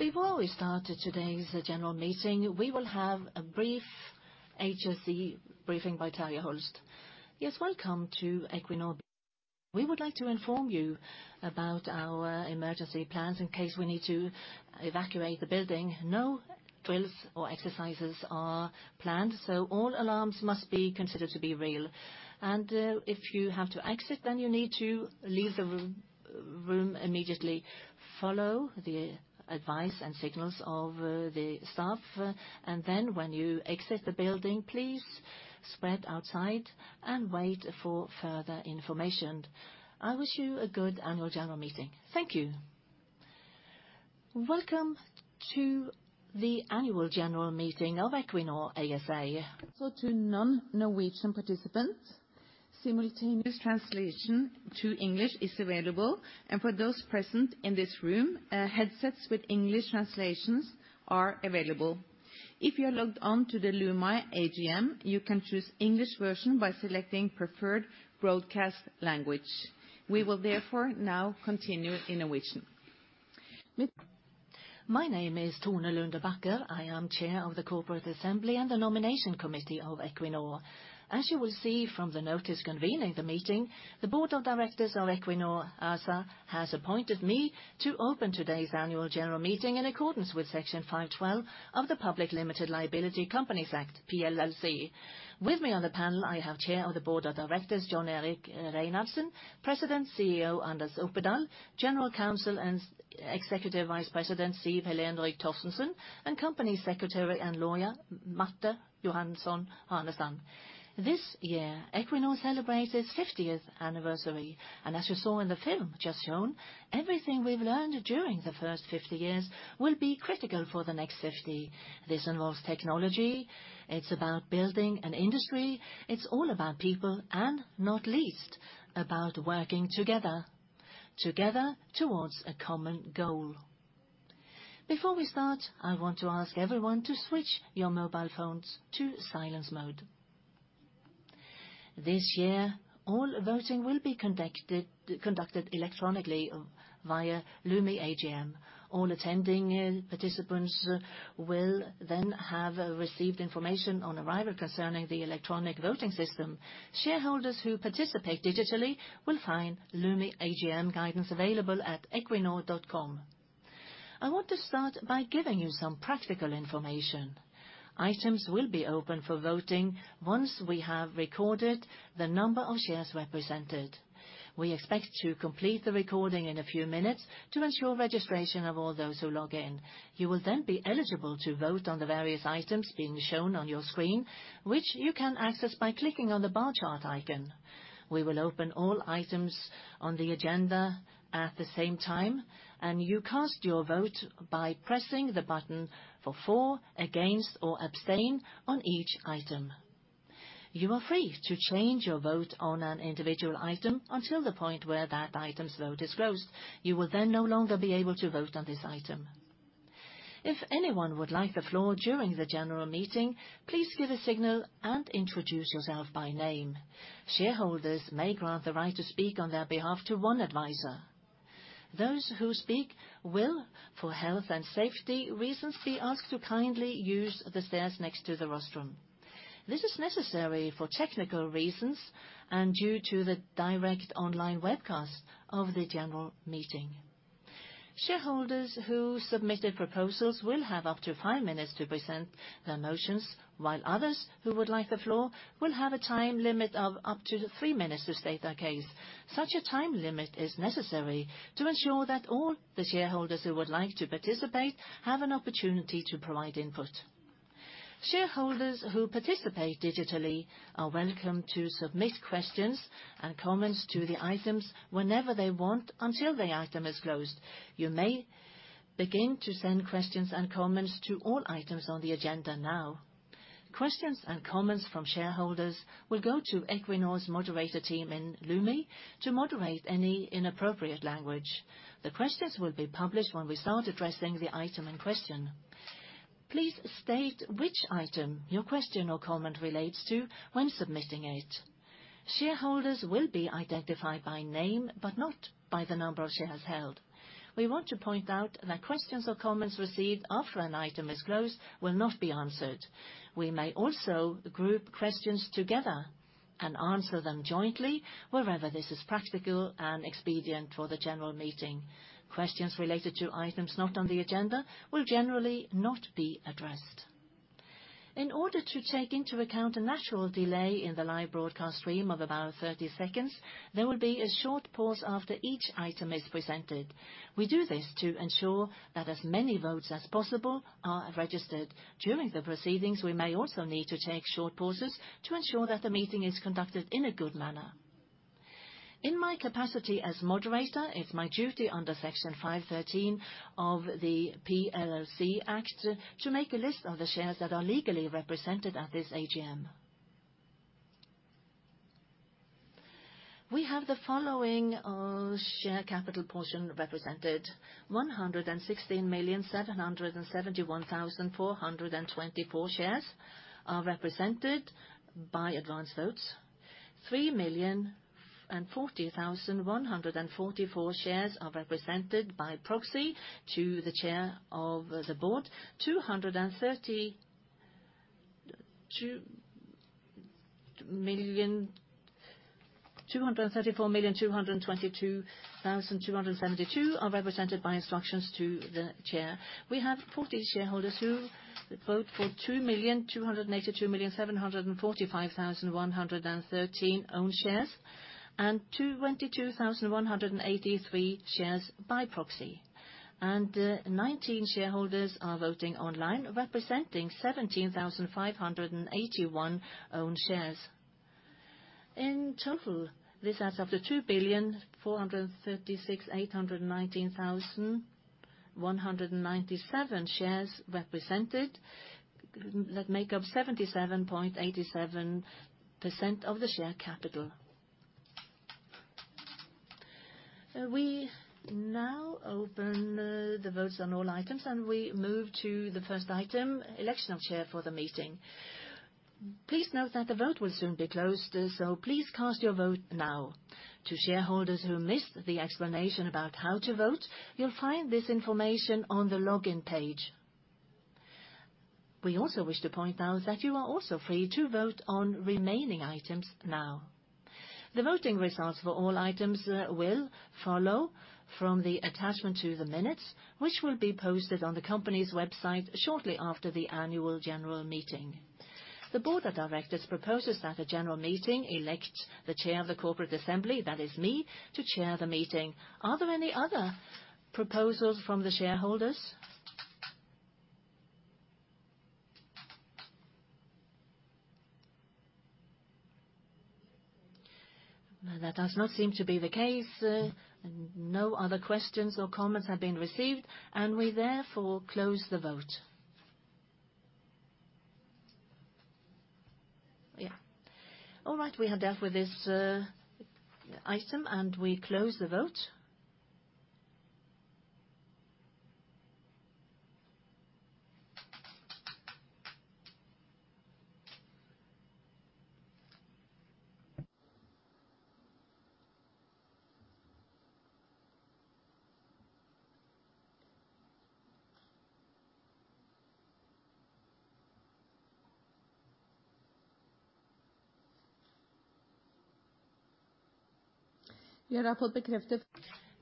Before we start today's general meeting, we will have a brief HSE briefing by Terje Holst. Yes, welcome to Equinor. We would like to inform you about our emergency plans in case we need to evacuate the building. No drills or exercises are planned, so all alarms must be considered to be real. If you have to exit, then you need to leave the room immediately, follow the advice and signals of the staff, and then when you exit the building, please spread outside and wait for further information. I wish you a good annual general meeting. Thank you. Welcome to the annual general meeting of Equinor ASA. For non-Norwegian participants, simultaneous translation to English is available, and for those present in this room, headsets with English translations are available. If you are logged on to the Lumi AGM, you can choose English version by selecting preferred broadcast language. We will therefore now continue in Norwegian. My name is Tone Lunde Bakker. I am Chair of the Corporate Assembly and the Nomination Committee of Equinor. As you will see from the notice convening the meeting, the Board of Directors of Equinor ASA has appointed me to open today's annual general meeting in accordance with Section 5-12 of the Public Limited Liability Companies Act, PLLCA. With me on the panel, I have Chair of the Board of Directors, Jon Erik Reinhardsen, President and CEO, Anders Opedal, General Counsel and Executive Vice President, Siv Helen Rygh Torstensen, and Company Secretary and Legal Counsel, Marte Johansen Hånesand. This year, Equinor celebrates its 50th anniversary. As you saw in the film just shown, everything we've learned during the first 50 years will be critical for the next 50. This involves technology. It's about building an industry. It's all about people, and not least, about working together towards a common goal. Before we start, I want to ask everyone to switch your mobile phones to silence mode. This year, all voting will be conducted electronically via Lumi AGM. All attending participants will then have received information on arrival concerning the electronic voting system. Shareholders who participate digitally will find Lumi AGM guidance available at equinor.com. I want to start by giving you some practical information. Items will be open for voting once we have recorded the number of shares represented. We expect to complete the recording in a few minutes to ensure registration of all those who log in. You will then be eligible to vote on the various items being shown on your screen, which you can access by clicking on the bar chart icon. We will open all items on the agenda at the same time, and you cast your vote by pressing the button for four against or abstain on each item. You are free to change your vote on an individual item until the point where that item's vote is closed. You will then no longer be able to vote on this item. If anyone would like the floor during the general meeting, please give a signal and introduce yourself by name. Shareholders may grant the right to speak on their behalf to one advisor. Those who speak will, for health and safety reasons, be asked to kindly use the stairs next to the rostrum. This is necessary for technical reasons and due to the direct online webcast of the general meeting. Shareholders who submitted proposals will have up to five minutes to present their motions, while others who would like the floor will have a time limit of up to three minutes to state their case. Such a time limit is necessary to ensure that all the shareholders who would like to participate have an opportunity to provide input. Shareholders who participate digitally are welcome to submit questions and comments to the items whenever they want until the item is closed. You may begin to send questions and comments to all items on the agenda now. Questions and comments from shareholders will go to Equinor's moderator team in Lumi to moderate any inappropriate language. The questions will be published when we start addressing the item in question. Please state which item your question or comment relates to when submitting it. Shareholders will be identified by name, but not by the number of shares held. We want to point out that questions or comments received after an item is closed will not be answered. We may also group questions together and answer them jointly wherever this is practical and expedient for the general meeting. Questions related to items not on the agenda will generally not be addressed. In order to take into account a natural delay in the live broadcast stream of about 30 seconds, there will be a short pause after each item is presented. We do this to ensure that as many votes as possible are registered during the proceedings. We may also need to take short pauses to ensure that the meeting is conducted in a good manner. In my capacity as moderator, it's my duty under Section 5-13 of the PLLCA to make a list of the shares that are legally represented at this AGM. We have the following share capital portion represented. 116,771,424 shares are represented by advanced votes. 3,040,144 shares are represented by proxy to the chair of the board. 234,222,272 are represented by instructions to the chair. We have 40 shareholders who vote for 282,745,113 own shares, and 222,183 shares by proxy. 19 shareholders are voting online, representing 17,581 own shares. In total, this adds up to 2,436,819,197 shares represented that make up 77.87% of the share capital. We now open the votes on all items, and we move to the first item, election of chair for the meeting. Please note that the vote will soon be closed, so please cast your vote now. To shareholders who missed the explanation about how to vote, you'll find this information on the login page. We also wish to point out that you are also free to vote on remaining items now. The voting results for all items will follow from the attachment to the minutes, which will be posted on the company's website shortly after the annual general meeting. The Board of Directors proposes that a general meeting elect the chair of the corporate assembly, that is me, to chair the meeting. Are there any other proposals from the shareholders? No, that does not seem to be the case. No other questions or comments have been received, and we therefore close the vote. All right, we are done with this item, and we close the vote.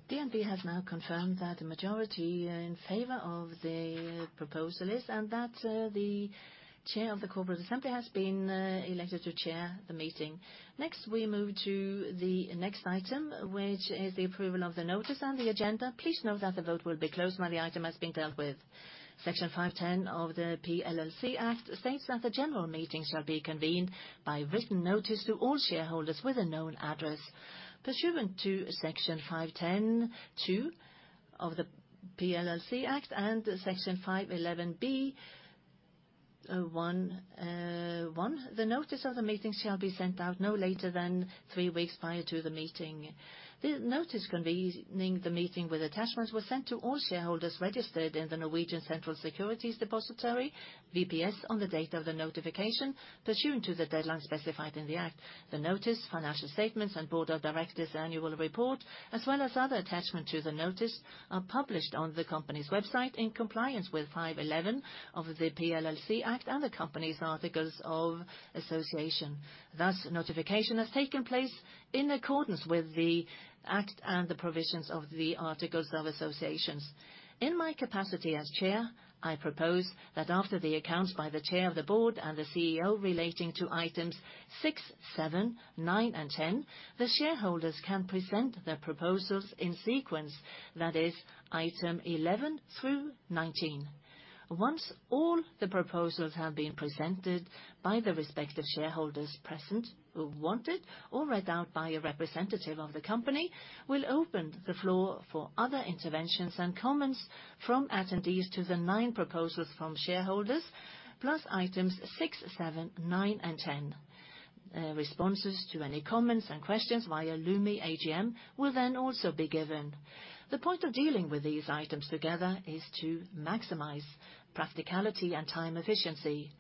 DNB has now confirmed that the majority are in favor of the proposal list and that the chair of the corporate assembly has been elected to chair the meeting. Next, we move to the next item, which is the approval of the notice on the agenda. Please note that the vote will be closed when the item has been dealt with. Section 5-10 of the PLLCA states that the general meeting shall be convened by written notice to all shareholders with a known address. Pursuant to section 5-10 (2) of the PLLCA and section 5-11 b, the notice of the meeting shall be sent out no later than three weeks prior to the meeting. The notice convening the meeting with attachments was sent to all shareholders registered in the Norwegian Central Securities Depository, VPS, on the date of the notification, pursuant to the deadline specified in the act. The notice, financial statements, and Board of Directors' annual report, as well as other attachments to the notice, are published on the company's website in compliance with 5-11 of the PLLCA and the company's articles of association. Thus, notification has taken place in accordance with the act and the provisions of the articles of association. In my capacity as chair, I propose that after the accounts by the chair of the board and the CEO relating to items 6, 7, 9, and 10, the shareholders can present their proposals in sequence, that is item 11 through 19. Once all the proposals have been presented by the respective shareholders present who want it or read out by a representative of the company, we'll open the floor for other interventions and comments from attendees to the nine proposals from shareholders, plus items 6, 7, 9, and 10. Responses to any comments and questions via Lumi AGM will then also be given. The point of dealing with these items together is to maximize practicality and time efficiency.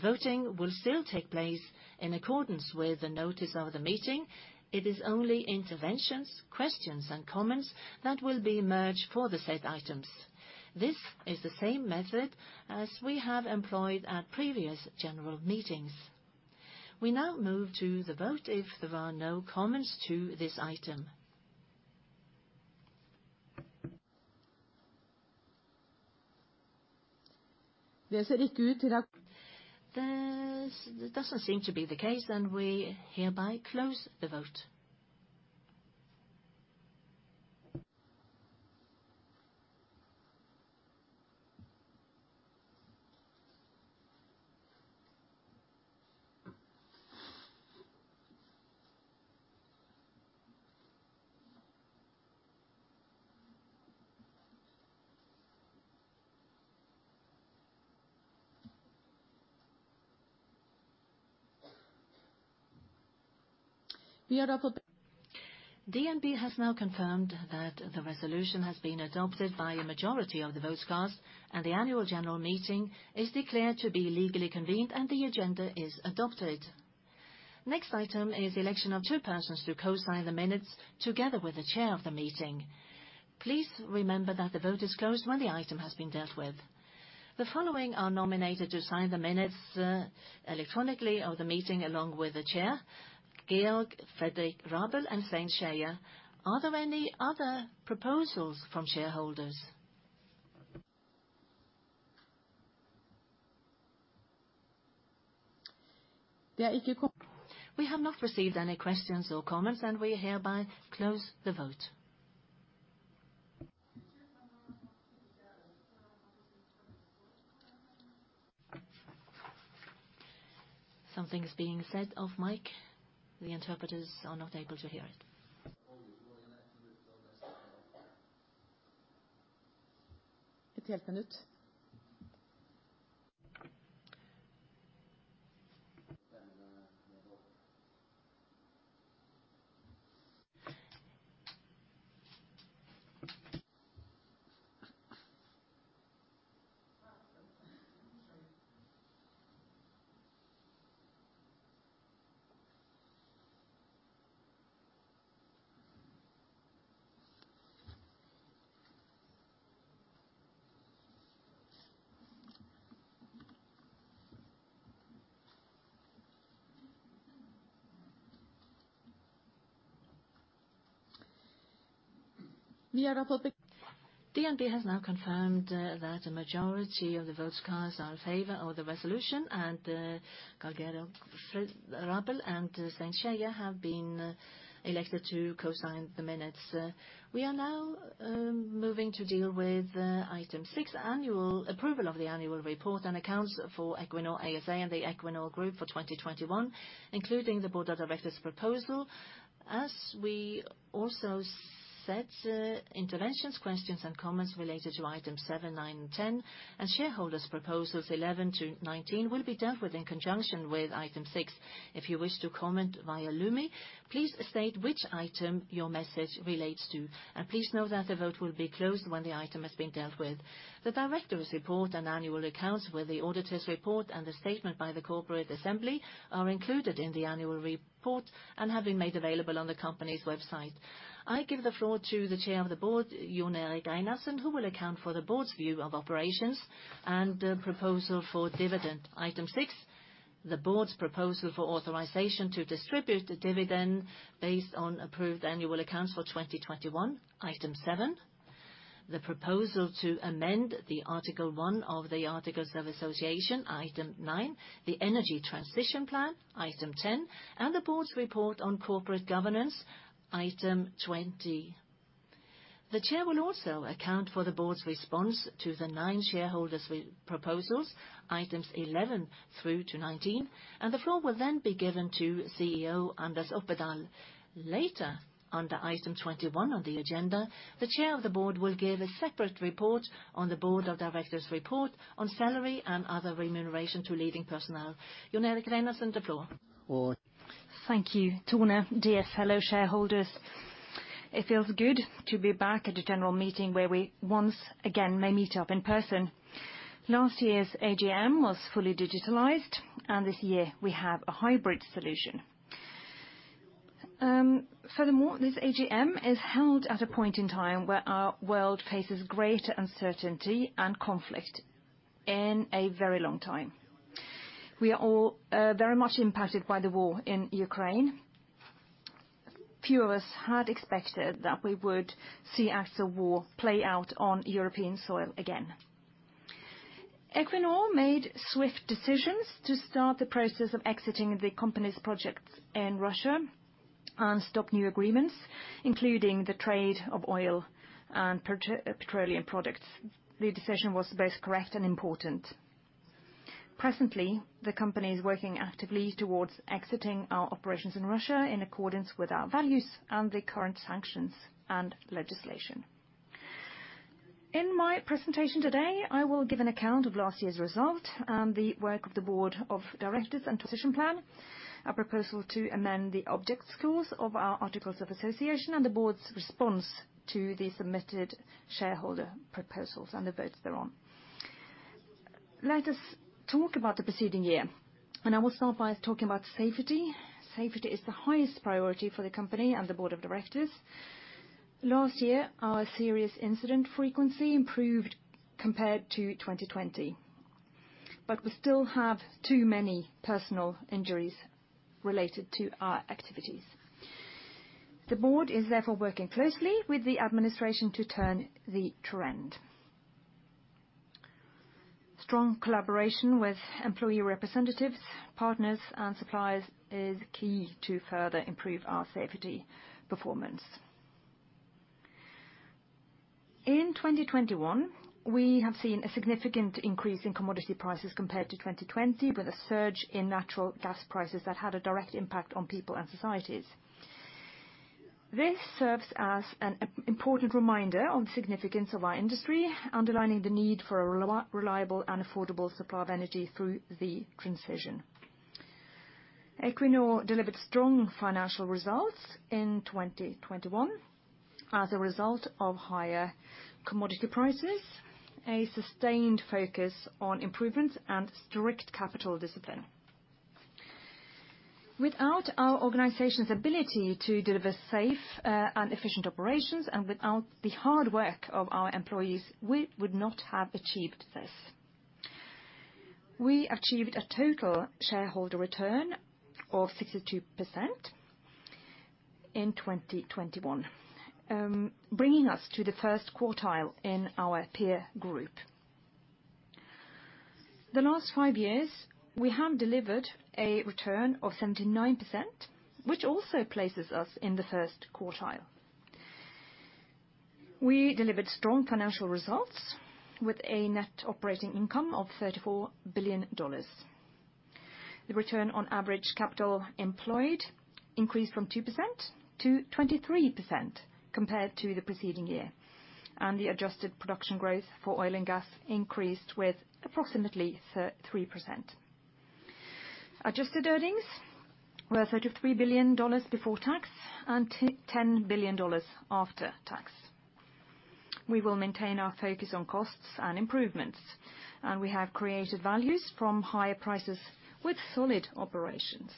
Voting will still take place in accordance with the notice of the meeting. It is only interventions, questions, and comments that will be merged for the said items. This is the same method as we have employed at previous general meetings. We now move to the vote if there are no comments to this item. This doesn't seem to be the case, then we hereby close the vote. DNB has now confirmed that the resolution has been adopted by a majority of the vote cast, and the annual general meeting is declared to be legally convened and the agenda is adopted. Next item is election of two persons to co-sign the minutes together with the chair of the meeting. Please remember that the vote is closed when the item has been dealt with. The following are nominated to sign the minutes electronically of the meeting along with the chair, Georg Fredrik Røed and Svein Skeie. Are there any other proposals from shareholders? We have not received any questions or comments, and we hereby close the vote. Something is being said off mic. The interpreters are not able to hear it. DNB has now confirmed that a majority of the votes cast are in favor of the resolution, and Georg Fredrik Røed and Svein Skeie have been elected to co-sign the minutes. We are now moving to deal with item 6, annual approval of the annual report and accounts for Equinor ASA and the Equinor group for 2021, including the Board of Directors proposal. As we also said, interventions, questions, and comments related to item 7, 9, and 10, and shareholders proposals 11 to 19 will be dealt with in conjunction with item 6. If you wish to comment via Lumi, please state which item your message relates to, and please know that the vote will be closed when the item has been dealt with. The director's report and annual accounts with the auditor's report and the statement by the corporate assembly are included in the annual report and have been made available on the company's website. I give the floor to the Chair of the Board, Jon Erik Reinhardsen, who will account for the board's view of operations and the proposal for dividend. Item 6, the board's proposal for authorization to distribute the dividend based on approved annual accounts for 2021. Item 7, the proposal to amend article 1 of the articles of association, item 9, the energy transition plan, item 10, and the board's report on corporate governance, item 20. The chair will also account for the board's response to the 9 shareholders' proposals, items 11 through to 19, and the floor will then be given to CEO Anders Opedal. Later, under item 21 on the agenda, the chair of the board will give a separate report on the Board of Directors' report on salary and other remuneration to leading personnel. Jon Erik Reinhardsen, the floor. Thank you, Tone. Dear fellow shareholders, it feels good to be back at a general meeting where we once again may meet up in person. Last year's AGM was fully digitalized, and this year we have a hybrid solution. Furthermore, this AGM is held at a point in time where our world faces greater uncertainty and conflict in a very long time. We are all very much impacted by the war in Ukraine. Few of us had expected that we would see actual war play out on European soil again. Equinor made swift decisions to start the process of exiting the company's projects in Russia and stop new agreements, including the trade of oil and petroleum products. The decision was both correct and important. Presently, the company is working actively towards exiting our operations in Russia in accordance with our values and the current sanctions and legislation. In my presentation today, I will give an account of last year's result and the work of the Board of Directors and transition plan, a proposal to amend the objects clause of our articles of association, and the board's response to the submitted shareholder proposals and the votes thereon. Let us talk about the preceding year, and I will start by talking about safety. Safety is the highest priority for the company and the Board of Directors. Last year, our serious incident frequency improved compared to 2020, but we still have too many personal injuries related to our activities. The board is therefore working closely with the administration to turn the trend. Strong collaboration with employee representatives, partners, and suppliers is key to further improve our safety performance. In 2021, we have seen a significant increase in commodity prices compared to 2020 with a surge in natural gas prices that had a direct impact on people and societies. This serves as an important reminder on the significance of our industry, underlining the need for a reliable and affordable supply of energy through the transition. Equinor delivered strong financial results in 2021 as a result of higher commodity prices, a sustained focus on improvements, and strict capital discipline. Without our organization's ability to deliver safe, and efficient operations, and without the hard work of our employees, we would not have achieved this. We achieved a total shareholder return of 62% in 2021, bringing us to the first quartile in our peer group. The last five years, we have delivered a return of 79%, which also places us in the first quartile. We delivered strong financial results with a net operating income of $34 billion. The return on average capital employed increased from 2%-23% compared to the preceding year, and the adjusted production growth for oil and gas increased with approximately 3%. Adjusted earnings were $33 billion before tax and $10 billion after tax. We will maintain our focus on costs and improvements, and we have created values from higher prices with solid operations.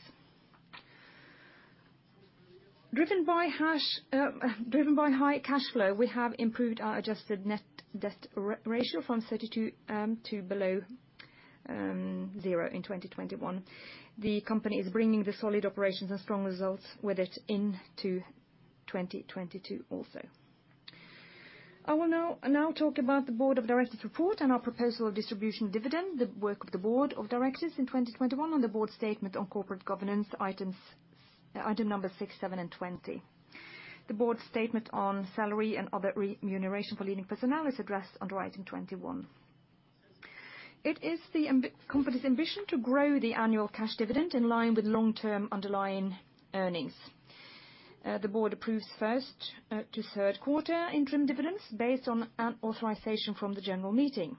Driven by high cash flow, we have improved our adjusted net debt ratio from 32% to below 0% in 2021. The company is bringing the solid operations and strong results with it into 2022 also. I will now talk about the Board of Directors report and our proposal of distribution dividend, the work of the Board of Directors in 2021, and the board statement on corporate governance items, item number 6, 7, and 20. The board statement on salary and other remuneration for leading personnel is addressed under item 21. It is the company's ambition to grow the annual cash dividend in line with long-term underlying earnings. The board approves first to third quarter interim dividends based on an authorization from the general meeting.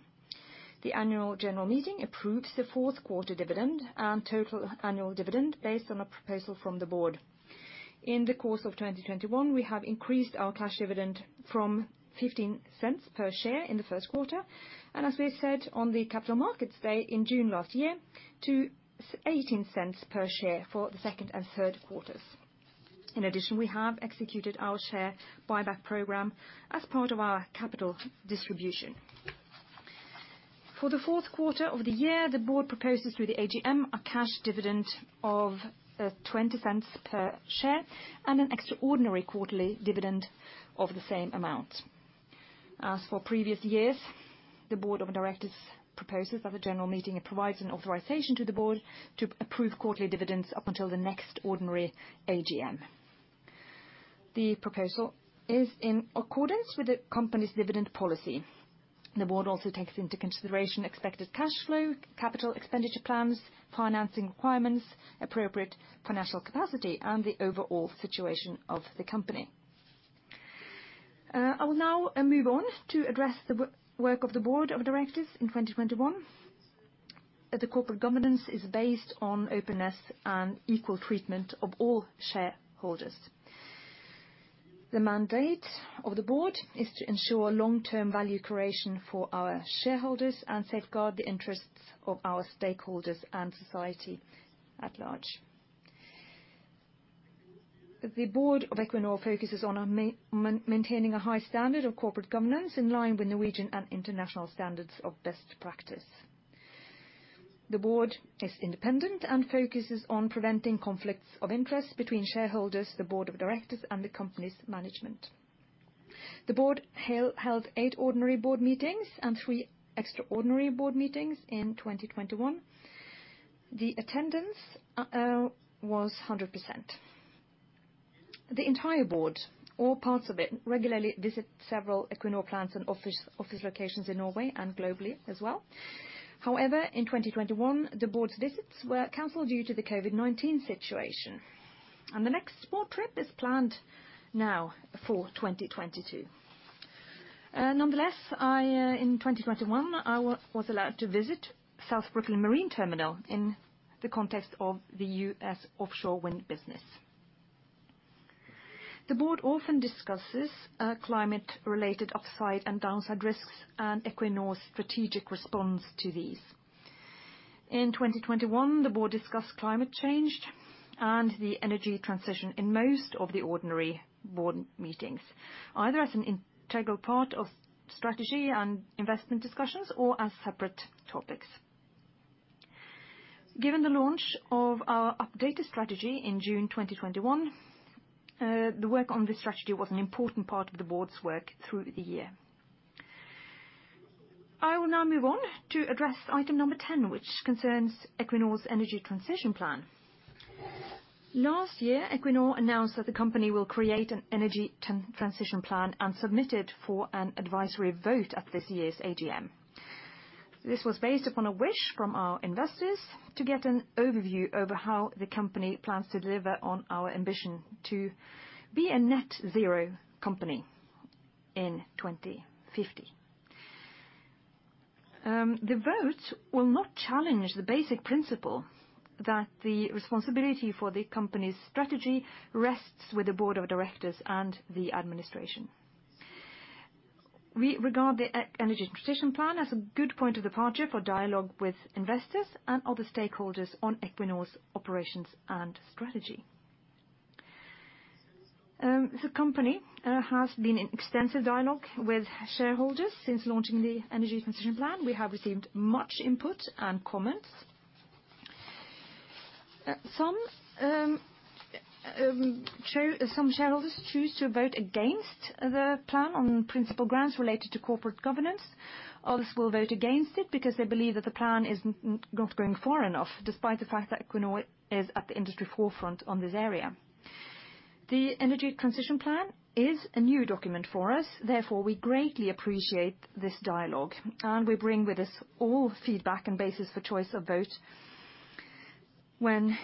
The annual general meeting approves the fourth quarter dividend and total annual dividend based on a proposal from the board. In the course of 2021, we have increased our cash dividend from $0.15 per share in the first quarter, and as we said on the capital markets day in June last year, to $0.18 per share for the second and third quarters. In addition, we have executed our share buyback program as part of our capital distribution. For the fourth quarter of the year, the board proposes through the AGM a cash dividend of $0.20 Per share and an extraordinary quarterly dividend of the same amount. As for previous years, the Board of Directors proposes that the general meeting provides an authorization to the board to approve quarterly dividends up until the next ordinary AGM. The proposal is in accordance with the company's dividend policy. The board also takes into consideration expected cash flow, capital expenditure plans, financing requirements, appropriate financial capacity, and the overall situation of the company. I will now move on to address the work of the Board of Directors in 2021. The corporate governance is based on openness and equal treatment of all shareholders. The mandate of the board is to ensure long-term value creation for our shareholders and safeguard the interests of our stakeholders and society at large. The board of Equinor focuses on maintaining a high standard of corporate governance in line with Norwegian and international standards of best practice. The board is independent and focuses on preventing conflicts of interest between shareholders, the Board of Directors, and the company's management. The board held eight ordinary board meetings and three extraordinary board meetings in 2021. The attendance was 100%. The entire board, all parts of it, regularly visit several Equinor plants and office locations in Norway and globally as well. However, in 2021, the board's visits were canceled due to the COVID-19 situation, and the next board trip is planned now for 2022. Nonetheless, I in 2021, I was allowed to visit South Brooklyn Marine Terminal in the context of the US offshore wind business. The board often discusses climate-related upside and downside risks and Equinor's strategic response to these. In 2021, the board discussed climate change and the energy transition in most of the ordinary board meetings, either as an integral part of strategy and investment discussions or as separate topics. Given the launch of our updated strategy in June 2021, the work on this strategy was an important part of the board's work through the year. I will now move on to address item number 10, which concerns Equinor's energy transition plan. Last year, Equinor announced that the company will create an energy transition plan and submit it for an advisory vote at this year's AGM. This was based upon a wish from our investors to get an overview over how the company plans to deliver on our ambition to be a net zero company in 2050. The vote will not challenge the basic principle that the responsibility for the company's strategy rests with the Board of Directors and the administration. We regard the energy transition plan as a good point of departure for dialogue with investors and other stakeholders on Equinor's operations and strategy. The company has been in extensive dialogue with shareholders since launching the energy transition plan. We have received much input and comments. Some shareholders choose to vote against the plan on principle grounds related to corporate governance. Others will vote against it because they believe that the plan isn't going far enough, despite the fact that Equinor is at the industry forefront on this area. The energy transition plan is a new document for us, therefore, we greatly appreciate this dialogue, and we bring with us all feedback and basis for choice of vote when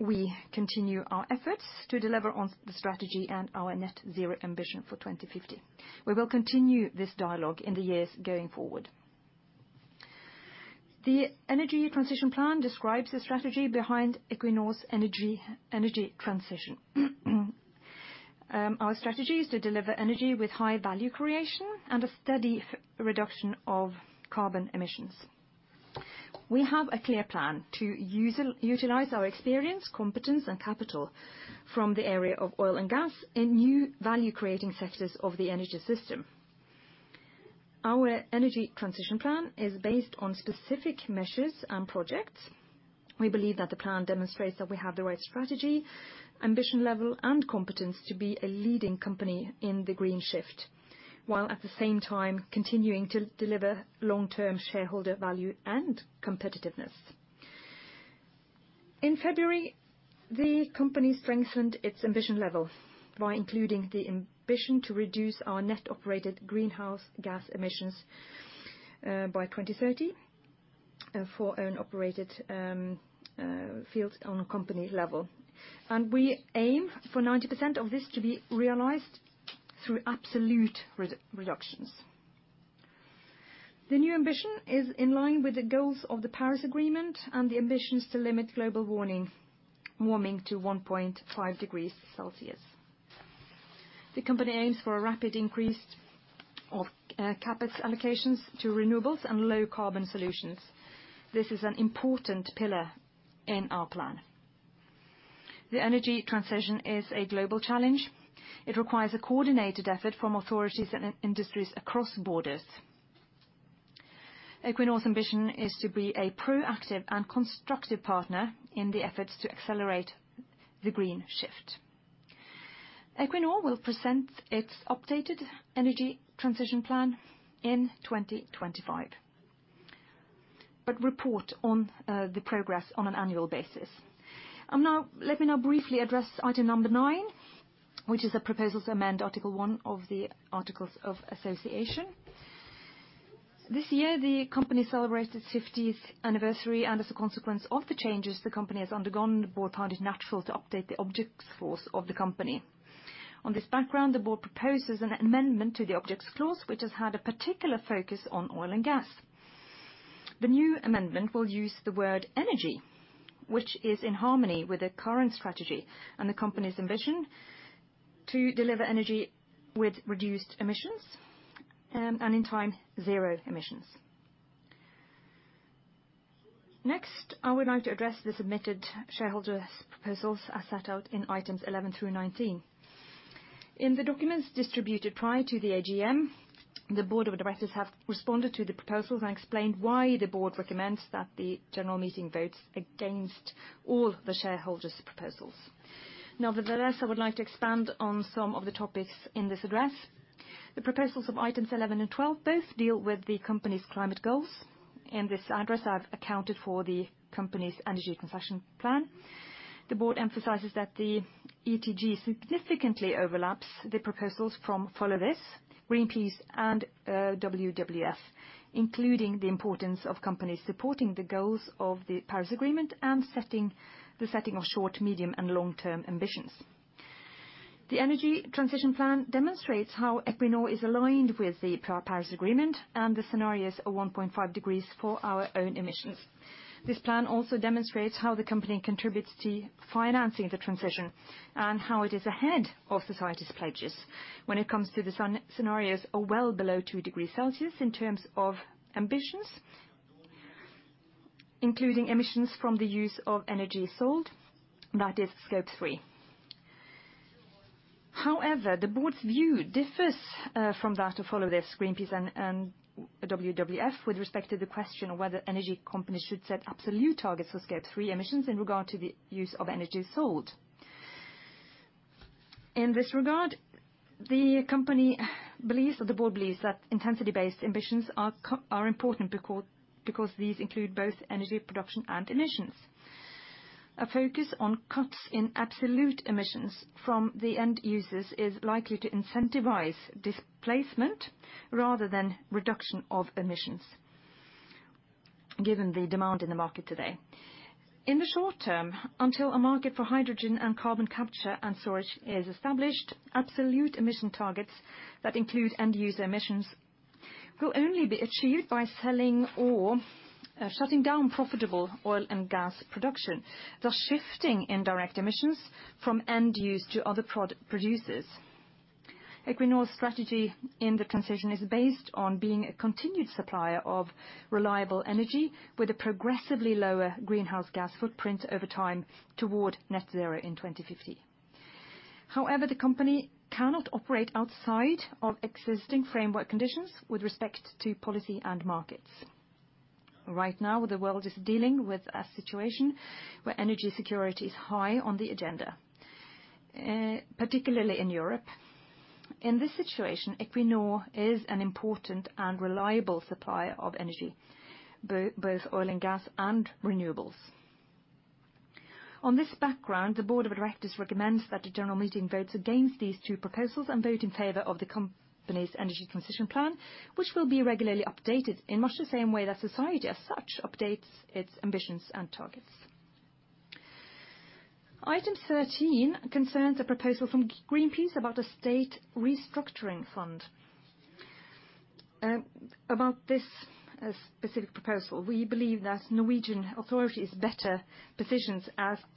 we continue our efforts to deliver on the strategy and our net zero ambition for 2050. We will continue this dialogue in the years going forward. The energy transition plan describes the strategy behind Equinor's energy transition. Our strategy is to deliver energy with high value creation and a steady reduction of carbon emissions. We have a clear plan to utilize our experience, competence, and capital from the area of oil and gas in new value-creating sectors of the energy system. Our energy transition plan is based on specific measures and projects. We believe that the plan demonstrates that we have the right strategy, ambition level, and competence to be a leading company in the green shift, while at the same time continuing to deliver long-term shareholder value and competitiveness. In February, the company strengthened its ambition level by including the ambition to reduce our net operated greenhouse gas emissions by 2030 for own operated fields on a company level. We aim for 90% of this to be realized through absolute reductions. The new ambition is in line with the goals of the Paris Agreement and the ambitions to limit global warming to 1.5 degrees Celsius. The company aims for a rapid increase of CapEx allocations to renewables and low carbon solutions. This is an important pillar in our plan. The energy transition is a global challenge. It requires a coordinated effort from authorities and industries across borders. Equinor's ambition is to be a proactive and constructive partner in the efforts to accelerate the green shift. Equinor will present its updated energy transition plan in 2025, but report on the progress on an annual basis. Now, let me briefly address item number 9, which is the proposal to amend Article 1 of the Articles of Association. This year, the company celebrates its fiftieth anniversary, and as a consequence of the changes the company has undergone, the board found it natural to update the objects clause of the company. On this background, the board proposes an amendment to the objects clause, which has had a particular focus on oil and gas. The new amendment will use the word energy, which is in harmony with the current strategy and the company's ambition to deliver energy with reduced emissions, and in time, zero emissions. Next, I would like to address the submitted shareholders' proposals as set out in items 11 through 19. In the documents distributed prior to the AGM, the Board of Directors have responded to the proposals and explained why the board recommends that the general meeting votes against all the shareholders' proposals. Nevertheless, I would like to expand on some of the topics in this address. The proposals of items 11 and 12 both deal with the company's climate goals. In this address, I've accounted for the company's energy transition plan. The board emphasizes that the ETP significantly overlaps the proposals from Follow This, Greenpeace, and WWF, including the importance of companies supporting the goals of the Paris Agreement and setting of short, medium, and long-term ambitions. The energy transition plan demonstrates how Equinor is aligned with the Paris Agreement and the scenarios of 1.5 degrees for our own emissions. This plan also demonstrates how the company contributes to financing the transition and how it is ahead of society's pledges when it comes to the scenarios are well below two degrees Celsius in terms of ambitions, including emissions from the use of energy sold, that is, Scope 3. However, the board's view differs from that of Follow This, Greenpeace and WWF with respect to the question of whether energy companies should set absolute targets for Scope 3 emissions in regard to the use of energy sold. In this regard, the company believes, or the board believes that intensity-based ambitions are are important because these include both energy production and emissions. A focus on cuts in absolute emissions from the end users is likely to incentivize displacement rather than reduction of emissions. Given the demand in the market today. In the short term, until a market for hydrogen and carbon capture and storage is established, absolute emission targets that include end-user emissions will only be achieved by selling or shutting down profitable oil and gas production, thus shifting indirect emissions from end use to other producers. Equinor's strategy in the transition is based on being a continued supplier of reliable energy with a progressively lower greenhouse gas footprint over time toward net zero in 2050. However, the company cannot operate outside of existing framework conditions with respect to policy and markets. Right now, the world is dealing with a situation where energy security is high on the agenda, particularly in Europe. In this situation, Equinor is an important and reliable supplier of energy, both oil and gas and renewables. On this background, the Board of Directors recommends that the general meeting votes against these two proposals and vote in favor of the company's energy transition plan, which will be regularly updated in much the same way that society as such updates its ambitions and targets. Item 13 concerns a proposal from Greenpeace about a state just transition fund. About this specific proposal, we believe that Norwegian authorities are better positioned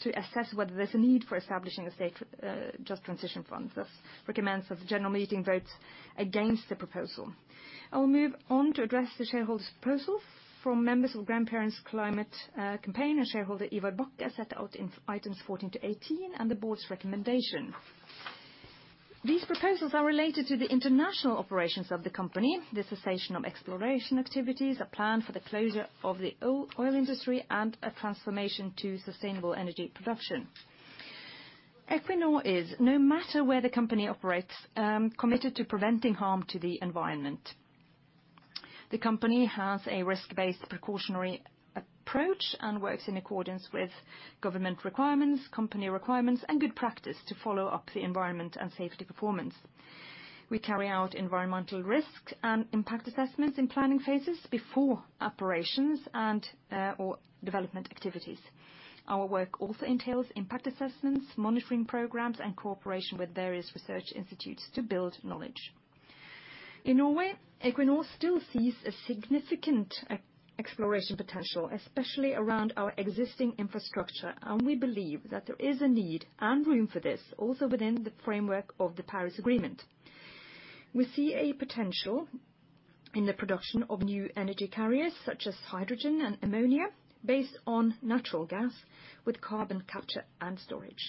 to assess whether there's a need for establishing a state just transition fund. We thus recommend that the general meeting votes against the proposal. I will move on to address the shareholders' proposals from members of Grandparents Climate Campaign and shareholder Ivar Sætre set out in items 14 to 18 and the board's recommendation. These proposals are related to the international operations of the company, the cessation of exploration activities, a plan for the closure of the oil industry, and a transformation to sustainable energy production. Equinor is, no matter where the company operates, committed to preventing harm to the environment. The company has a risk-based precautionary approach and works in accordance with government requirements, company requirements, and good practice to follow up the environment and safety performance. We carry out environmental risk and impact assessments in planning phases before operations and, or development activities. Our work also entails impact assessments, monitoring programs, and cooperation with various research institutes to build knowledge. In Norway, Equinor still sees a significant exploration potential, especially around our existing infrastructure, and we believe that there is a need and room for this also within the framework of the Paris Agreement. We see a potential in the production of new energy carriers such as hydrogen and ammonia based on natural gas with carbon capture and storage.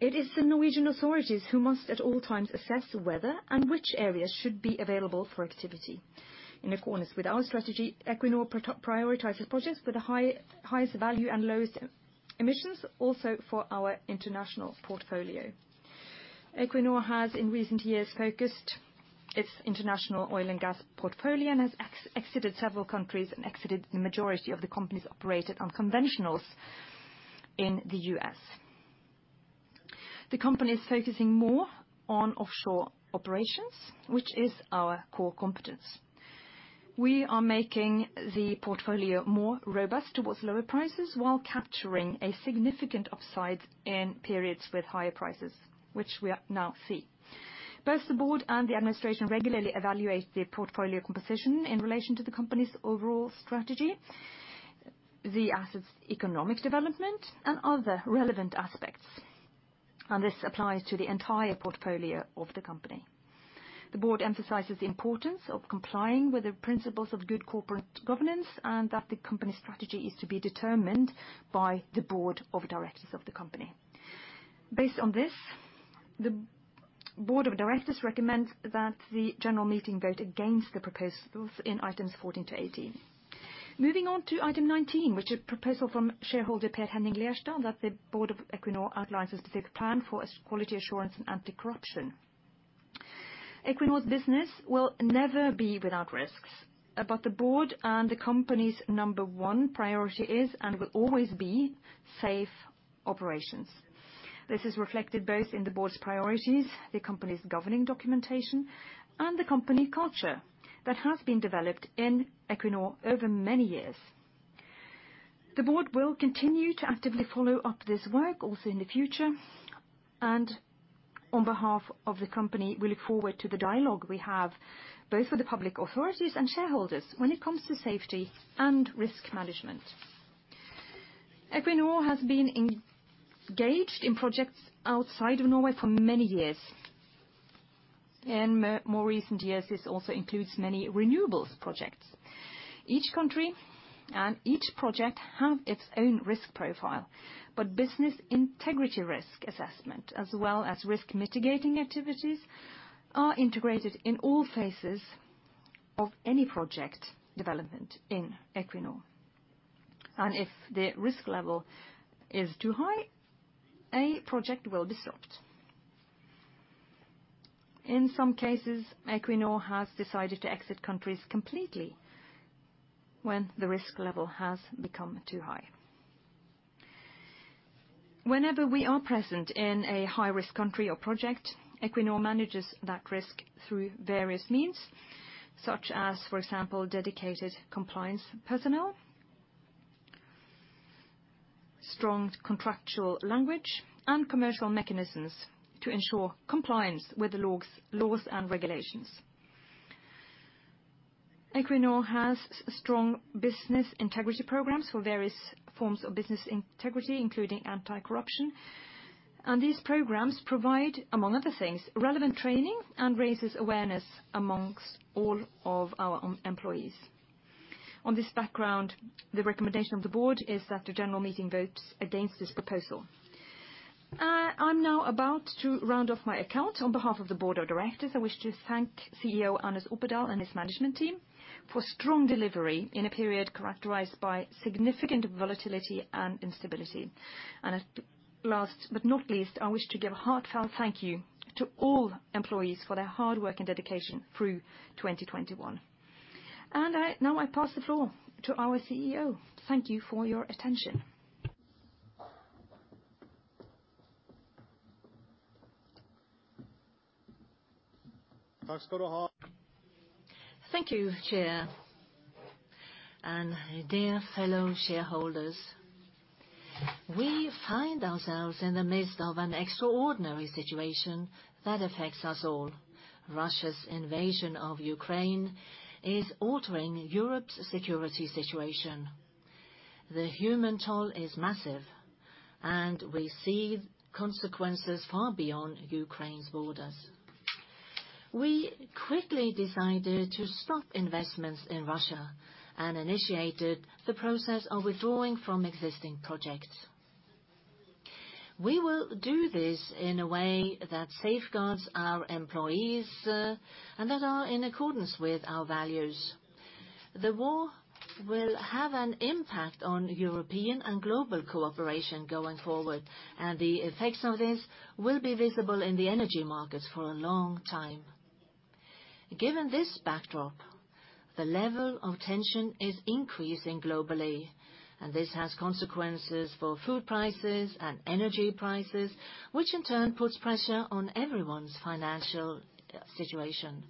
It is the Norwegian authorities who must at all times assess whether and which areas should be available for activity. In accordance with our strategy, Equinor prioritizes projects with the highest value and lowest emissions also for our international portfolio. Equinor has in recent years focused its international oil and gas portfolio and has exited several countries and exited the majority of the companies operated on conventionals in the US. The company is focusing more on offshore operations, which is our core competence. We are making the portfolio more robust towards lower prices while capturing a significant upside in periods with higher prices, which we now see. Both the board and the administration regularly evaluate the portfolio composition in relation to the company's overall strategy, the asset's economic development, and other relevant aspects, and this applies to the entire portfolio of the company. The board emphasizes the importance of complying with the principles of good corporate governance, and that the company's strategy is to be determined by the Board of Directors of the company. Based on this, the Board of Directors recommends that the general meeting vote against the proposals in items 14-18. Moving on to item 19, which is a proposal from shareholder Per Henning Lerstad that the board of Equinor outlines a specific plan for quality assurance and anti-corruption. Equinor's business will never be without risks, but the board and the company's number one priority is and will always be safe operations. This is reflected both in the board's priorities, the company's governing documentation, and the company culture that has been developed in Equinor over many years. The board will continue to actively follow up this work also in the future, and on behalf of the company, we look forward to the dialogue we have both with the public authorities and shareholders when it comes to safety and risk management. Equinor has been engaged in projects outside of Norway for many years. In more recent years, this also includes many renewables projects. Each country and each project have its own risk profile, but business integrity risk assessment as well as risk mitigating activities are integrated in all phases of any project development in Equinor. If the risk level is too high, a project will be stopped. In some cases, Equinor has decided to exit countries completely when the risk level has become too high. Whenever we are present in a high-risk country or project, Equinor manages that risk through various means, such as, for example, dedicated compliance personnel, strong contractual language, and commercial mechanisms to ensure compliance with the laws and regulations. Equinor has strong business integrity programs for various forms of business integrity, including anti-corruption. These programs provide, among other things, relevant training and raises awareness among all of our employees. On this background, the recommendation of the board is that the general meeting votes against this proposal. I'm now about to round off my account. On behalf of the Board of Directors, I wish to thank CEO Anders Opedal and his management team for strong delivery in a period characterized by significant volatility and instability. At last but not least, I wish to give a heartfelt thank you to all employees for their hard work and dedication through 2021. Now I pass the floor to our CEO. Thank you for your attention. Thank you, Chair and dear fellow shareholders. We find ourselves in the midst of an extraordinary situation that affects us all. Russia's invasion of Ukraine is altering Europe's security situation. The human toll is massive, and we see consequences far beyond Ukraine's borders. We quickly decided to stop investments in Russia and initiated the process of withdrawing from existing projects. We will do this in a way that safeguards our employees, and that are in accordance with our values. The war will have an impact on European and global cooperation going forward, and the effects of this will be visible in the energy markets for a long time. Given this backdrop, the level of tension is increasing globally, and this has consequences for food prices and energy prices, which in turn puts pressure on everyone's financial situation.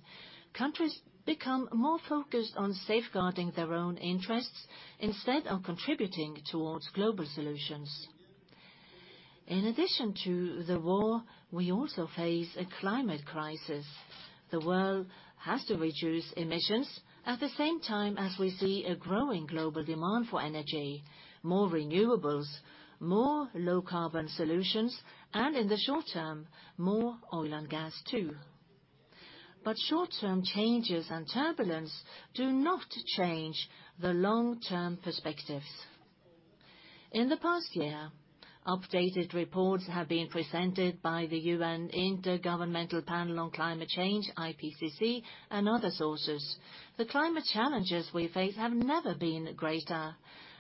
Countries become more focused on safeguarding their own interests instead of contributing toward global solutions. In addition to the war, we also face a climate crisis. The world has to reduce emissions at the same time as we see a growing global demand for energy, more renewables, more low carbon solutions, and in the short term, more oil and gas too. Short-term changes and turbulence do not change the long-term perspectives. In the past year, updated reports have been presented by the Intergovernmental Panel on Climate Change, IPCC, and other sources. The climate challenges we face have never been greater,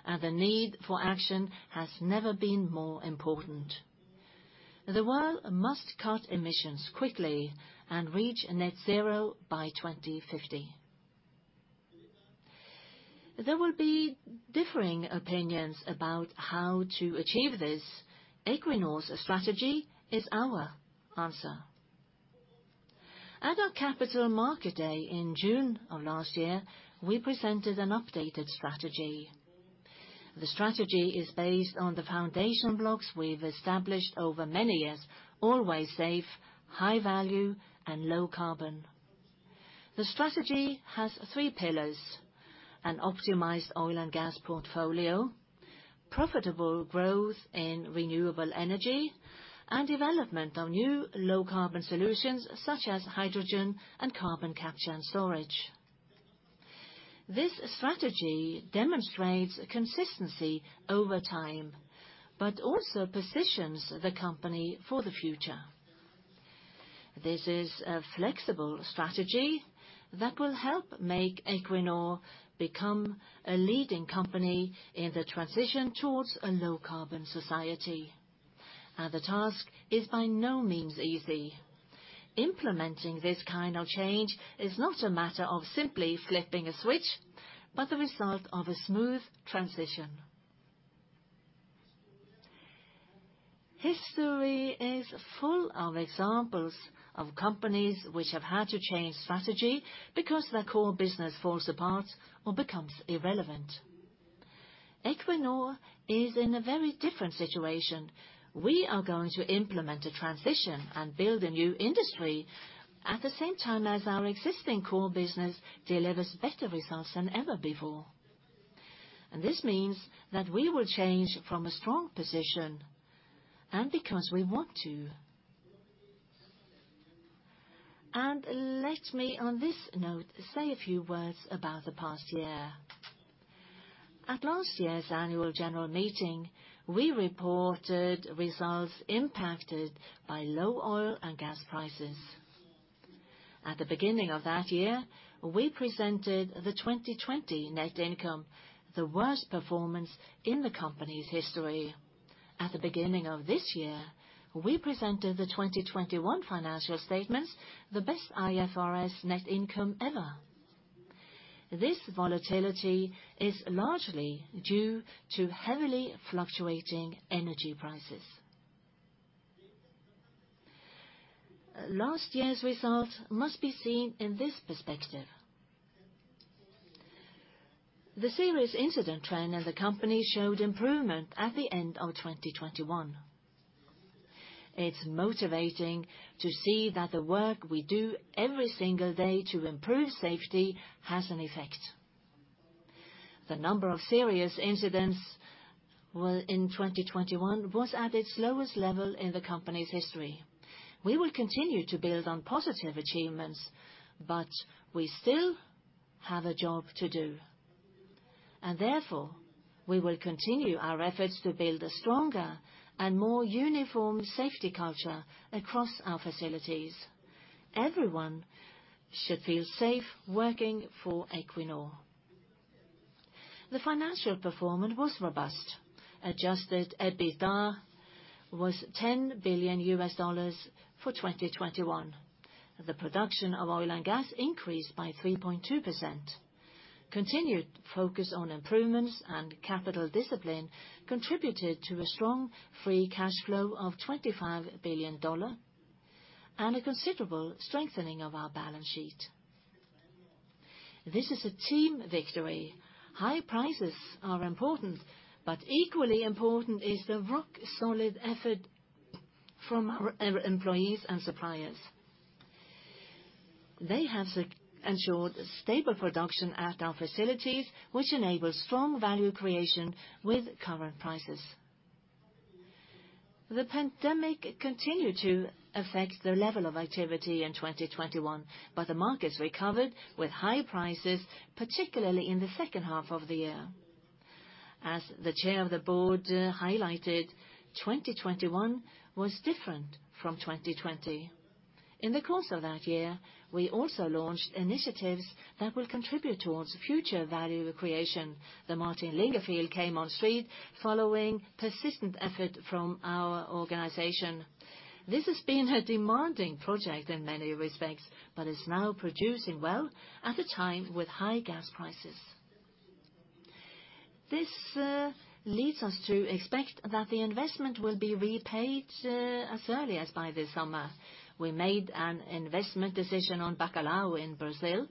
and the need for action has never been more important. The world must cut emissions quickly and reach net zero by 2050. There will be differing opinions about how to achieve this. Equinor's strategy is our answer. At our Capital Market Day in June of last year, we presented an updated strategy. The strategy is based on the foundation blocks we've established over many years. Always safe, high value, and low carbon. The strategy has three pillars. An optimized oil and gas portfolio, profitable growth in renewable energy, and development of new low carbon solutions such as hydrogen and carbon capture and storage. This strategy demonstrates consistency over time, but also positions the company for the future. This is a flexible strategy that will help make Equinor become a leading company in the transition towards a low carbon society. The task is by no means easy. Implementing this kind of change is not a matter of simply flipping a switch, but the result of a smooth transition. History is full of examples of companies which have had to change strategy because their core business falls apart or becomes irrelevant. Equinor is in a very different situation. We are going to implement a transition and build a new industry at the same time as our existing core business delivers better results than ever before. This means that we will change from a strong position, and because we want to. Let me, on this note, say a few words about the past year. At last year's annual general meeting, we reported results impacted by low oil and gas prices. At the beginning of that year, we presented the 2020 net income, the worst performance in the company's history. At the beginning of this year, we presented the 2021 financial statements, the best IFRS net income ever. This volatility is largely due to heavily fluctuating energy prices. Last year's results must be seen in this perspective. The serious incident trend as a company showed improvement at the end of 2021. It's motivating to see that the work we do every single day to improve safety has an effect. The number of serious incidents in 2021 was at its lowest level in the company's history. We will continue to build on positive achievements, but we still have a job to do, and therefore we will continue our efforts to build a stronger and more uniform safety culture across our facilities. Everyone should feel safe working for Equinor. The financial performance was robust. Adjusted EBITDA was $10 billion for 2021. The production of oil and gas increased by 3.2%. Continued focus on improvements and capital discipline contributed to a strong free cash flow of $25 billion, and a considerable strengthening of our balance sheet. This is a team victory. High prices are important, but equally important is the rock solid effort from our employees and suppliers. They have ensured stable production at our facilities, which enables strong value creation with current prices. The pandemic continued to affect the level of activity in 2021, but the markets recovered with high prices, particularly in the second half of the year. As the chair of the board highlighted, 2021 was different from 2020. In the course of that year, we also launched initiatives that will contribute towards future value creation. The Martin Linge field came on stream following persistent effort from our organization. This has been a demanding project in many respects, but is now producing well at a time with high gas prices. This leads us to expect that the investment will be repaid as early as by this summer. We made an investment decision on Bacalhau in Brazil,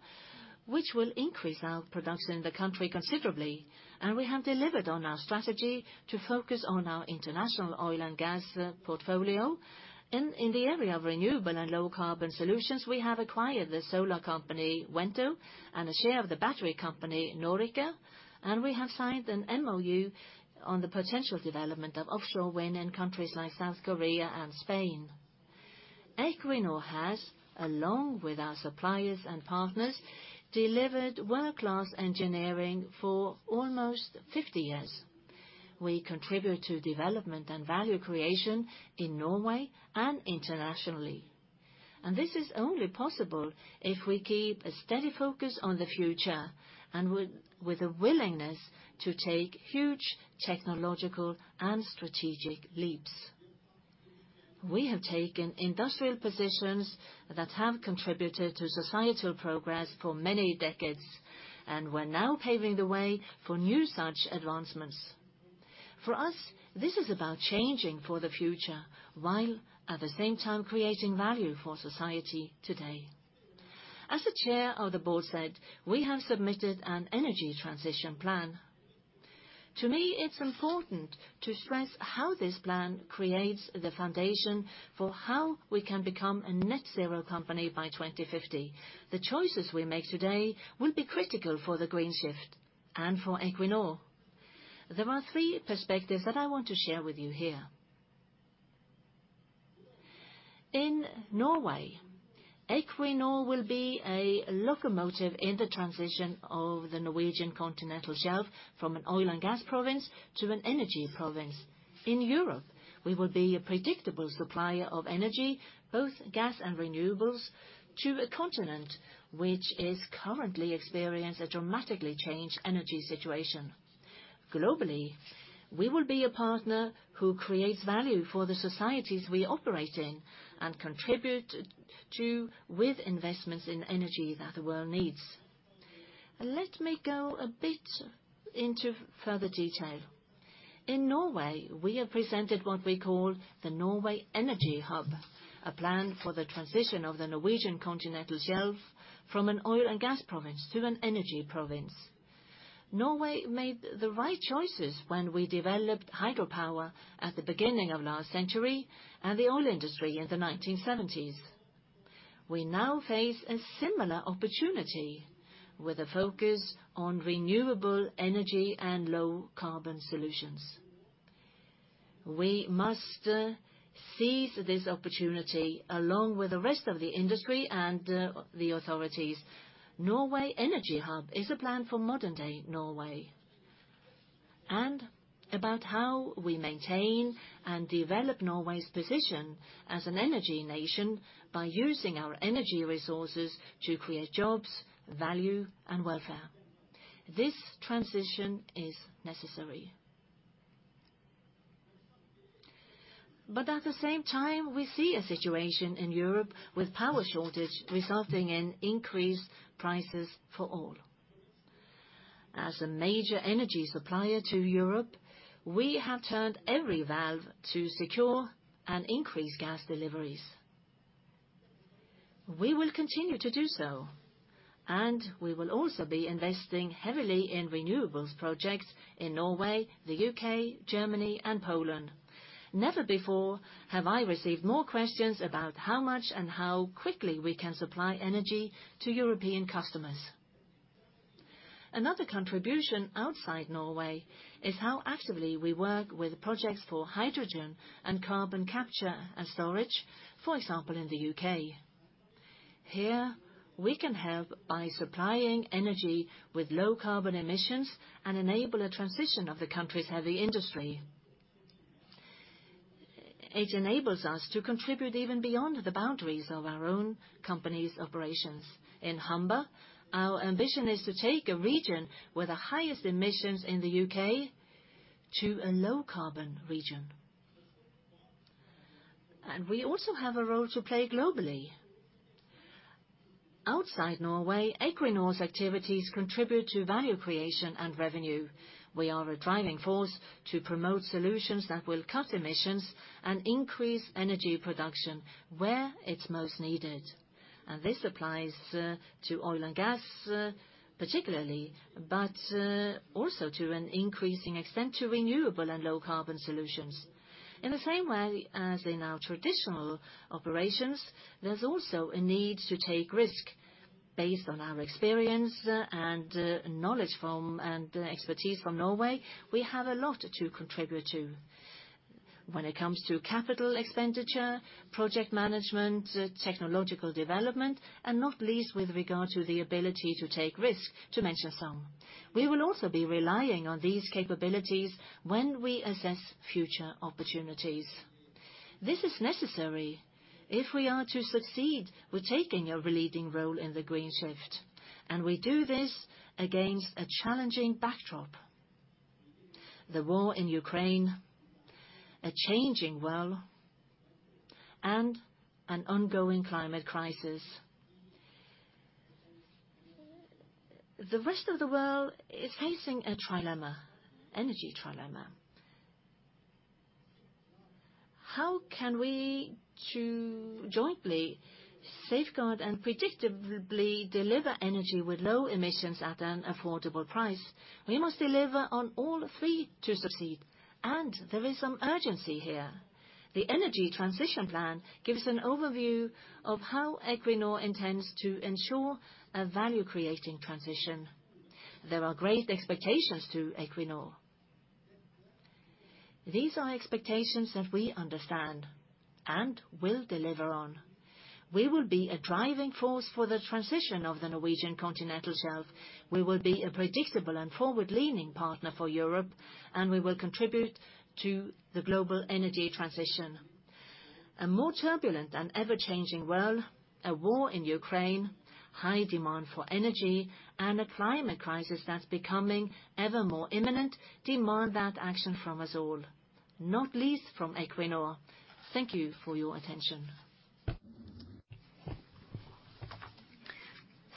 which will increase our production in the country considerably, and we have delivered on our strategy to focus on our international oil and gas portfolio. In the area of renewable and low carbon solutions, we have acquired the solar company, Wento, and a share of the battery company, Noriker Power, and we have signed an MoU on the potential development of offshore wind in countries like South Korea and Spain. Equinor has, along with our suppliers and partners, delivered world-class engineering for almost 50 years. We contribute to development and value creation in Norway and internationally, and this is only possible if we keep a steady focus on the future, and with a willingness to take huge technological and strategic leaps. We have taken industrial positions that have contributed to societal progress for many decades, and we're now paving the way for new such advancements. For us, this is about changing for the future, while at the same time creating value for society today. As the chair of the board said, we have submitted an energy transition plan. To me, it's important to stress how this plan creates the foundation for how we can become a net zero company by 2050. The choices we make today will be critical for the green shift and for Equinor. There are three perspectives that I want to share with you here. In Norway, Equinor will be a locomotive in the transition of the Norwegian Continental Shelf from an oil and gas province to an energy province. In Europe, we will be a predictable supplier of energy, both gas and renewables, to a continent which is currently experiencing a dramatically changed energy situation. Globally, we will be a partner who creates value for the societies we operate in and contribute to with investments in energy that the world needs. Let me go a bit into further detail. In Norway, we have presented what we call the Norway Energy Hub, a plan for the transition of the Norwegian Continental Shelf from an oil and gas province to an energy province. Norway made the right choices when we developed hydropower at the beginning of last century and the oil industry in the 1970s. We now face a similar opportunity with a focus on renewable energy and low carbon solutions. We must seize this opportunity along with the rest of the industry and the authorities. Norway energy hub is a plan for modern-day Norway, and about how we maintain and develop Norway's position as an energy nation by using our energy resources to create jobs, value, and welfare. This transition is necessary. At the same time, we see a situation in Europe with power shortage resulting in increased prices for all. As a major energy supplier to Europe, we have turned every valve to secure and increase gas deliveries. We will continue to do so, and we will also be investing heavily in renewables projects in Norway, the UK, Germany and Poland. Never before have I received more questions about how much and how quickly we can supply energy to European customers. Another contribution outside Norway is how actively we work with projects for hydrogen and carbon capture and storage, for example, in the U.K. Here we can help by supplying energy with low carbon emissions and enable a transition of the country's heavy industry. It enables us to contribute even beyond the boundaries of our own company's operations. In Humber, our ambition is to take a region with the highest emissions in the U.K. to a low carbon region. We also have a role to play globally. Outside Norway, Equinor's activities contribute to value creation and revenue. We are a driving force to promote solutions that will cut emissions and increase energy production where it's most needed. This applies to oil and gas particularly, but also to an increasing extent to renewable and low carbon solutions. In the same way as in our traditional operations, there's also a need to take risk based on our experience and knowledge and expertise from Norway. We have a lot to contribute to when it comes to capital expenditure, project management, technological development and not least with regard to the ability to take risk, to mention some. We will also be relying on these capabilities when we assess future opportunities. This is necessary if we are to succeed with taking a leading role in the green shift, and we do this against a challenging backdrop. The war in Ukraine, a changing world, and an ongoing climate crisis. The rest of the world is facing a trilemma, energy trilemma. How can we jointly safeguard and predictably deliver energy with low emissions at an affordable price? We must deliver on all three to succeed, and there is some urgency here. The energy transition plan gives an overview of how Equinor intends to ensure a value creating transition. There are great expectations to Equinor. These are expectations that we understand and will deliver on. We will be a driving force for the transition of the Norwegian Continental Shelf. We will be a predictable and forward-leaning partner for Europe, and we will contribute to the global energy transition. A more turbulent and ever-changing world, a war in Ukraine, high demand for energy and a climate crisis that's becoming ever more imminent demand that action from us all, not least from Equinor. Thank you for your attention.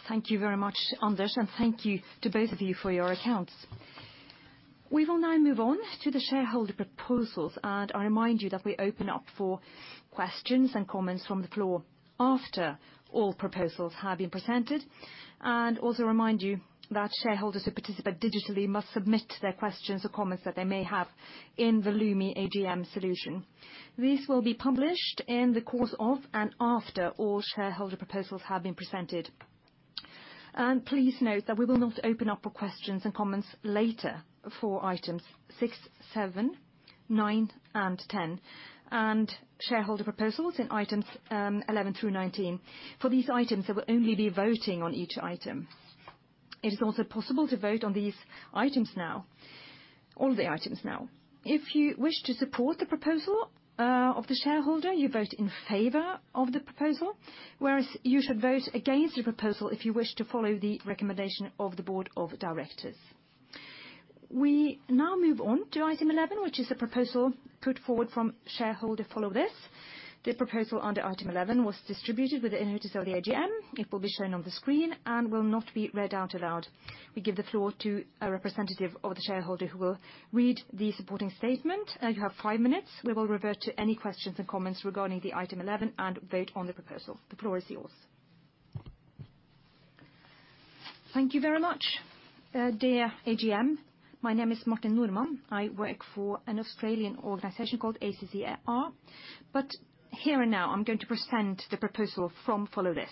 Thank you very much, Anders, and thank you to both of you for your accounts. We will now move on to the shareholder proposals, and I remind you that we open up for questions and comments from the floor after all proposals have been presented, and also remind you that shareholders who participate digitally must submit their questions or comments that they may have in Lumi AGM solution. This will be published in the course of and after all shareholder proposals have been presented. Please note that we will not open up for questions and comments later for items 6, 7, 9 and 10, and shareholder proposals in items 11 through 19. For these items, there will only be voting on each item. It is also possible to vote on these items now, all the items now. If you wish to support the proposal of the shareholder, you vote in favor of the proposal, whereas you should vote against the proposal if you wish to follow the recommendation of the Board of Directors. We now move on to item 11, which is a proposal put forward from shareholder Follow This. This proposal under item 11 was distributed with the notice of the AGM. It will be shown on the screen and will not be read out aloud. We give the floor to a representative of the shareholder who will read the supporting statement. You have five minutes. We will revert to any questions and comments regarding the item 11 and vote on the proposal. The floor is yours. Thank you very much, dear AGM. My name is Martin Norman. I work for an Australian organization called ACCR. Here and now I'm going to present the proposal from Follow This.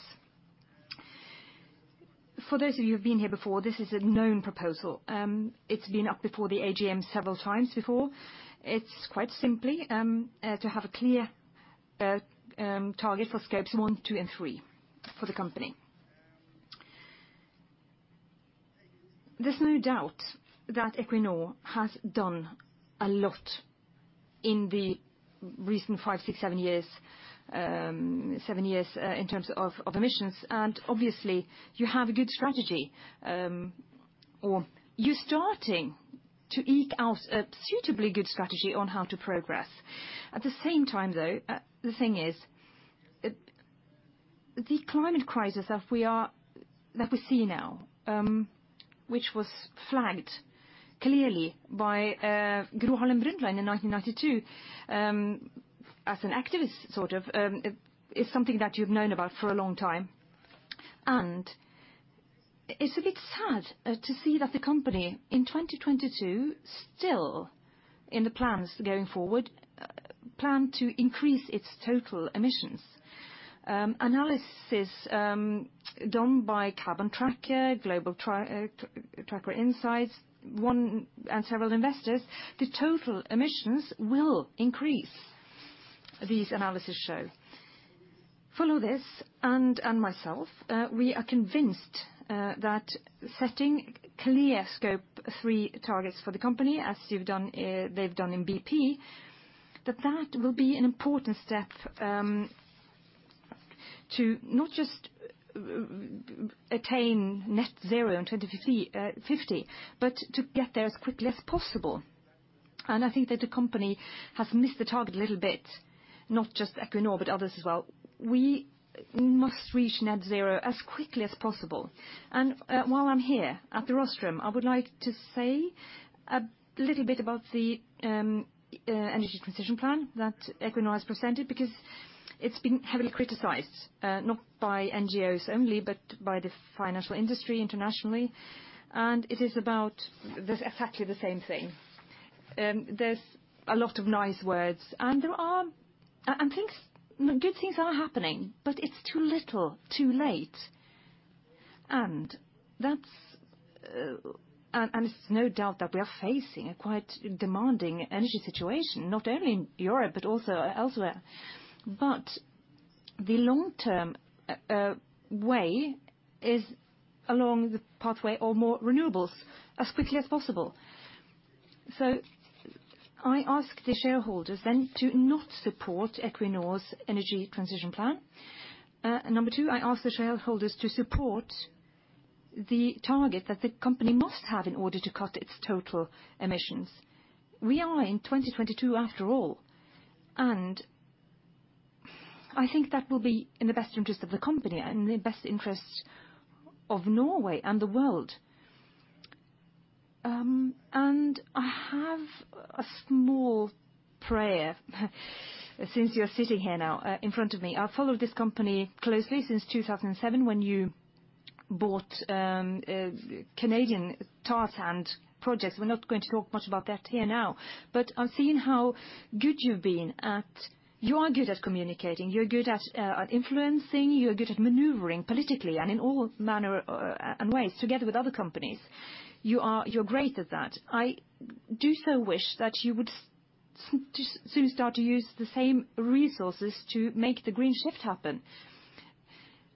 For those of you who've been here before, this is a known proposal. It's been up before the AGM several times before. It's quite simply to have a clear target for Scope 1, Scope 2, and Scope 3 for the company. There's no doubt that Equinor has done a lot in the recent five, six, seven years in terms of emissions. Obviously you have a good strategy, or you're starting to eke out a suitably good strategy on how to progress. At the same time, though, the thing is, the climate crisis that we see now, which was flagged clearly by Gro Harlem Brundtland in 1992, as an activist sort of, is something that you've known about for a long time. It's a bit sad to see that the company in 2022, still in the plans going forward, plan to increase its total emissions. Analysis done by Carbon Tracker, Global Tracker Insights, and several investors, the total emissions will increase, these analysis show. Follow This and myself, we are convinced that setting clear Scope 3 targets for the company, as you've done, they've done in BP, that will be an important step to not just attain net zero in 2050, but to get there as quickly as possible. I think that the company has missed the target a little bit, not just Equinor, but others as well. We must reach net zero as quickly as possible. While I'm here at the rostrum, I would like to say a little bit about the Energy Transition Plan that Equinor has presented, because it's been heavily criticized, not by NGOs only, but by the financial industry internationally, and it is about exactly the same thing. There's a lot of nice words, and there are. Things, good things are happening, but it's too little, too late. That's no doubt that we are facing a quite demanding energy situation, not only in Europe but also elsewhere, but the long-term way is along the pathway or more renewables as quickly as possible. I ask the shareholders then to not support Equinor's energy transition plan. Number 2, I ask the shareholders to support the target that the company must have in order to cut its total emissions. We are in 2022, after all, and I think that will be in the best interest of the company and the best interest of Norway and the world. I have a small prayer since you're sitting here now in front of me. I've followed this company closely since 2007 when you bought Canadian tar sand projects. We're not going to talk much about that here now, but I've seen how good you've been at. You are good at communicating. You're good at influencing. You're good at maneuvering politically and in all manner and ways together with other companies. You're great at that. I do so wish that you would just soon start to use the same resources to make the green shift happen,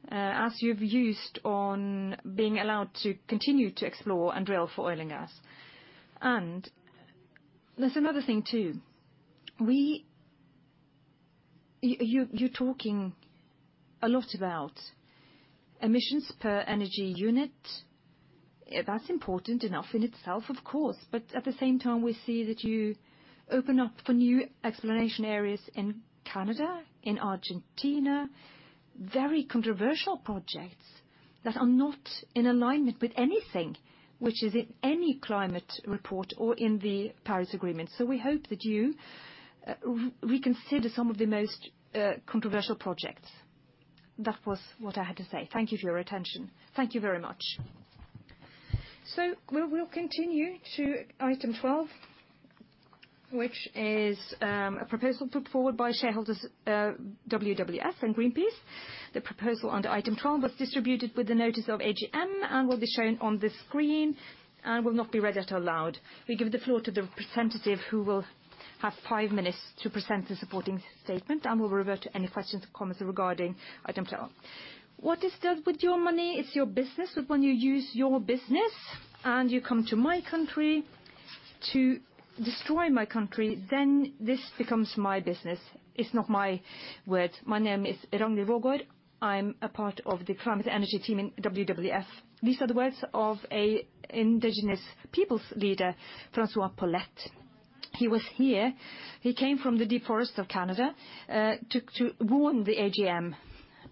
as you've used on being allowed to continue to explore and drill for oil and gas. There's another thing too. You're talking a lot about emissions per energy unit. That's important enough in itself, of course, but at the same time, we see that you open up for new exploration areas in Canada, in Argentina, very controversial projects that are not in alignment with anything which is in any climate report or in the Paris Agreement. We hope that you reconsider some of the most controversial projects. That was what I had to say. Thank you for your attention. Thank you very much. We will continue to item 12, which is a proposal put forward by shareholders, WWF and Greenpeace. The proposal under item 12 was distributed with the notice of AGM and will be shown on the screen and will not be read out loud. We give the floor to the representative, who will have five minutes to present the supporting statement and will revert to any questions or comments regarding item 12. What is done with your money, it's your business, but when you use your business and you come to my country to destroy my country, then this becomes my business. It's not my words. My name is Ragnhild Waagaard. I'm a part of the climate and energy team in WWF. These are the words of an indigenous people's leader, François Paulette. He was here. He came from the deep forests of Canada, to warn the AGM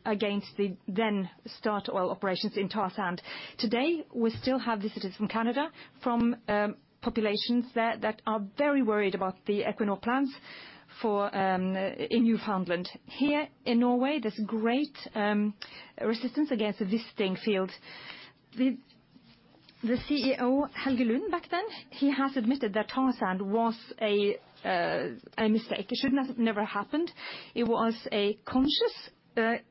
against the then Statoil operations in tar sand. Today, we still have visitors from Canada, from populations there that are very worried about the Equinor plans for in Newfoundland. Here in Norway, there's great resistance against Wisting field. The CEO Helge Lund back then has admitted that tar sand was a mistake. It should have never happened. It was a conscious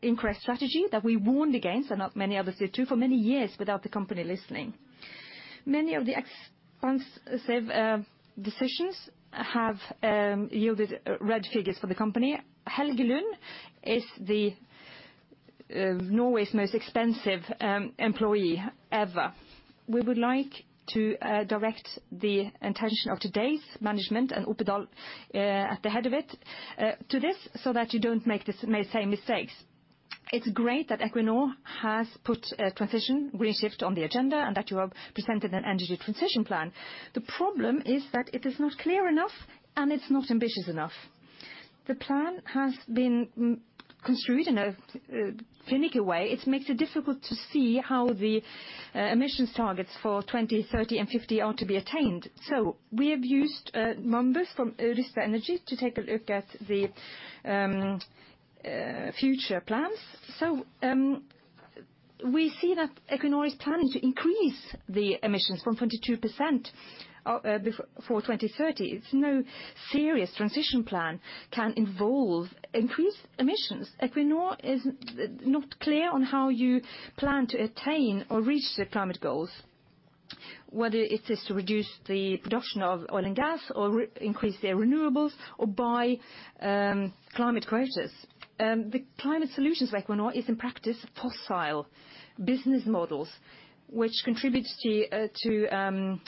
incorrect strategy that we warned against and not many others did too for many years without the company listening. Many of the expensive decisions have yielded red figures for the company. Helge Lund is Norway's most expensive employee ever. We would like to direct the attention of today's management and Anders Opedal at the head of it to this so that you don't make the same mistakes. It's great that Equinor has put a transition really shift on the agenda, and that you have presented an energy transition plan. The problem is that it is not clear enough and it's not ambitious enough. The plan has been construed in a finicky way. It makes it difficult to see how the emissions targets for 2030 and 2050 are to be attained. We have used members from Rystad Energy to take a look at the future plans. We see that Equinor is planning to increase the emissions from 22% before 2030. It's no serious transition plan can involve increased emissions. Equinor is not clear on how you plan to attain or reach the climate goals, whether it is to reduce the production of oil and gas or increase their renewables or buy climate credits. The climate solutions Equinor is in practice fossil business models which contributes to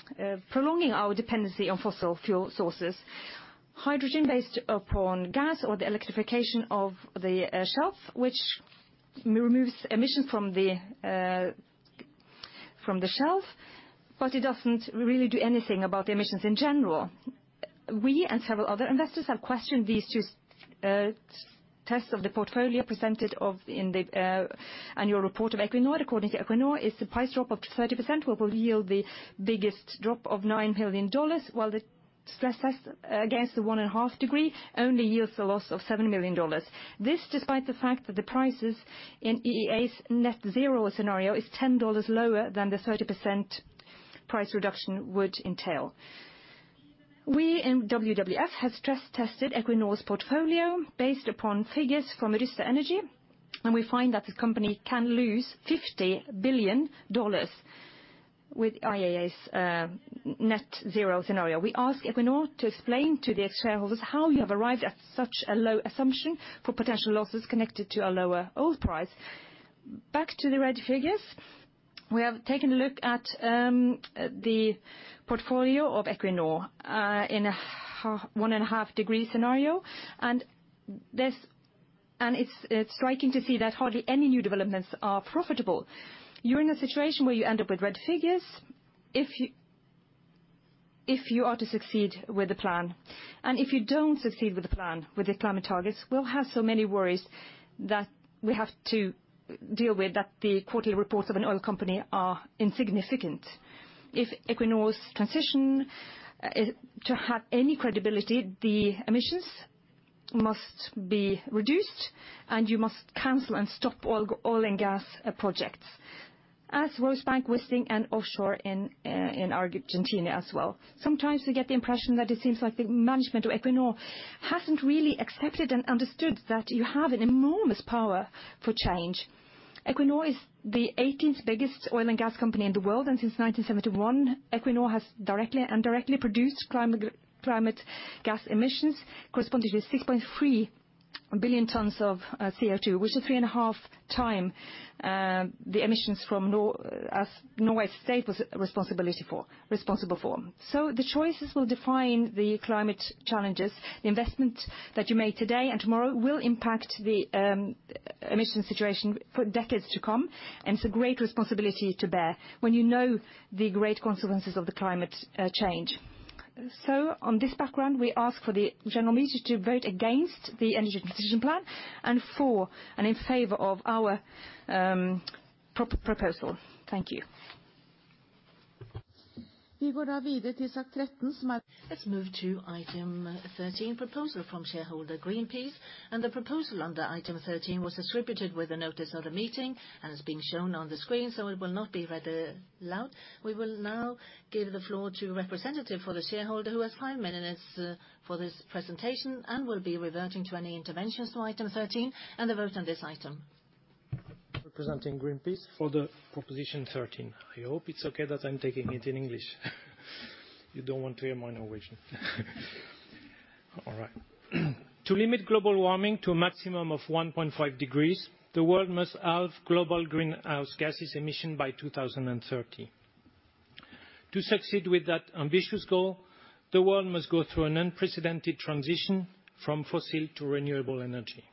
prolonging our dependency on fossil fuel sources. Hydrogen based upon gas or the electrification of the shelf, which removes emission from the shelf, but it doesn't really do anything about the emissions in general. We and several other investors have questioned these two tests of the portfolio presented in the annual report of Equinor. According to Equinor, it's the price drop of 30% which will yield the biggest drop of $9 billion, while the stress test against the 1.5-degree only yields a loss of $7 million. This despite the fact that the prices in IEA's net zero scenario is $10 lower than the 30% price reduction would entail. We in WWF have stress tested Equinor's portfolio based upon figures from Rystad Energy, and we find that the company can lose $50 billion with IEA's net zero scenario. We ask Equinor to explain to the shareholders how you have arrived at such a low assumption for potential losses connected to a lower oil price. Back to the red figures. We have taken a look at the portfolio of Equinor in a 0.5, 1.5 degree scenario. It's striking to see that hardly any new developments are profitable. You're in a situation where you end up with red figures if you are to succeed with the plan. If you don't succeed with the plan, with the climate targets, we'll have so many worries that we have to deal with that the quarterly reports of an oil company are insignificant. If Equinor's transition to have any credibility, the emissions must be reduced and you must cancel and stop all oil and gas projects, as well as Barents Wisting and offshore in Argentina as well. Sometimes we get the impression that it seems like the management of Equinor hasn't really accepted and understood that you have an enormous power for change. Equinor is the 18th biggest oil and gas company in the world, and since 1971, Equinor has directly produced climate gas emissions corresponding to 6.3 billion tons of CO₂, which is 3.5x the emissions from Norway the state is responsible for. The choices will define the climate challenges. The investment that you make today and tomorrow will impact the emission situation for decades to come. It's a great responsibility to bear when you know the great consequences of the climate change. On this background, we ask for the general meeting to vote against the Energy Transition Plan and in favor of our proposal. Thank you. Let's move to item 13, proposal from shareholder Greenpeace. The proposal under item 13 was distributed with the notice of the meeting and is being shown on the screen, so it will not be read aloud. We will now give the floor to representative for the shareholder who has five minutes for this presentation and will be reverting to any interventions for item 13 and the vote on this item. Representing Greenpeace for the proposition 13. I hope it's okay that I'm taking it in English. You don't want to hear my Norwegian. All right. To limit global warming to a maximum of 1.5 degrees, the world must halve global greenhouse gases emissions by 2030. To succeed with that ambitious goal, the world must go through an unprecedented transition from fossil to renewable energy.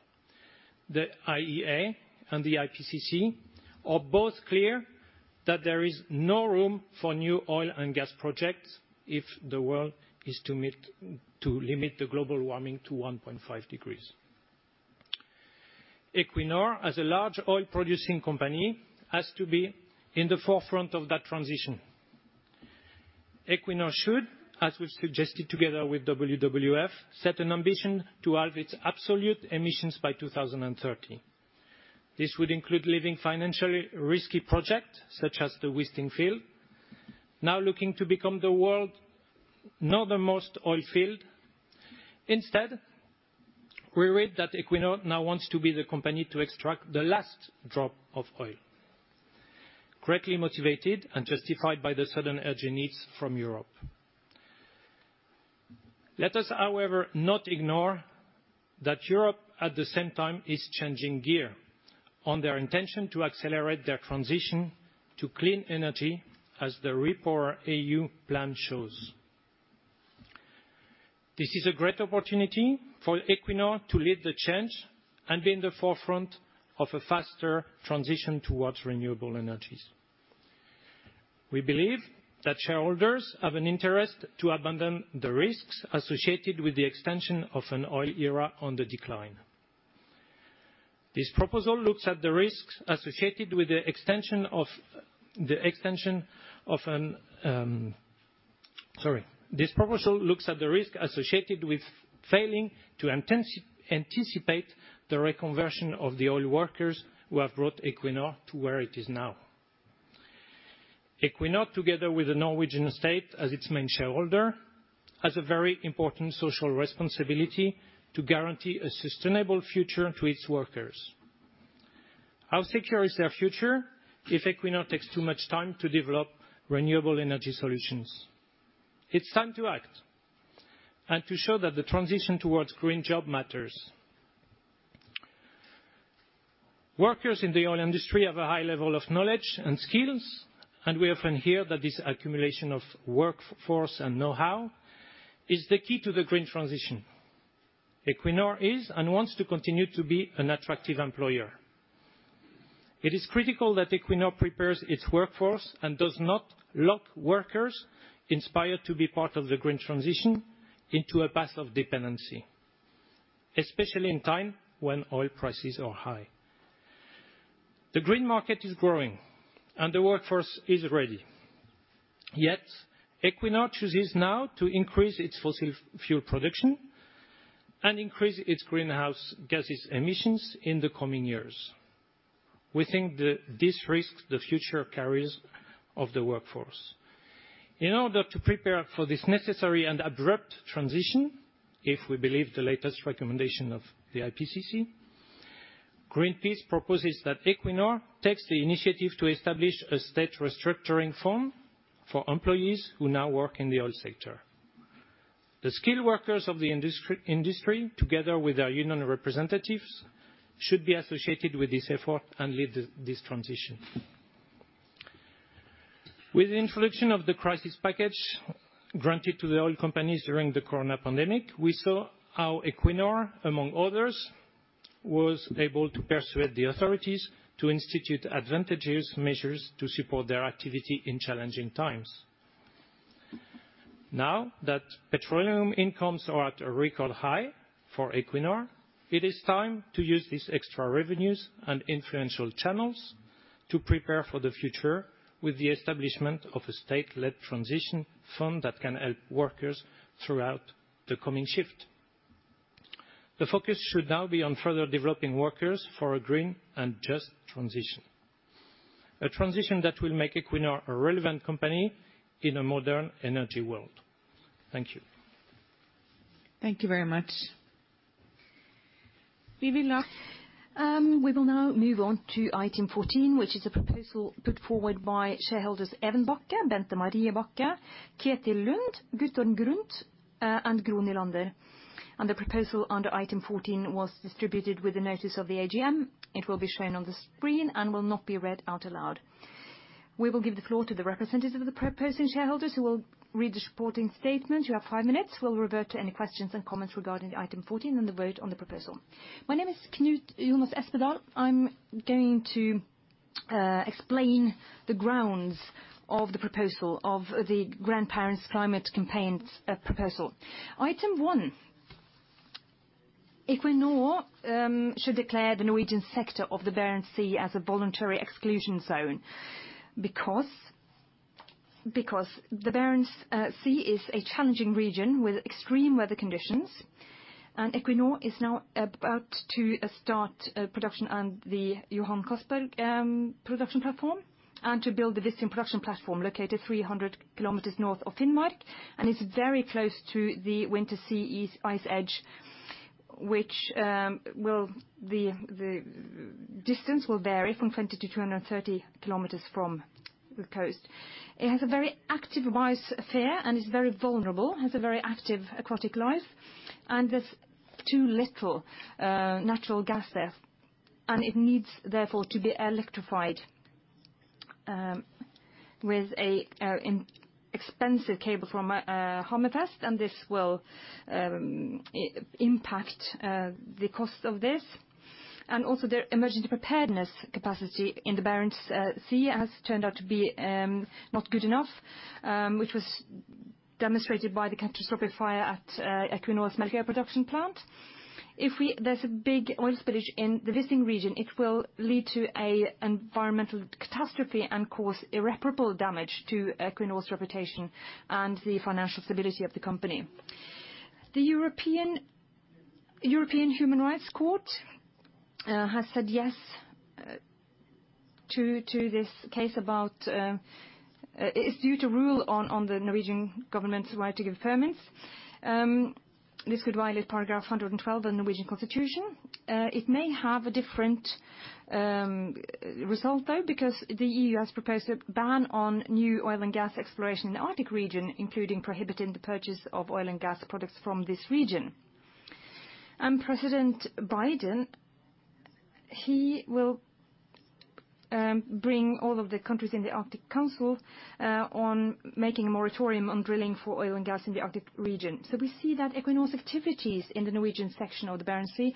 The IEA and the IPCC are both clear that there is no room for new oil and gas projects if the world is to meet to limit the global warming to 1.5 degrees. Equinor, as a large oil producing company, has to be in the forefront of that transition. Equinor should, as we've suggested together with WWF, set an ambition to halve its absolute emissions by 2030. This would include leaving financially risky projects such as the Wisting field, now looking to become the world's northernmost oil field. Instead, we read that Equinor now wants to be the company to extract the last drop of oil, greatly motivated and justified by the sudden urgent needs from Europe. Let us, however, not ignore that Europe, at the same time, is changing gear on their intention to accelerate their transition to clean energy, as the REPowerEU plan shows. This is a great opportunity for Equinor to lead the change and be in the forefront of a faster transition towards renewable energies. We believe that shareholders have an interest to abandon the risks associated with the extension of an oil era on the decline. This proposal looks at the risks associated with the extension of. This proposal looks at the risk associated with failing to anticipate the reconversion of the oil workers who have brought Equinor to where it is now. Equinor, together with the Norwegian state as its main shareholder, has a very important social responsibility to guarantee a sustainable future to its workers. How secure is their future if Equinor takes too much time to develop renewable energy solutions? It's time to act and to show that the transition towards green job matters. Workers in the oil industry have a high level of knowledge and skills, and we often hear that this accumulation of workforce and know-how is the key to the green transition. Equinor is and wants to continue to be an attractive employer. It is critical that Equinor prepares its workforce and does not lock workers inspired to be part of the green transition into a path of dependency, especially in time when oil prices are high. The green market is growing, and the workforce is ready. Yet, Equinor chooses now to increase its fossil fuel production and increase its greenhouse gases emissions in the coming years. We think this risks the future careers of the workforce. In order to prepare for this necessary and abrupt transition, if we believe the latest recommendation of the IPCC, Greenpeace proposes that Equinor takes the initiative to establish a state restructuring fund for employees who now work in the oil sector. The skilled workers of the industry, together with our union representatives, should be associated with this effort and lead this transition. With the introduction of the crisis package granted to the oil companies during the corona pandemic, we saw how Equinor, among others, was able to persuade the authorities to institute advantageous measures to support their activity in challenging times. Now that petroleum incomes are at a record high for Equinor, it is time to use these extra revenues and influential channels to prepare for the future with the establishment of a state-led transition fund that can help workers throughout the coming shift. The focus should now be on further developing workers for a green and just transition. A transition that will make Equinor a relevant company in a modern energy world. Thank you. Thank you very much. Vivilla. We will now move on to item 14, which is a proposal put forward by shareholders Even Bakke, Bente Marie Bakke, Ketil Lund, Guttorm Grundt, and Gro Nylander. The proposal under item 14 was distributed with the notice of the AGM. It will be shown on the screen and will not be read out aloud. We will give the floor to the representatives of the proposing shareholders who will read the supporting statement. You have five minutes. We'll revert to any questions and comments regarding the item 14 and the vote on the proposal. My name is Knut Jonas Espedal. I'm going to explain the grounds of the proposal of the Grandparents Climate Campaign's proposal. Item one, Equinor should declare the Norwegian sector of the Barents Sea as a voluntary exclusion zone because the Barents Sea is a challenging region with extreme weather conditions, and Equinor is now about to start production on the Johan Castberg production platform and to build the Wisting production platform located 300 kilometers north of Finnmark, and it's very close to the winter sea ice edge, which the distance will vary from 20-230 kilometers from the coast. It has a very active biosphere, and it's very vulnerable, has a very active aquatic life, and there's too little natural gas there. It needs therefore to be electrified with an inexpensive cable from Hammerfest, and this will impact the cost of this. Their emergency preparedness capacity in the Barents Sea has turned out to be not good enough, which was demonstrated by the catastrophic fire at Equinor's Melkøya production plant. There's a big oil spillage in the Wisting region, it will lead to an environmental catastrophe and cause irreparable damage to Equinor's reputation and the financial stability of the company. The European Court of Human Rights has said yes to this case about, it's due to rule on the Norwegian government's right to give permits. This could violate Paragraph 112 in Norwegian Constitution. It may have a different result, though, because the EU has proposed a ban on new oil and gas exploration in the Arctic region, including prohibiting the purchase of oil and gas products from this region. President Biden, he will bring all of the countries in the Arctic Council on making a moratorium on drilling for oil and gas in the Arctic region. We see that Equinor's activities in the Norwegian section of the Barents Sea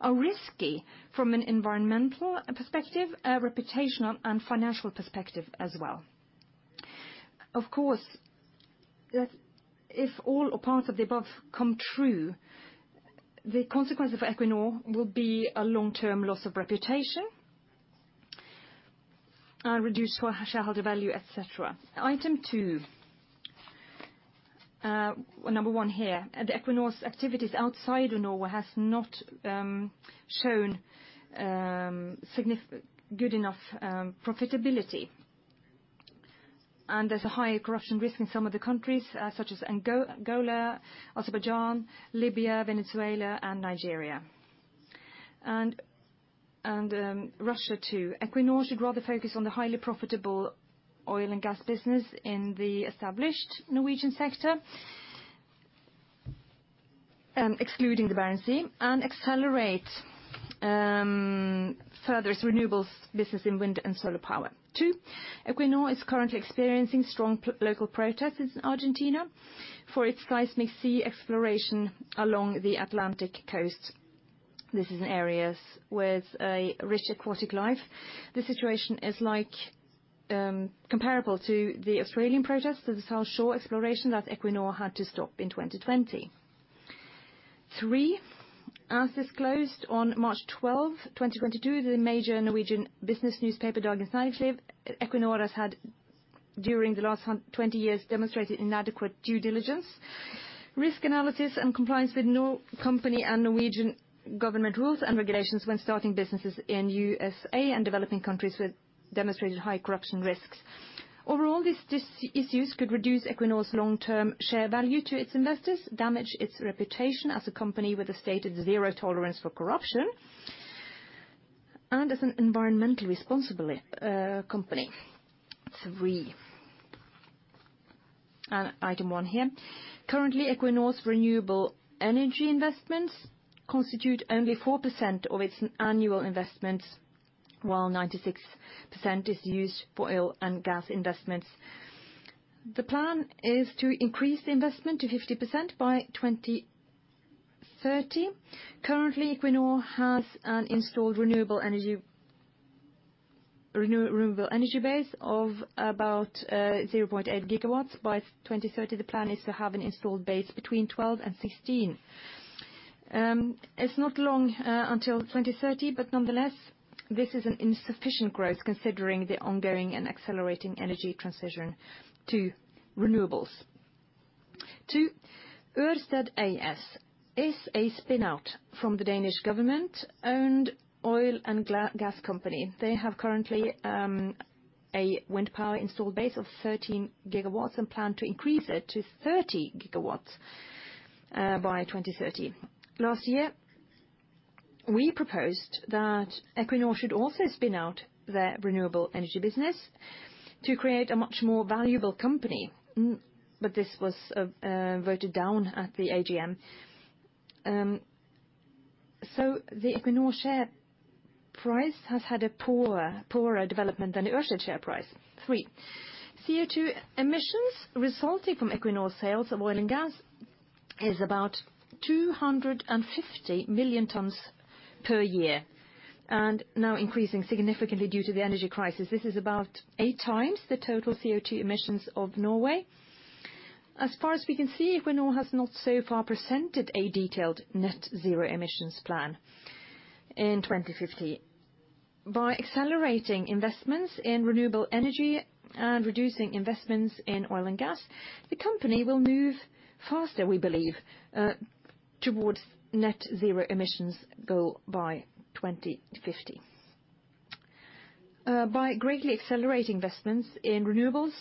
are risky from an environmental perspective, a reputational and financial perspective as well. Of course, that if all or part of the above come true, the consequence for Equinor will be a long-term loss of reputation, reduced shareholder value, et cetera. Item two, number one here. Equinor's activities outside of Norway has not shown good enough profitability, and there's a high corruption risk in some of the countries, such as Angola, Azerbaijan, Libya, Venezuela and Nigeria and Russia too. Equinor should rather focus on the highly profitable oil and gas business in the established Norwegian sector, excluding the Barents Sea, and accelerate further its renewables business in wind and solar power. Two, Equinor is currently experiencing strong local protests in Argentina for its seismic exploration along the Atlantic coast. This is in areas with a rich aquatic life. The situation is like comparable to the Australian protests to the Great Australian Bight exploration that Equinor had to stop in 2020. Three, as disclosed on March 12, 2022, the major Norwegian business newspaper, Dagens Næringsliv, Equinor has had during the last 20 years demonstrated inadequate due diligence, risk analysis and compliance with Norwegian company and Norwegian government rules and regulations when starting businesses in USA and developing countries with demonstrated high corruption risks. Overall, these issues could reduce Equinor's long-term share value to its investors, damage its reputation as a company with a stated zero tolerance for corruption and as an environmentally responsible company. Three, item one here. Currently, Equinor's renewable energy investments constitute only 4% of its annual investments, while 96% is used for oil and gas investments. The plan is to increase the investment to 50% by 2030. Currently, Equinor has an installed renewable energy base of about 0.8 GW. By 2030, the plan is to have an installed base between 12-16. It's not long until 2030, but nonetheless, this is an insufficient growth considering the ongoing and accelerating energy transition to renewables. Two, Ørsted A/S is a spin-out from the Danish government-owned oil and gas company. They have currently a wind power installed base of 13 GW and plan to increase it to 30 GW by 2030. Last year, we proposed that Equinor should also spin out their renewable energy business to create a much more valuable company, but this was voted down at the AGM. The Equinor share price has had a poorer development than the Ørsted share price. Three, CO2 emissions resulting from Equinor sales of oil and gas is about 250 million tons per year and now increasing significantly due to the energy crisis. This is about 8x the total CO2 emissions of Norway. As far as we can see, Equinor has not so far presented a detailed net zero emissions plan in 2050. By accelerating investments in renewable energy and reducing investments in oil and gas, the company will move faster, we believe, towards net zero emissions goal by 2050. By greatly accelerating investments in renewables,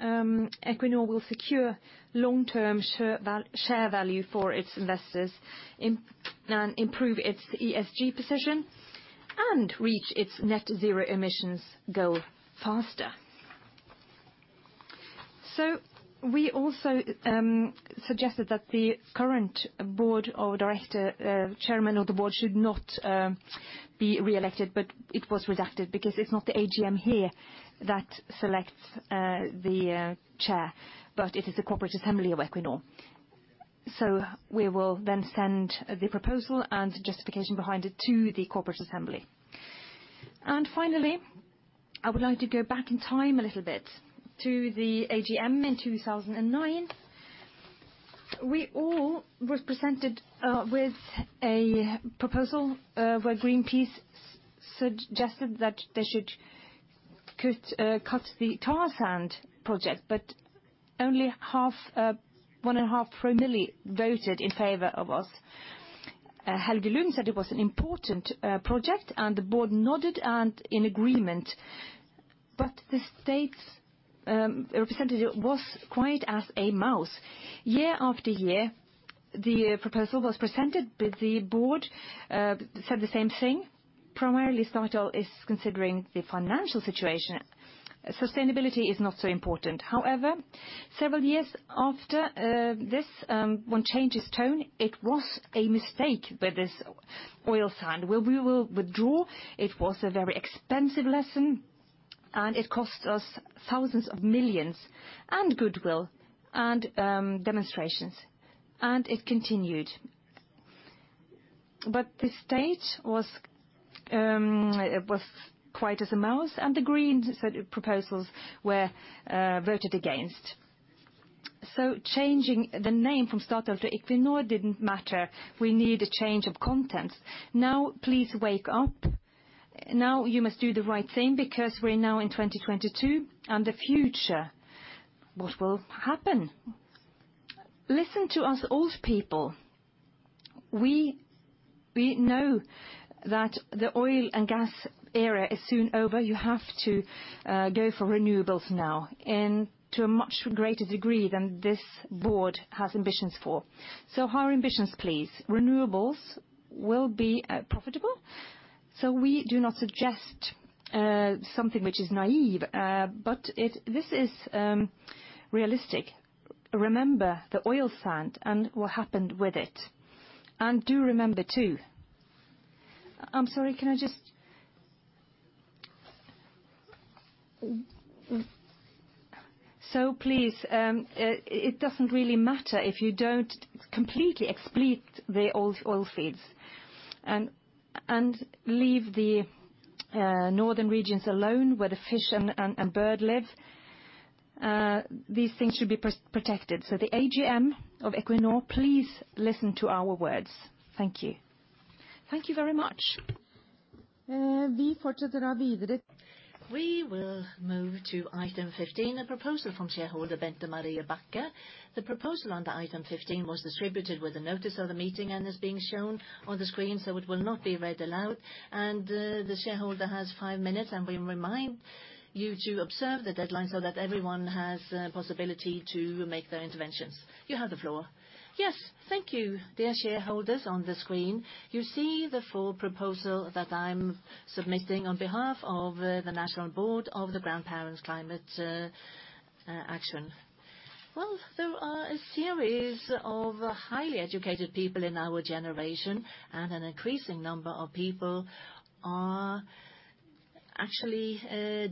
Equinor will secure long-term share value for its investors, and improve its ESG position and reach its net zero emissions goal faster. We also suggested that the current board of director chairman of the board should not be reelected, but it was redacted because it's not the AGM here that selects the chair, but it is the corporate assembly of Equinor. We will then send the proposal and justification behind it to the corporate assembly. Finally, I would like to go back in time a little bit to the AGM in 2009. We all was presented with a proposal where Greenpeace suggested that they should cut the tar sand project, but only half, 1.5 per million voted in favor of us. Helge Lund said it was an important project, and the board nodded and in agreement, but the state's representative was quiet as a mouse. Year after year, the proposal was presented, but the board said the same thing. Primarily, Statoil is considering the financial situation. Sustainability is not so important. However, several years after this, one changes tone, it was a mistake with this oil sand. We will withdraw. It was a very expensive lesson. It cost us thousands of millions NOK, and goodwill, and demonstrations, and it continued. The state was quiet as a mouse, and the green proposals were voted against. Changing the name from Statoil to Equinor didn't matter. We need a change of content. Now please wake up. Now you must do the right thing because we're now in 2022, and the future, what will happen? Listen to us old people. We know that the oil and gas era is soon over. You have to go for renewables now and to a much greater degree than this board has ambitions for. Higher ambitions, please. Renewables will be profitable, so we do not suggest something which is naive, but it is realistic. Remember the oil sand and what happened with it, and do remember, too. I'm sorry, can I just. Please, it doesn't really matter if you don't completely exploit the oil fields, and leave the northern regions alone where the fish and bird live. These things should be protected. The AGM of Equinor, please listen to our words. Thank you. Thank you very much. We will move to item 15, a proposal from shareholder Bente Marie Bakke. The proposal on the item 15 was distributed with a notice of the meeting and is being shown on the screen, so it will not be read aloud. The shareholder has five minutes, and we remind you to observe the deadline so that everyone has a possibility to make their interventions. You have the floor. Yes. Thank you. Dear shareholders on the screen, you see the full proposal that I'm submitting on behalf of the National Board of the Grandparents Climate Campaign. Well, there are a series of highly educated people in our generation, and an increasing number of people are actually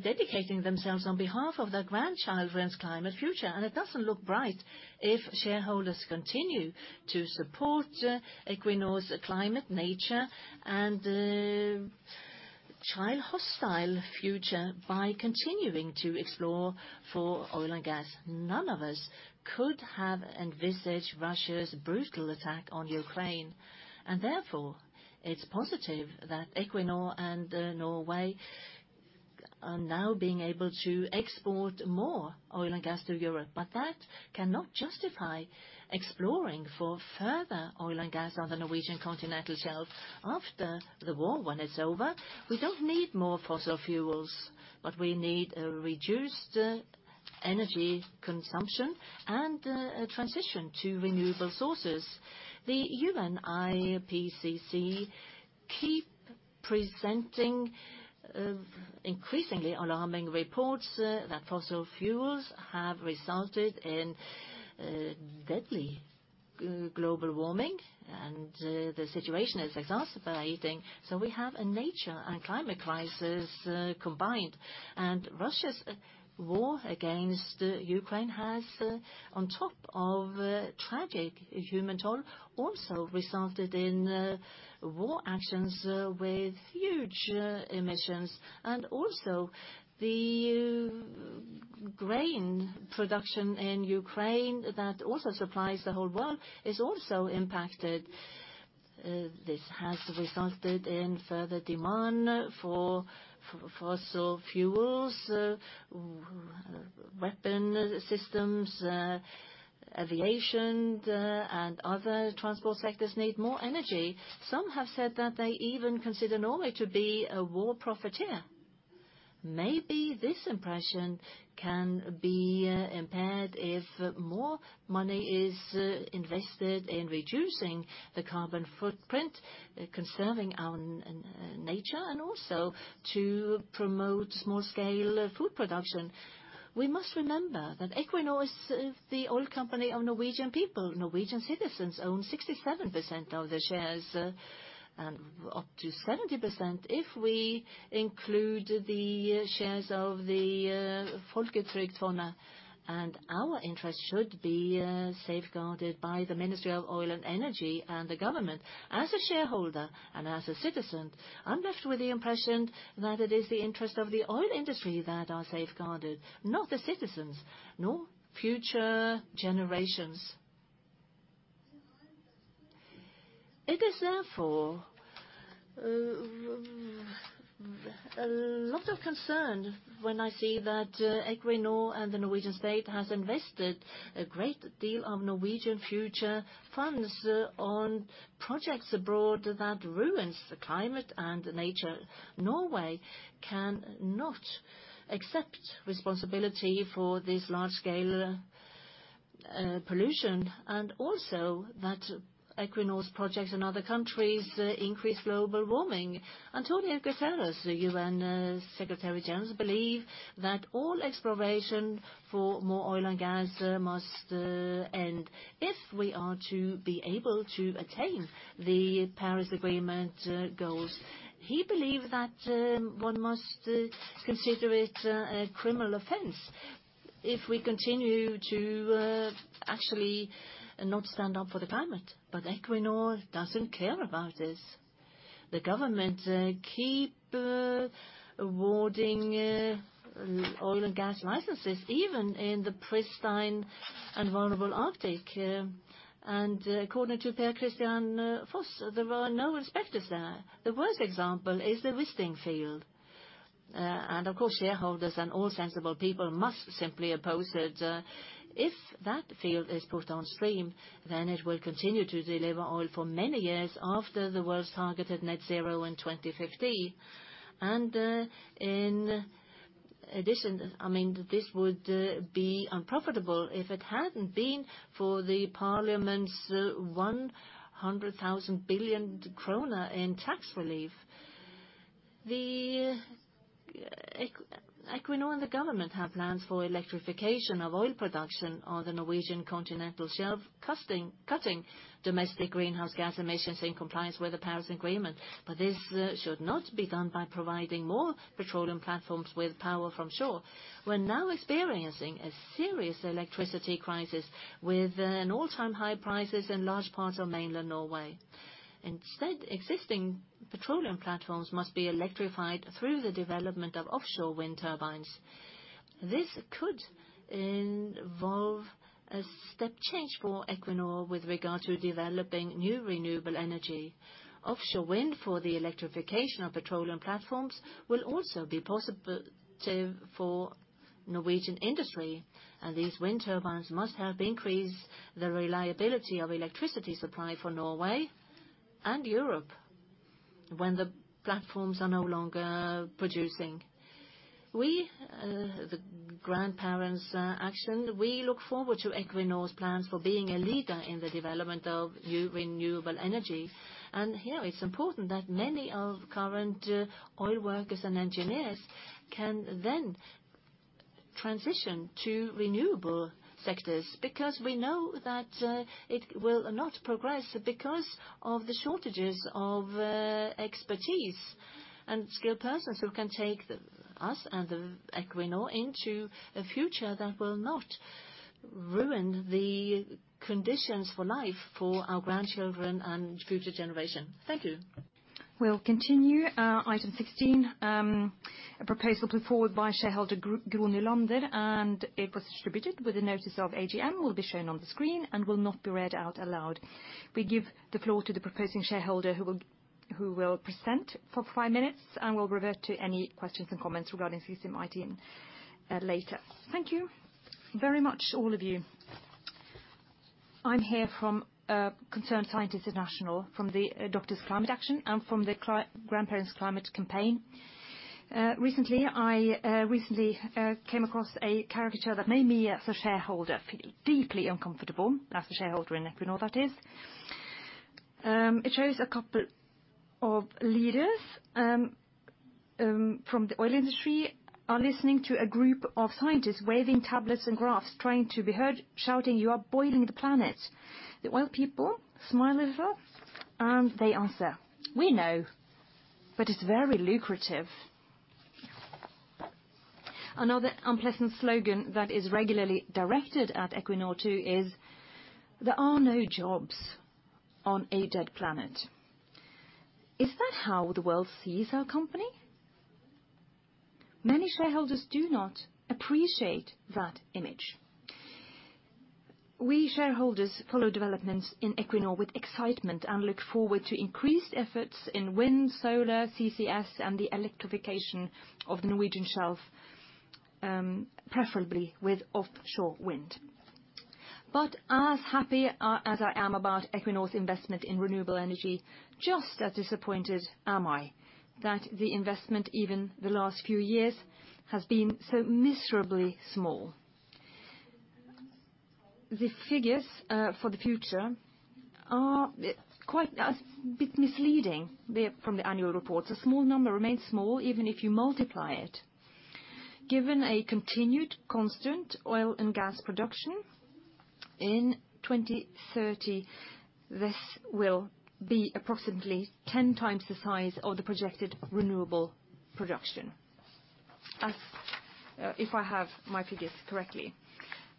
dedicating themselves on behalf of their grandchildren's climate future. It doesn't look bright if shareholders continue to support Equinor's climate, nature, and child hostile future by continuing to explore for oil and gas. None of us could have envisaged Russia's brutal attack on Ukraine, and therefore it's positive that Equinor and Norway are now being able to export more oil and gas to Europe. That cannot justify exploring for further oil and gas on the Norwegian Continental Shelf after the war when it's over. We don't need more fossil fuels, but we need a reduced energy consumption and a transition to renewable sources. The UN IPCC keep presenting increasingly alarming reports that fossil fuels have resulted in deadly global warming, and the situation is exacerbating. We have a nature and climate crisis combined. Russia's war against Ukraine has, on top of a tragic human toll, also resulted in war actions with huge emissions. Also the grain production in Ukraine that also supplies the whole world is also impacted. This has resulted in further demand for fossil fuels, weapon systems, aviation, and other transport sectors need more energy. Some have said that they even consider Norway to be a war profiteer. Maybe this impression can be impaired if more money is invested in reducing the carbon footprint, conserving our nature, and also to promote small scale food production. We must remember that Equinor is the oil company of Norwegian people. Norwegian citizens own 67% of the shares, and up to 70% if we include the shares of the Folketrygdfondet, and our interest should be safeguarded by the Ministry of Petroleum and Energy and the government. As a shareholder and as a citizen, I'm left with the impression that it is the interest of the oil industry that are safeguarded, not the citizens, nor future generations. It is therefore a lot of concern when I see that Equinor and the Norwegian state has invested a great deal of Norwegian future funds on projects abroad that ruins the climate and nature. Norway cannot accept responsibility for this large scale pollution and also that Equinor's projects in other countries increase global warming. António Guterres, the UN Secretary-General, believe that all exploration for more oil and gas must end if we are to be able to attain the Paris Agreement goals. He believe that one must consider it a criminal offense. If we continue to actually not stand up for the climate, but Equinor doesn't care about this. The government keep awarding oil and gas licenses even in the pristine and vulnerable Arctic. According to Per-Kristian Foss, there were no inspectors there. The worst example is the Wisting field. Of course, shareholders and all sensible people must simply oppose it. If that field is put on stream, then it will continue to deliver oil for many years after the world's targeted net zero in 2050. In addition, I mean, this would be unprofitable if it hadn't been for the parliament's 100,000 billion kroner in tax relief. Equinor and the government have plans for electrification of oil production on the Norwegian Continental Shelf, cutting domestic greenhouse gas emissions in compliance with the Paris Agreement. This should not be done by providing more petroleum platforms with power from shore. We're now experiencing a serious electricity crisis, with an all-time high prices in large parts of mainland Norway. Instead, existing petroleum platforms must be electrified through the development of offshore wind turbines. This could involve a step change for Equinor with regard to developing new renewable energy. Offshore wind for the electrification of petroleum platforms will also be positive for Norwegian industry, and these wind turbines must help increase the reliability of electricity supply for Norway and Europe when the platforms are no longer producing. We, the Grandparents Climate Campaign, we look forward to Equinor's plans for being a leader in the development of new renewable energy. Here it's important that many of current oil workers and engineers can then transition to renewable sectors, because we know that it will not progress because of the shortages of expertise and skilled persons who can take us and Equinor into a future that will not ruin the conditions for life for our grandchildren and future generation. Thank you. We'll continue item 16, a proposal put forward by shareholder Gro Nylander, and it was distributed with the notice of AGM, will be shown on the screen and will not be read out aloud. We give the floor to the proposing shareholder who will present for five minutes and will respond to any questions and comments regarding this item later. Thank you very much, all of you. I'm here from Concerned Scientists Norway, from the Doctors' Climate Action, and from the Grandparents Climate Campaign. Recently, I came across a caricature that made me as a shareholder feel deeply uncomfortable, as a shareholder in Equinor, that is. It shows a couple of leaders from the oil industry are listening to a group of scientists waving tablets and graphs, trying to be heard, shouting, "You are boiling the planet." The oil people smile a little, and they answer, "We know, but it's very lucrative." Another unpleasant slogan that is regularly directed at Equinor, too, is, "There are no jobs on a dead planet." Is that how the world sees our company? Many shareholders do not appreciate that image. We shareholders follow developments in Equinor with excitement and look forward to increased efforts in wind, solar, CCS, and the electrification of the Norwegian shelf, preferably with offshore wind. As happy as I am about Equinor's investment in renewable energy, just as disappointed am I that the investment, even the last few years, has been so miserably small. The figures for the future are quite a bit misleading, from the annual reports. A small number remains small, even if you multiply it. Given a continued constant oil and gas production in 2030, this will be approximately 10x the size of the projected renewable production. As if I have my figures correctly.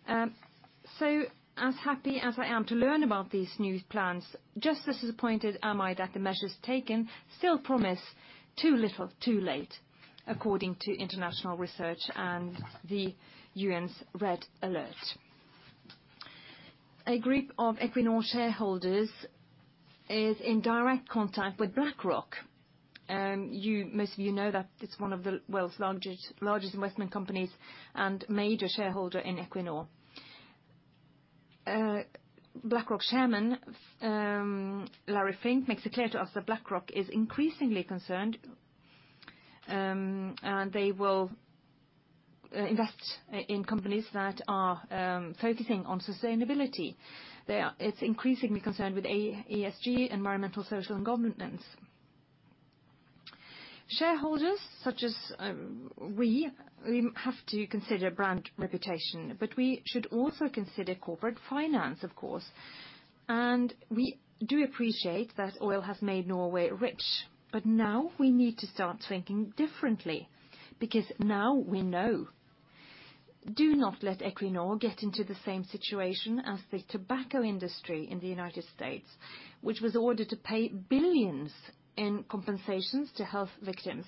As happy as I am to learn about these new plans, just as disappointed am I that the measures taken still promise too little, too late, according to international research and the UN's red alert. A group of Equinor shareholders is in direct contact with BlackRock. Most of you know that it's one of the world's largest investment companies and major shareholder in Equinor. BlackRock's chairman, Larry Fink, makes it clear to us that BlackRock is increasingly concerned, and they will invest in companies that are focusing on sustainability. They are increasingly concerned with ESG, environmental, social, and governance. Shareholders such as we have to consider brand reputation, but we should also consider corporate finance, of course. We do appreciate that oil has made Norway rich, but now we need to start thinking differently, because now we know. Do not let Equinor get into the same situation as the tobacco industry in the United States, which was ordered to pay billions in compensations to health victims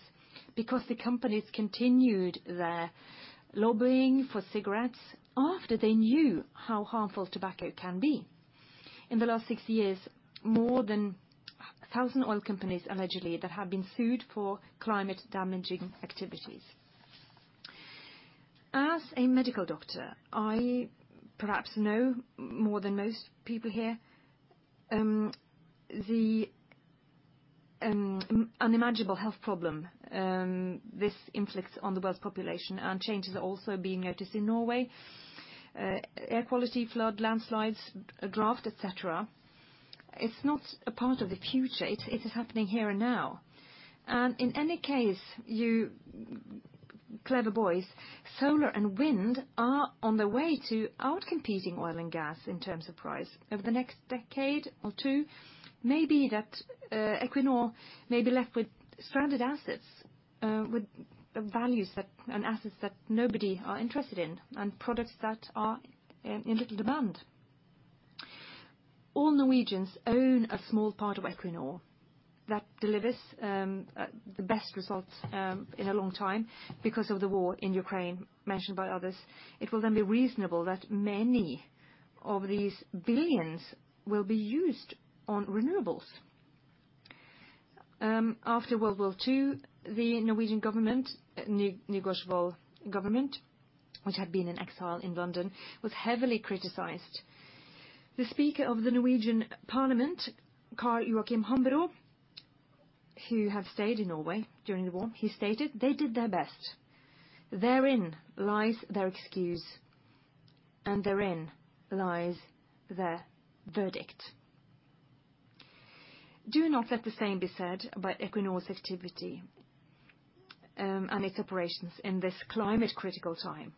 because the companies continued their lobbying for cigarettes after they knew how harmful tobacco can be. In the last six years, more than 1,000 oil companies allegedly that have been sued for climate-damaging activities. As a medical doctor, I perhaps know more than most people here, the unimaginable health problem this inflicts on the world's population, and change is also being noticed in Norway. Air quality, flood, landslides, drought, et cetera. It's not a part of the future. It is happening here and now. In any case, you clever boys, solar and wind are on the way to outcompeting oil and gas in terms of price. Over the next decade or two, maybe that, Equinor may be left with stranded assets, with values and assets that nobody are interested in and products that are in little demand. All Norwegians own a small part of Equinor that delivers the best results in a long time because of the war in Ukraine, mentioned by others. It will then be reasonable that many of these billions will be used on renewables. After World War II, the Norwegian government, Nygaardsvold government, which had been in exile in London, was heavily criticized. The Speaker of the Norwegian Parliament, Carl Joachim Hambro, who have stayed in Norway during the war, he stated, "They did their best. Therein lies their excuse, and therein lies their verdict." Do not let the same be said about Equinor's activity and its operations in this climate-critical time.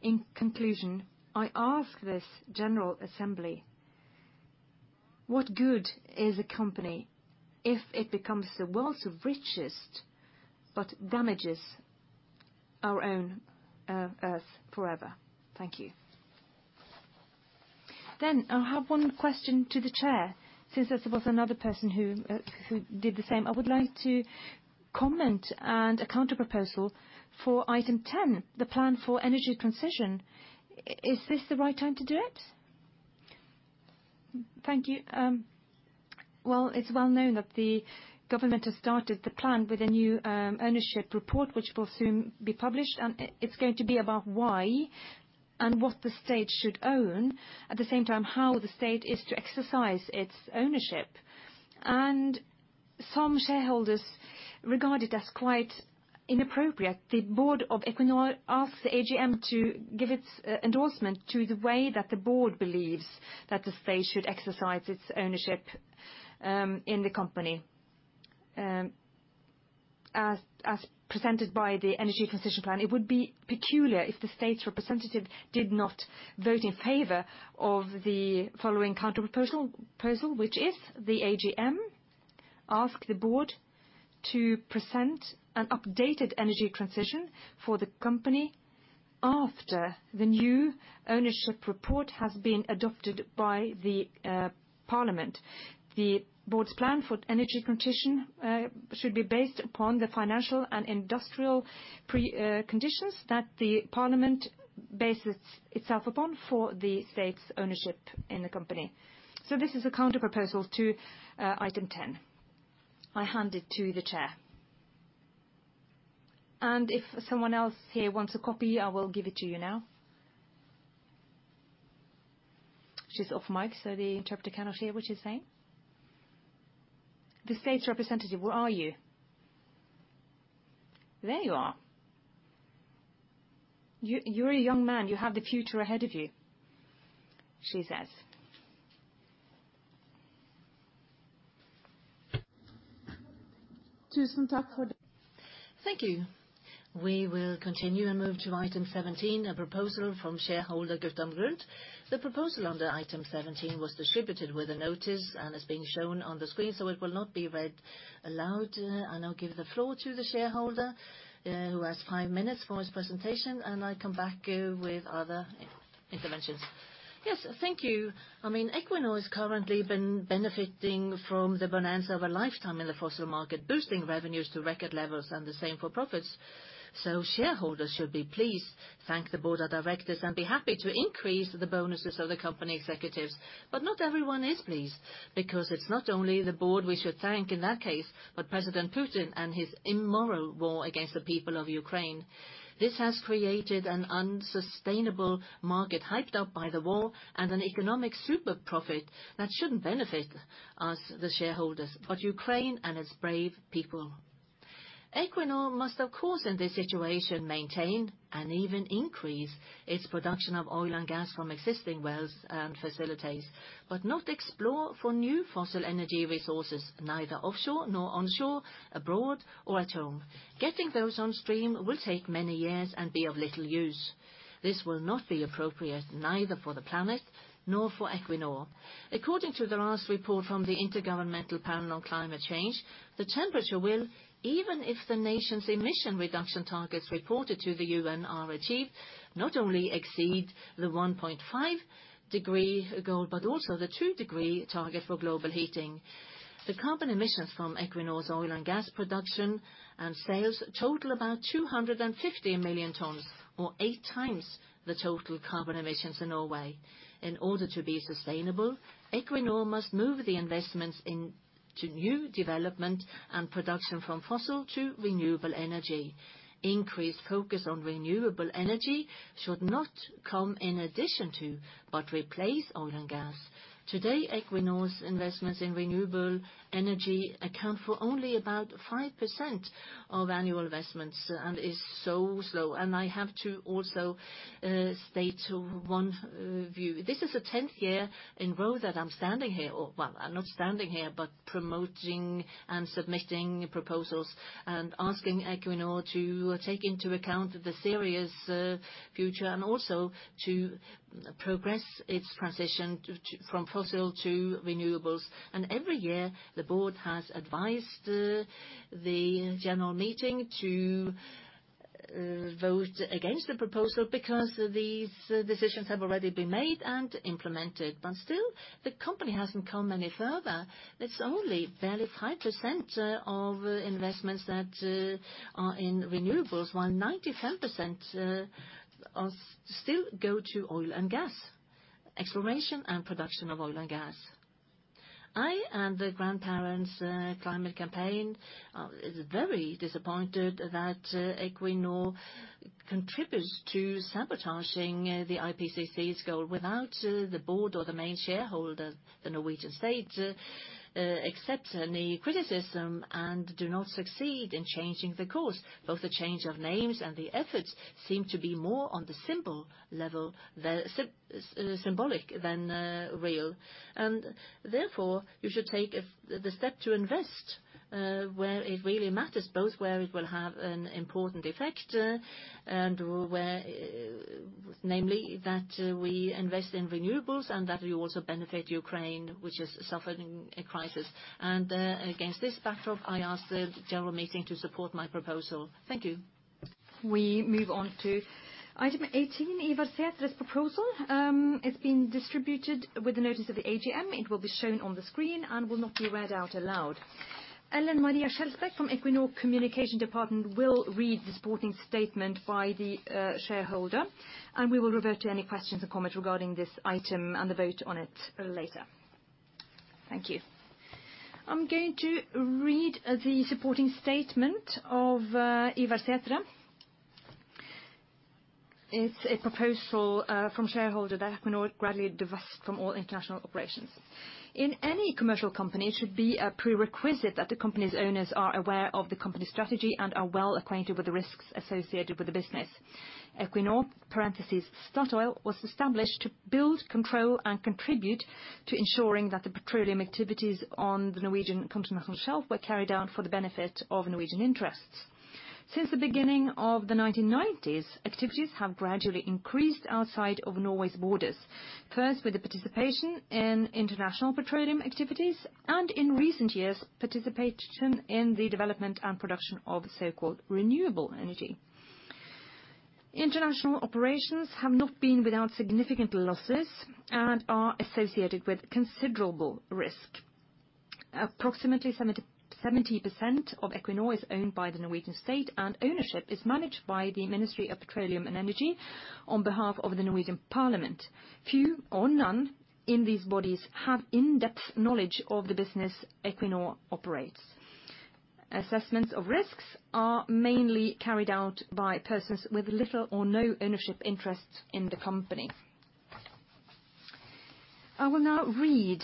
In conclusion, I ask this general assembly, what good is a company if it becomes the world's richest but damages our own Earth forever? Thank you. I have one question to the Chair, since there was another person who did the same. I would like to comment and a counterproposal for item ten, the plan for energy transition. Is this the right time to do it? Thank you. Well, it's well-known that the government has started the plan with a new ownership report, which will soon be published, and it's going to be about why and what the state should own, at the same time, how the state is to exercise its ownership. Some shareholders regard it as quite inappropriate the board of Equinor asks the AGM to give its endorsement to the way that the board believes that the state should exercise its ownership in the company as presented by the energy transition plan. It would be peculiar if the state's representative did not vote in favor of the following counterproposal, which is the AGM ask the board to present an updated energy transition for the company after the new ownership report has been adopted by the parliament. The board's plan for energy transition should be based upon the financial and industrial preconditions that the parliament bases itself upon for the state's ownership in the company. This is a counterproposal to item ten. I hand it to the Chair. If someone else here wants a copy, I will give it to you now. She's off mic, so the interpreter cannot hear what she's saying. The state's representative, where are you? There you are. You, you're a young man. You have the future ahead of you, she says. Thank you. We will continue and move to item 17, a proposal from shareholder Guttorm Grundt. The proposal under item 17 was distributed with a notice and is being shown on the screen, so it will not be read aloud. I'll give the floor to the shareholder who has 5 minutes for his presentation, and I come back with other interventions. Yes. Thank you. I mean, Equinor has currently been benefiting from the bonanza of a lifetime in the fossil market, boosting revenues to record levels and the same for profits. Shareholders should be pleased, thank the Board of Directors, and be happy to increase the bonuses of the company executives. Not everyone is pleased, because it's not only the board we should thank in that case, but President Putin and his immoral war against the people of Ukraine. This has created an unsustainable market hyped up by the war and an economic super profit that shouldn't benefit us, the shareholders, but Ukraine and its brave people. Equinor must, of course, in this situation, maintain and even increase its production of oil and gas from existing wells and facilities, but not explore for new fossil energy resources, neither offshore nor onshore, abroad or at home. Getting those on stream will take many years and be of little use. This will not be appropriate neither for the planet nor for Equinor. According to the last report from the Intergovernmental Panel on Climate Change, the temperature will, even if the nations' emission reduction targets reported to the UN are achieved, not only exceed the 1.5-degree goal, but also the 2-degree target for global warming. The carbon emissions from Equinor's oil and gas production and sales total about 250 million tons, or 8x the total carbon emissions in Norway. In order to be sustainable, Equinor must move the investments in to new development and production from fossil to renewable energy. Increased focus on renewable energy should not come in addition to, but replace oil and gas. Today, Equinor's investments in renewable energy account for only about 5% of annual investments and is so slow. I have to also state one view. This is the 10th year in row that I'm standing here, or well, I'm not standing here, but promoting and submitting proposals and asking Equinor to take into account the serious future and also to progress its transition to from fossil to renewables. Every year, the board has advised the general meeting to vote against the proposal because these decisions have already been made and implemented. Still, the company hasn't come any further. It's only barely 5% of investments that are in renewables, while 95% of still go to oil and gas, exploration and production of oil and gas. I and the Grandparents Climate Campaign is very disappointed that Equinor contributes to sabotaging the IPCC's goal without the board or the main shareholder, the Norwegian state, accept any criticism and do not succeed in changing the course. Both the change of names and the efforts seem to be more on the symbol level, symbolic than real. Therefore, you should take the step to invest where it really matters, both where it will have an important effect, and where namely that we invest in renewables and that we also benefit Ukraine, which is suffering a crisis. Against this backdrop, I ask the general meeting to support my proposal. Thank you. We move on to item 18, Ivar Sætre's proposal. It's been distributed with the notice of the AGM. It will be shown on the screen and will not be read out loud. Ellen Maria Skjelsbæk from Equinor Communication Department will read the supporting statement by the shareholder, and we will revert to any questions or comments regarding this item and the vote on it later. Thank you. I'm going to read the supporting statement of Ivar Sætre. It's a proposal from shareholder that Equinor gradually divest from all international operations. In any commercial company, it should be a prerequisite that the company's owners are aware of the company's strategy and are well-acquainted with the risks associated with the business. Equinor was established to build, control, and contribute to ensuring that the petroleum activities on the Norwegian Continental Shelf were carried out for the benefit of Norwegian interests. Since the beginning of the 1990s, activities have gradually increased outside of Norway's borders, first with the participation in international petroleum activities, and in recent years, participation in the development and production of so-called renewable energy. International operations have not been without significant losses and are associated with considerable risk. Approximately 70% of Equinor is owned by the Norwegian state, and ownership is managed by the Ministry of Petroleum and Energy on behalf of the Norwegian Parliament. Few or none in these bodies have in-depth knowledge of the business Equinor operates. Assessments of risks are mainly carried out by persons with little or no ownership interest in the company. I will now read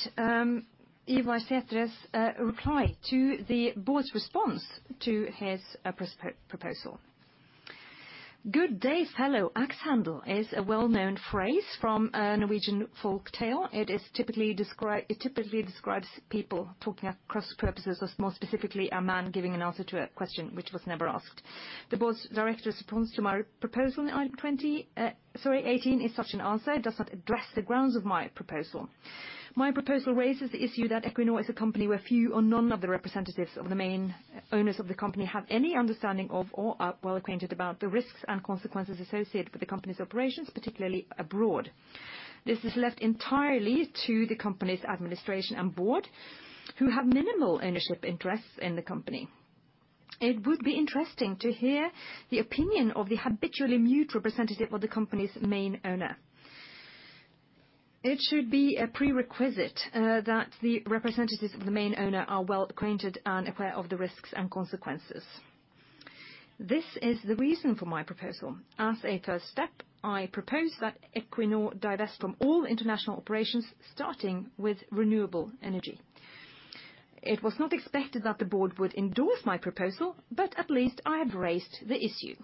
Ivar Sætre's reply to the board's response to his proposal. Good day fellow. Axe handle is a well-known phrase from a Norwegian folk tale. It typically describes people talking across purposes, or more specifically, a man giving an answer to a question which was never asked. The board's director's response to my proposal in item 18 is such an answer. It does not address the grounds of my proposal. My proposal raises the issue that Equinor is a company where few or none of the representatives of the main owners of the company have any understanding of or are well-acquainted about the risks and consequences associated with the company's operations, particularly abroad. This is left entirely to the company's administration and board, who have minimal ownership interests in the company. It would be interesting to hear the opinion of the habitually mute representative of the company's main owner. It should be a prerequisite that the representatives of the main owner are well-acquainted and aware of the risks and consequences. This is the reason for my proposal. As a first step, I propose that Equinor divest from all international operations, starting with renewable energy. It was not expected that the board would endorse my proposal, but at least I have raised the issue.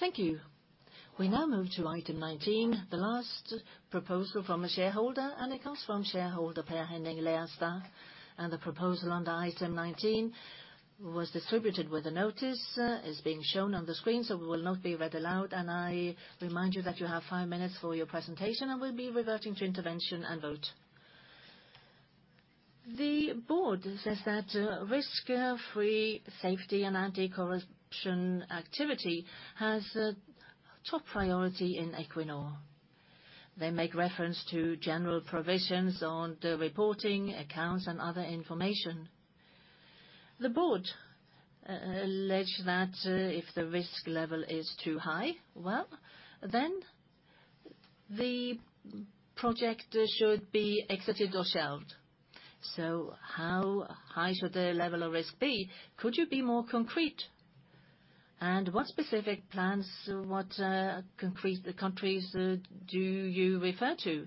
Thank you. We now move to item 19, the last proposal from a shareholder, and it comes from shareholder Per-Henning Lerstad, and the proposal under item 19 was distributed with a notice. It's being shown on the screen, so will not be read aloud. I remind you that you have five minutes for your presentation, and we'll be reverting to intervention and vote. The board says that risk-free safety and anti-corruption activity has top priority in Equinor. They make reference to general provisions on the reporting accounts and other information. The board allege that if the risk level is too high, well, then the project should be exited or shelved. How high should the level of risk be? Could you be more concrete? And what specific plans, what, concrete countries do you refer to?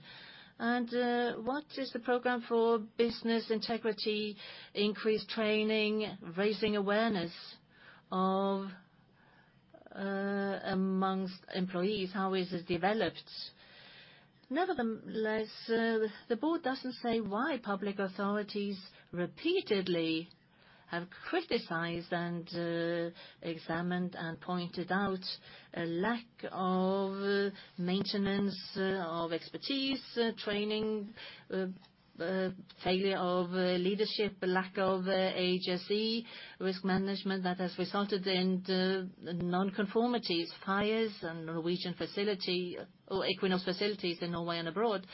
What is the program for business integrity, increased training, raising awareness of among employees? How is this developed? Nevertheless, the board doesn't say why public authorities repeatedly have criticized and examined and pointed out a lack of maintenance of expertise training, failure of leadership, lack of HSE risk management that has resulted in the non-conformities, fires in Norwegian facility or Equinor's facilities in Norway and abroad.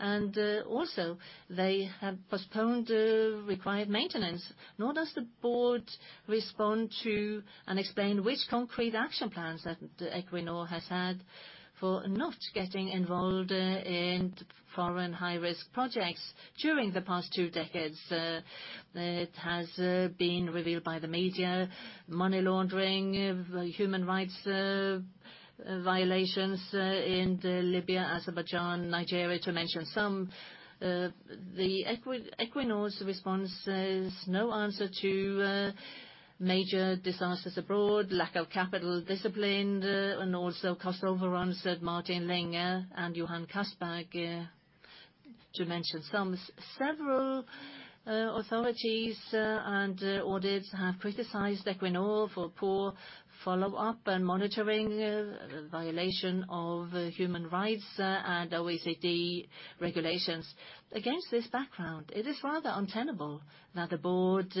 Also they have postponed the required maintenance. Nor does the board respond to and explain which concrete action plans that Equinor has had for not getting involved in foreign high-risk projects during the past two decades. It has been revealed by the media, money laundering, the human rights violations in Libya, Azerbaijan, Nigeria, to mention some. Equinor's response says no answer to major disasters abroad, lack of capital discipline, and also costs overrun, said Martin Linge and Johan Castberg, to mention some. Several authorities and audits have criticized Equinor for poor follow-up and monitoring, violation of human rights, and OECD regulations. Against this background, it is rather untenable that the board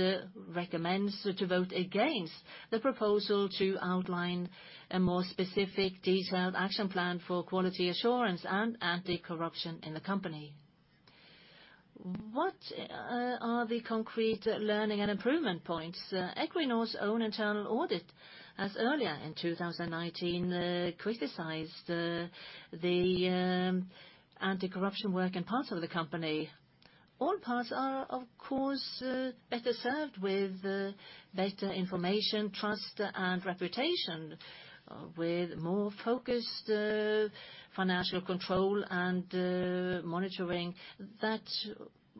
recommends to vote against the proposal to outline a more specific detailed action plan for quality assurance and anti-corruption in the company. What are the concrete learning and improvement points? Equinor's own internal audit, as earlier in 2019, criticized the anti-corruption work in parts of the company. All parts are, of course, better served with better information, trust and reputation, with more focused financial control and monitoring that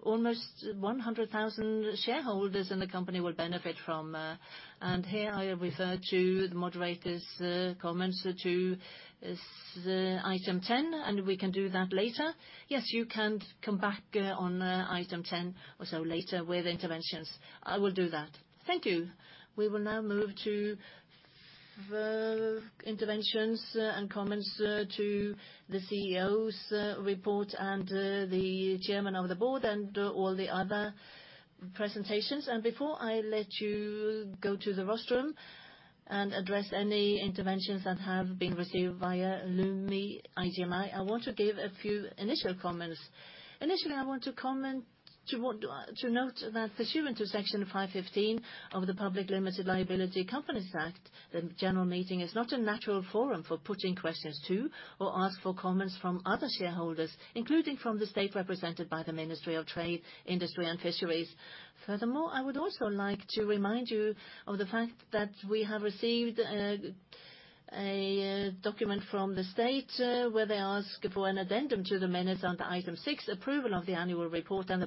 almost 100,000 shareholders in the company will benefit from. Here I refer to the moderator's comments to this item 10, and we can do that later. Yes, you can come back on item 10 or so later with interventions. I will do that. Thank you. We will now move to the interventions and comments to the CEO's report and the chairman of the board and all the other presentations. Before I let you go to the rostrum and address any interventions that have been received via Lumi AGM, I want to give a few initial comments. Initially, I want to note that pursuant to section 515 of the Public Limited Liability Companies Act, the general meeting is not a natural forum for putting questions to or ask for comments from other shareholders, including from the state represented by the Ministry of Trade, Industry and Fisheries. Furthermore, I would also like to remind you of the fact that we have received a document from the state, where they ask for an addendum to the minutes under item 6, approval of the annual report and the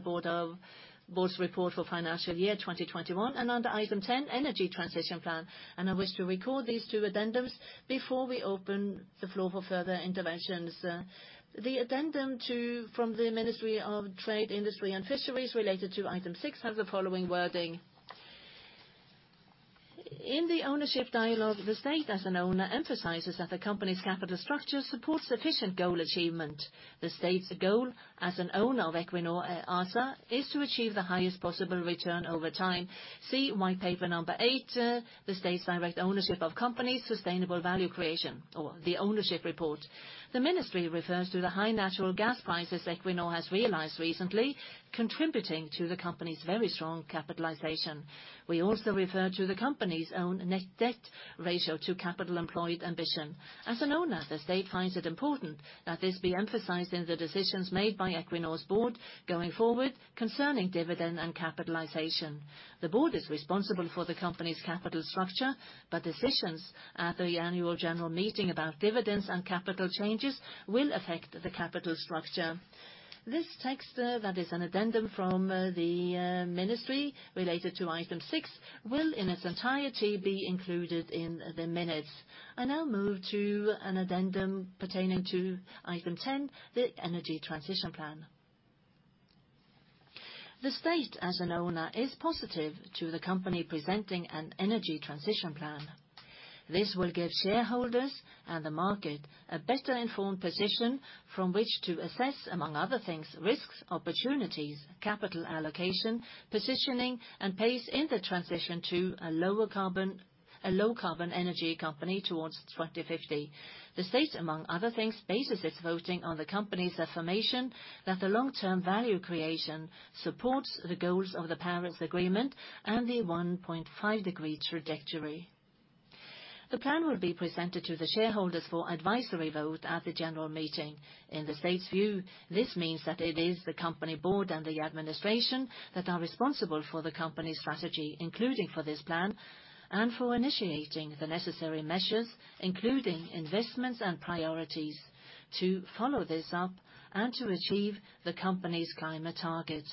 board's report for financial year 2021 and under item 10, Energy Transition Plan. I wish to record these two addendums before we open the floor for further interventions. The addendum from the Ministry of Trade, Industry and Fisheries related to item 6 have the following wording. In the ownership dialogue, the state as an owner emphasizes that the company's capital structure supports sufficient goal achievement. The state's goal as an owner of Equinor ASA is to achieve the highest possible return over time. See white paper number 8, the state's direct ownership of companies' sustainable value creation or the ownership report. The ministry refers to the high natural gas prices Equinor has realized recently, contributing to the company's very strong capitalization. We also refer to the company's own net debt ratio to capital employed ambition. As an owner, the state finds it important that this be emphasized in the decisions made by Equinor's board going forward concerning dividend and capitalization. The board is responsible for the company's capital structure, but decisions at the annual general meeting about dividends and capital changes will affect the capital structure. This text, that is an addendum from the ministry related to item 6, will in its entirety be included in the minutes. I now move to an addendum pertaining to item 10, the Energy Transition Plan. The state as an owner is positive to the company presenting an Energy Transition Plan. This will give shareholders and the market a better-informed position from which to assess, among other things, risks, opportunities, capital allocation, positioning, and pace in the transition to a low carbon energy company towards 2050. The state, among other things, bases its voting on the company's affirmation that the long-term value creation supports the goals of the Paris Agreement and the 1.5-degree trajectory. The plan will be presented to the shareholders for advisory vote at the general meeting. In the state's view, this means that it is the company board and the administration that are responsible for the company's strategy, including for this plan, and for initiating the necessary measures, including investments and priorities, to follow this up and to achieve the company's climate targets.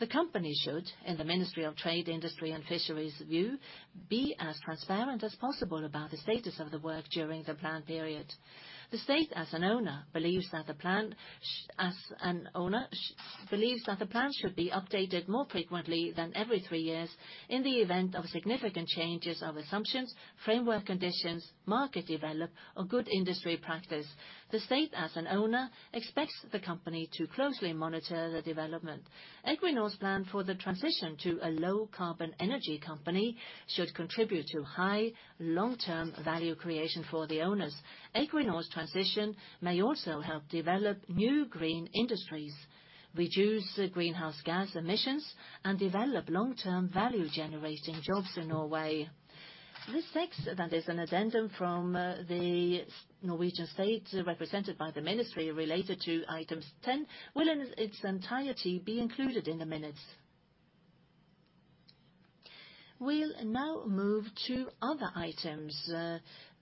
The company should, in the Ministry of Trade, Industry and Fisheries view, be as transparent as possible about the status of the work during the plan period. The state, as an owner, believes that the plan should be updated more frequently than every three years in the event of significant changes in assumptions, framework conditions, market development, or good industry practice. The state, as an owner, expects the company to closely monitor the development. Equinor's plan for the transition to a low carbon energy company should contribute to high long-term value creation for the owners. Equinor's transition may also help develop new green industries, reduce greenhouse gas emissions, and develop long-term value-generating jobs in Norway. This text that is an addendum from the Norwegian state, represented by the ministry related to items 10, will in its entirety be included in the minutes. We'll now move to other items,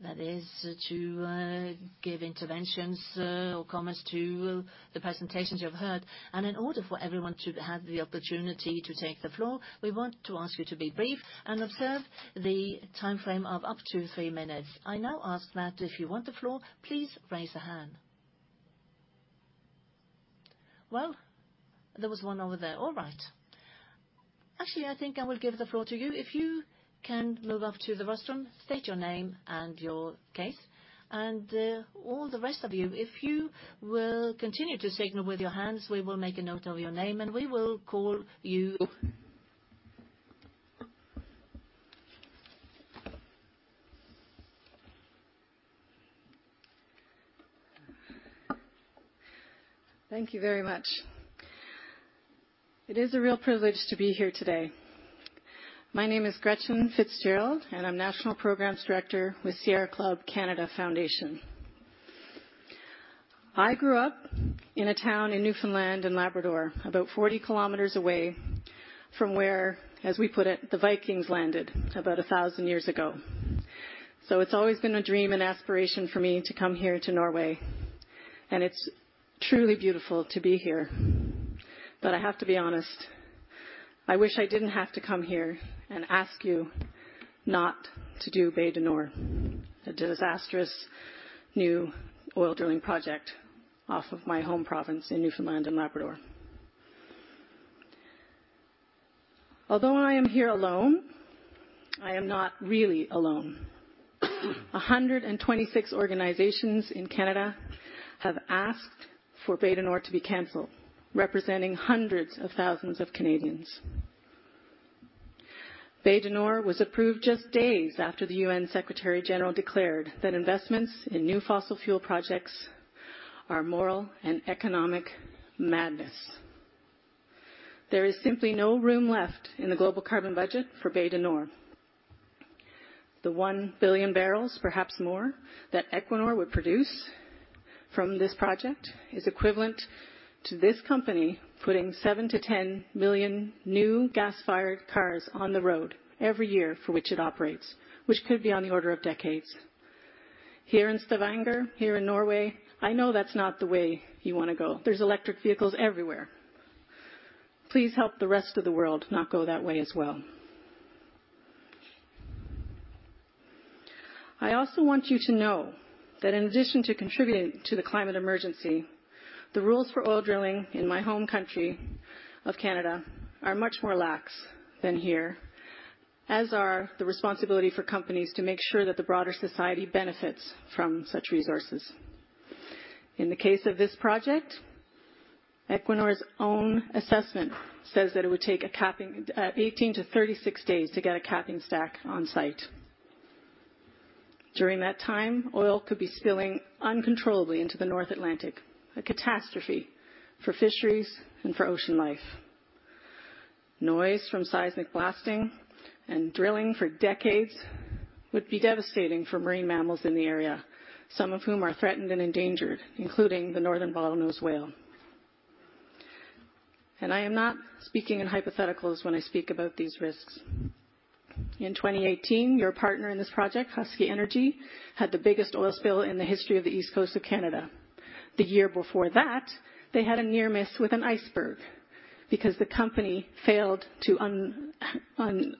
that is, to give interventions, or comments to the presentations you've heard. In order for everyone to have the opportunity to take the floor, we want to ask you to be brief and observe the timeframe of up to three minutes. I now ask that if you want the floor, please raise a hand. Well, there was one over there. All right. Actually, I think I will give the floor to you. If you can move up to the rostrum, state your name and your case. All the rest of you, if you will continue to signal with your hands, we will make a note of your name, and we will call you. Thank you very much. It is a real privilege to be here today. My name is Gretchen Fitzgerald, and I'm National Programs Director with Sierra Club Canada Foundation. I grew up in a town in Newfoundland and Labrador, about 40 kilometers away from where, as we put it, the Vikings landed about 1,000 years ago. It's always been a dream and aspiration for me to come here to Norway, and it's truly beautiful to be here. I have to be honest, I wish I didn't have to come here and ask you not to do Bay du Nord, a disastrous new oil drilling project off of my home province in Newfoundland and Labrador. Although I am here alone, I am not really alone. 126 organizations in Canada have asked for Bay du Nord to be canceled, representing hundreds of thousands of Canadians. Bay du Nord was approved just days after the UN Secretary General declared that investments in new fossil fuel projects are moral and economic madness. There is simply no room left in the global carbon budget for Bay du Nord. The 1 billion barrels, perhaps more, that Equinor would produce from this project is equivalent to this company putting 7 million-10 million new gas-fired cars on the road every year for which it operates, which could be on the order of decades. Here in Stavanger, here in Norway, I know that's not the way you wanna go. There's electric vehicles everywhere. Please help the rest of the world not go that way as well. I also want you to know that in addition to contributing to the climate emergency, the rules for oil drilling in my home country of Canada are much more lax than here, as are the responsibility for companies to make sure that the broader society benefits from such resources. In the case of this project, Equinor's own assessment says that it would take 18-36 days to get a capping stack on site. During that time, oil could be spilling uncontrollably into the North Atlantic, a catastrophe for fisheries and for ocean life. Noise from seismic blasting and drilling for decades would be devastating for marine mammals in the area, some of whom are threatened and endangered, including the northern bottlenose whale. I am not speaking in hypotheticals when I speak about these risks. In 2018, your partner in this project, Husky Energy, had the biggest oil spill in the history of the East Coast of Canada. The year before that, they had a near miss with an iceberg because the company failed to unlink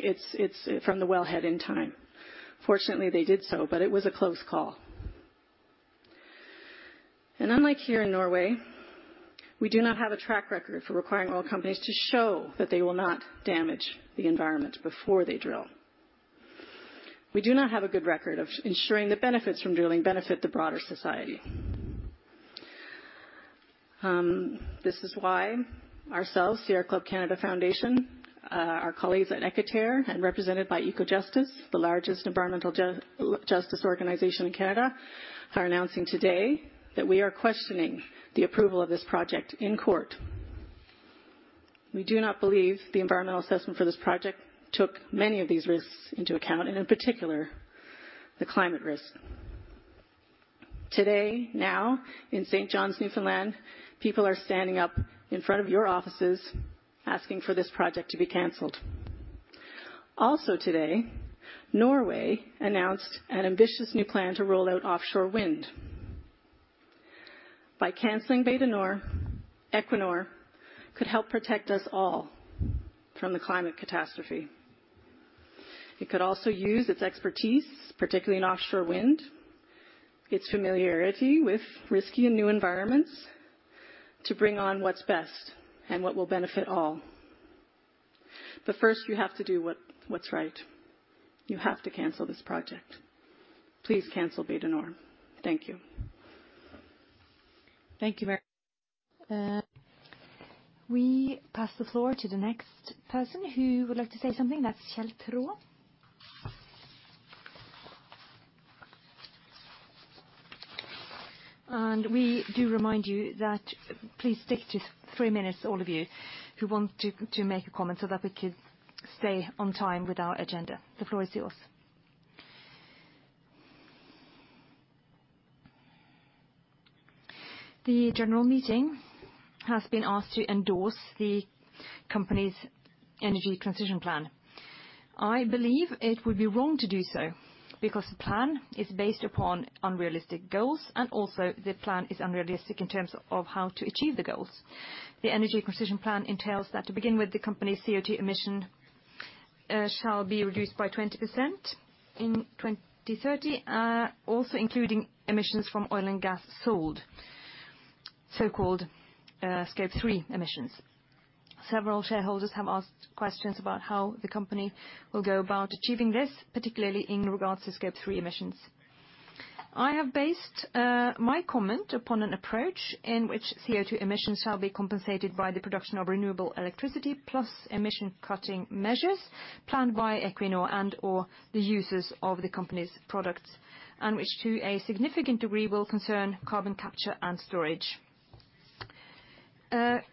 its from the wellhead in time. Fortunately, they did so, but it was a close call. Unlike here in Norway, we do not have a track record for requiring oil companies to show that they will not damage the environment before they drill. We do not have a good record of ensuring the benefits from drilling benefit the broader society. This is why ourselves, Sierra Club Canada Foundation, our colleagues at Équiterre, and represented by Ecojustice, the largest environmental justice organization in Canada, are announcing today that we are questioning the approval of this project in court. We do not believe the environmental assessment for this project took many of these risks into account, and in particular, the climate risk. Today, now, in St. John's, Newfoundland, people are standing up in front of your offices asking for this project to be canceled. Also today, Norway announced an ambitious new plan to roll out offshore wind. By canceling Bay du Nord, Equinor could help protect us all from the climate catastrophe. It could also use its expertise, particularly in offshore wind, its familiarity with risky and new environments to bring on what's best and what will benefit all. First, you have to do what's right. You have to cancel this project. Please cancel Bay du Nord. Thank you. Thank you, we pass the floor to the next person who would like to say something, that's Kjell Traa. We do remind you that please stick to three minutes, all of you who want to make a comment so that we could stay on time with our agenda. The floor is yours. The general meeting has been asked to endorse the company's Energy Transition Plan. I believe it would be wrong to do so because the plan is based upon unrealistic goals, and also the plan is unrealistic in terms of how to achieve the goals. The Energy Transition Plan entails that to begin with, the company's CO2 emission shall be reduced by 20% in 2030, also including emissions from oil and gas sold, so-called Scope 3 emissions. Several shareholders have asked questions about how the company will go about achieving this, particularly in regards to Scope 3 emissions. I have based my comment upon an approach in which CO2 emissions shall be compensated by the production of renewable electricity plus emission cutting measures planned by Equinor and/or the users of the company's products, and which to a significant degree will concern carbon capture and storage.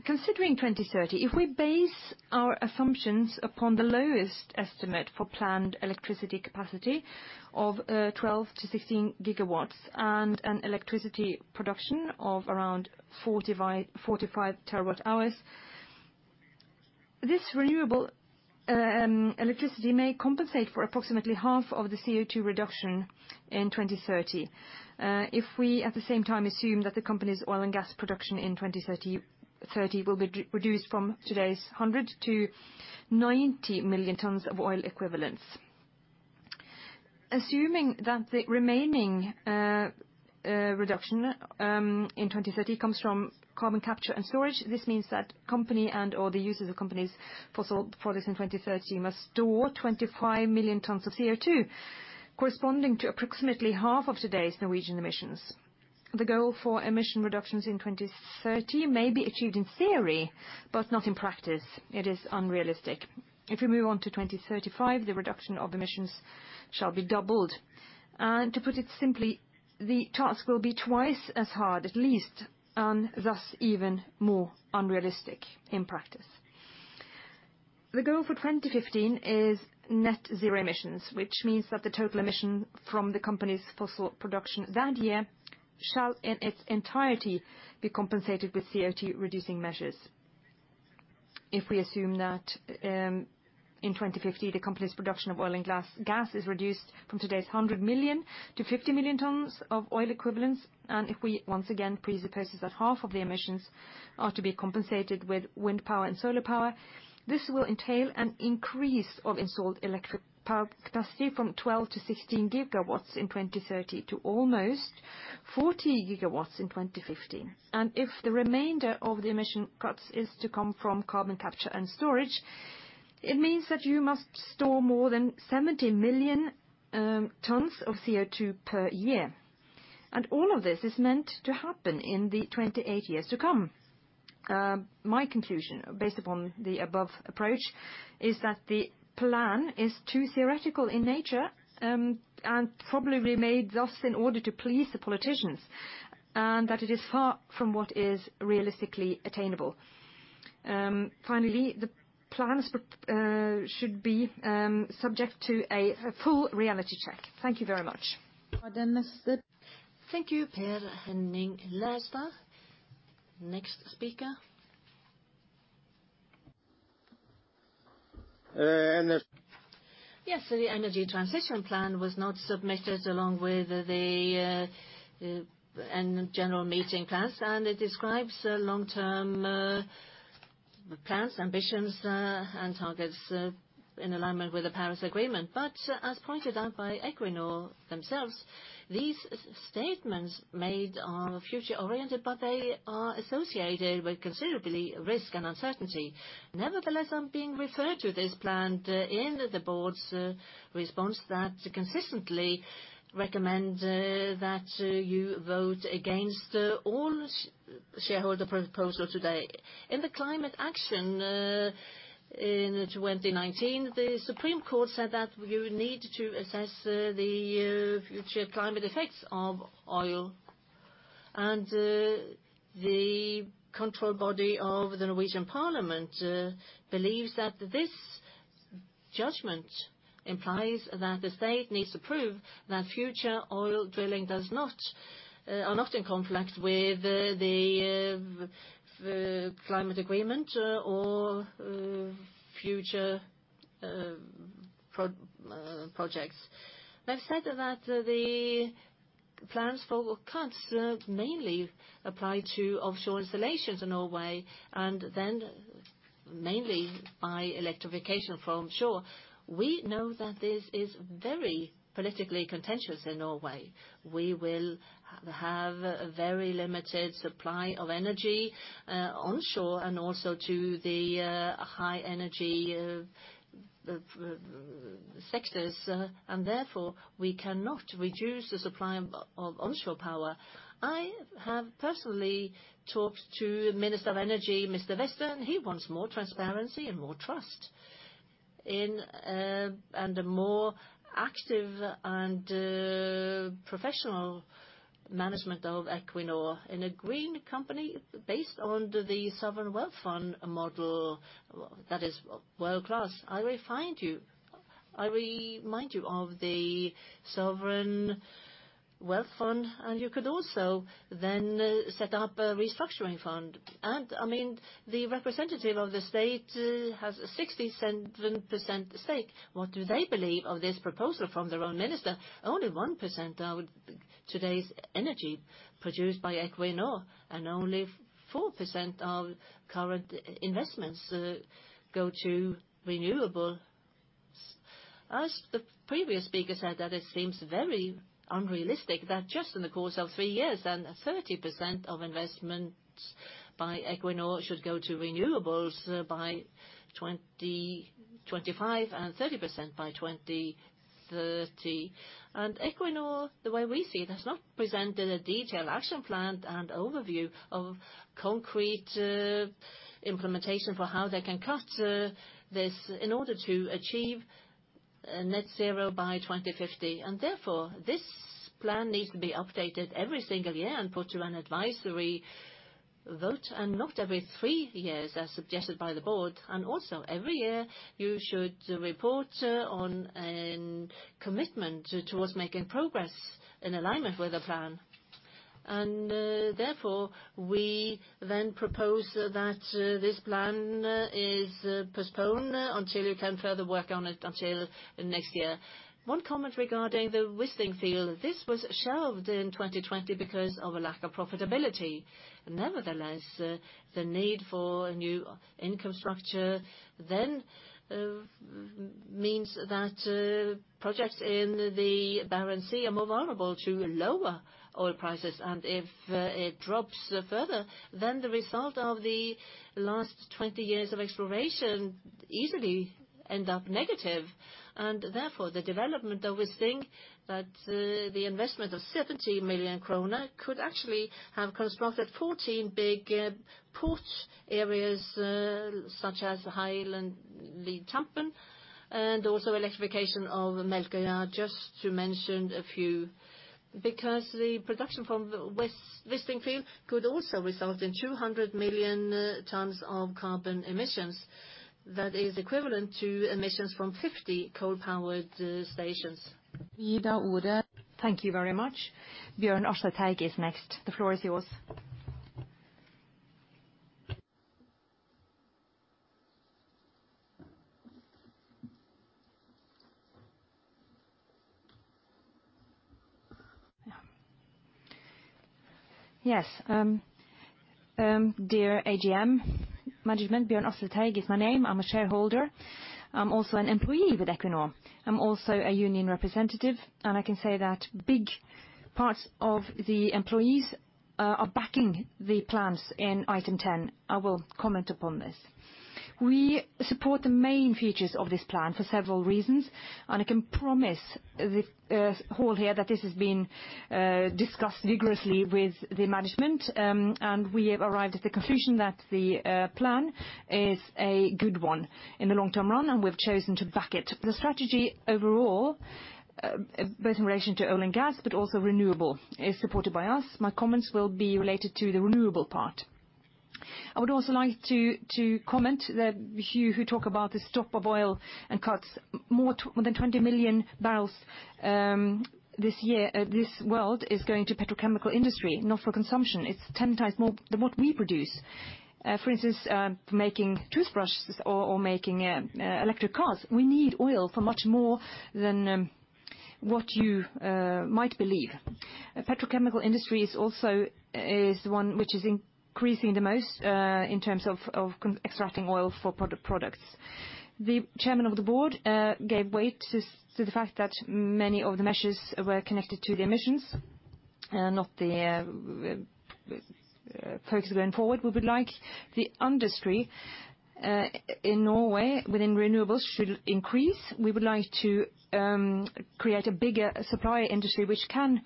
Considering 2030, if we base our assumptions upon the lowest estimate for planned electricity capacity of 12 GW-16 GW and an electricity production of around 45 TWh, this renewable electricity may compensate for approximately half of the CO2 reduction in 2030. If we at the same time assume that the company's oil and gas production in 2030 will be reduced from today's 100-90 million tons of oil equivalents. Assuming that the remaining reduction in 2030 comes from carbon capture and storage, this means that company and/or the users of companies fossil products in 2030 must store 25 million tons of CO2, corresponding to approximately half of today's Norwegian emissions. The goal for emission reductions in 2030 may be achieved in theory, but not in practice. It is unrealistic. If we move on to 2035, the reduction of emissions shall be doubled. To put it simply, the task will be twice as hard, at least, and thus even more unrealistic in practice. The goal for 2050 is net zero emissions, which means that the total emission from the company's fossil production that year shall in its entirety be compensated with CO2 reducing measures. If we assume that in 2050, the company's production of oil and gas... Gas is reduced from today's 100 million to 50 million tons of oil equivalents, and if we once again presupposes that half of the emissions are to be compensated with wind power and solar power, this will entail an increase of installed electric power capacity from 12 GW-16 GW in 2030 to almost 40 GW in 2050. If the remainder of the emission cuts is to come from carbon capture and storage, it means that you must store more than 70 million tons of CO2 per year. All of this is meant to happen in the 28 years to come. My conclusion, based upon the above approach, is that the plan is too theoretical in nature, and probably made thus in order to please the politicians, and that it is far from what is realistically attainable. Finally, the plans should be subject to a full reality check. Thank you very much. Thank you, Per Henning Lerstad. Next speaker. Uh, and the- Yes. The Energy Transition Plan was not submitted along with the general meeting plans, and it describes a long-term The plans, ambitions, and targets in alignment with the Paris Agreement. As pointed out by Equinor themselves, these statements made are future oriented, but they are associated with considerable risk and uncertainty. Nevertheless, I'm being referred to this plan in the board's response that consistently recommend that you vote against all shareholder proposal today. In the climate action in 2019, the Supreme Court said that you need to assess the future climate effects of oil. The control body of the Norwegian Parliament believes that this judgment implies that the state needs to prove that future oil drilling does not are not in conflict with the climate agreement or future projects. They've said that the plans for cuts mainly apply to offshore installations in Norway, and then mainly by electrification from shore. We know that this is very politically contentious in Norway. We will have a very limited supply of energy onshore, and also to the high energy sectors. Therefore, we cannot reduce the supply of onshore power. I have personally talked to Minister of Energy, Mr. Aasland, and he wants more transparency and more trust in, and a more active and professional management of Equinor in a green company based on the sovereign wealth fund model that is world-class. I remind you of the sovereign wealth fund, and you could also then set up a restructuring fund. I mean, the representative of the state has a 67% stake. What do they believe of this proposal from their own minister? Only 1% of today's energy produced by Equinor, and only 4% of current investments go to renewables. As the previous speaker said that it seems very unrealistic that just in the course of three years then 30% of investments by Equinor should go to renewables by 2025, and 30% by 2030. Equinor, the way we see it, has not presented a detailed action plan and overview of concrete implementation for how they can cut this in order to achieve net zero by 2050. Therefore, this plan needs to be updated every single year and put to an advisory vote, and not every three years, as suggested by the board. Also, every year, you should report on a commitment towards making progress in alignment with the plan. Therefore, we then propose that this plan is postponed until you can further work on it until next year. One comment regarding the Wisting field. This was shelved in 2020 because of a lack of profitability. Nevertheless, the need for a new infrastructure then means that projects in the Barents Sea are more vulnerable to lower oil prices. If it drops further, then the result of the last 20 years of exploration easily end up negative. Therefore, the development of Wisting, that the investment of 70 million kroner could actually have constructed 14 big port areas, such as Heil and Lindtjern, and also electrification of Melkøya, just to mention a few. Because the production from the Wisting Field could also result in 200 million tons of carbon emissions. That is equivalent to emissions from 50 coal-powered stations. Thank you very much. Bjørn Asle Teige is next. The floor is yours. Yes, dear AGM management, Bjørn Asle Teige is my name. I'm a shareholder. I'm also an employee with Equinor. I'm also a union representative, and I can say that big parts of the employees are backing the plans in item 10. I will comment upon this. We support the main features of this plan for several reasons, and I can promise the hall here that this has been discussed vigorously with the management. We have arrived at the conclusion that the plan is a good one in the long-term run, and we've chosen to back it. The strategy overall, both in relation to oil and gas, but also renewable, is supported by us. My comments will be related to the renewable part. I would also like to comment that you who talk about the stop of oil and cuts more than 20 million barrels this year. This world is going to petrochemical industry, not for consumption. It's 10x more than what we produce. For instance, making toothbrushes or making electric cars. We need oil for much more than what you might believe. The petrochemical industry is also one which is increasing the most in terms of extracting oil for products. The chairman of the board gave weight to the fact that many of the measures were connected to the emissions, not the focus going forward. We would like the industry in Norway within renewables should increase. We would like to create a bigger supply industry which can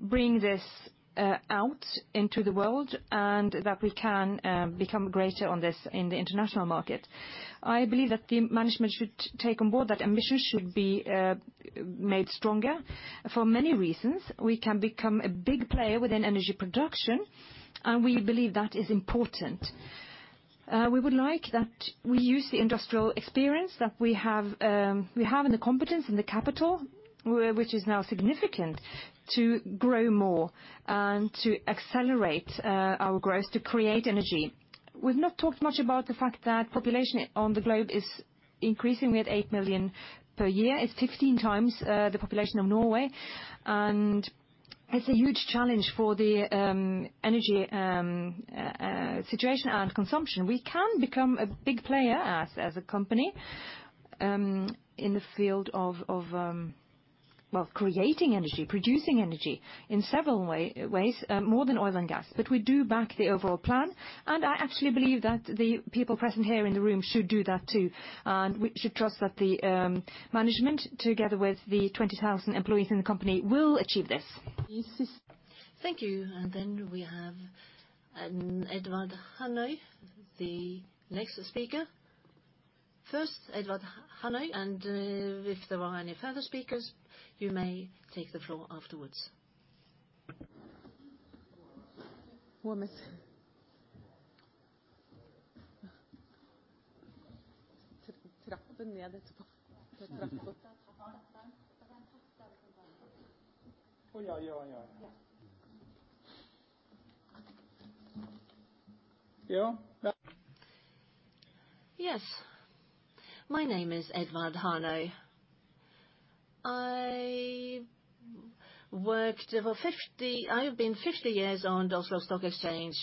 bring this out into the world, and that we can become greater on this in the international market. I believe that the management should take on board, that ambition should be made stronger. For many reasons, we can become a big player within energy production, and we believe that is important. We would like that we use the industrial experience that we have, and the competence and the capital, which is now significant, to grow more and to accelerate our growth to create energy. We've not talked much about the fact that population on the globe is increasing with 8 million per year. It's 15x the population of Norway, and it's a huge challenge for the energy situation and consumption. We can become a big player as a company in the field of well creating energy producing energy in several ways more than oil and gas. We do back the overall plan, and I actually believe that the people present here in the room should do that too. We should trust that the management together with the 20,000 employees in the company will achieve this. Thank you. Then we have an Edvard Hanøy, the next speaker. First, Edvard Hanøy, and if there are any further speakers, you may take the floor afterwards. Yes. My name is Edvard Hanøy. I've been 50 years on Oslo Stock Exchange,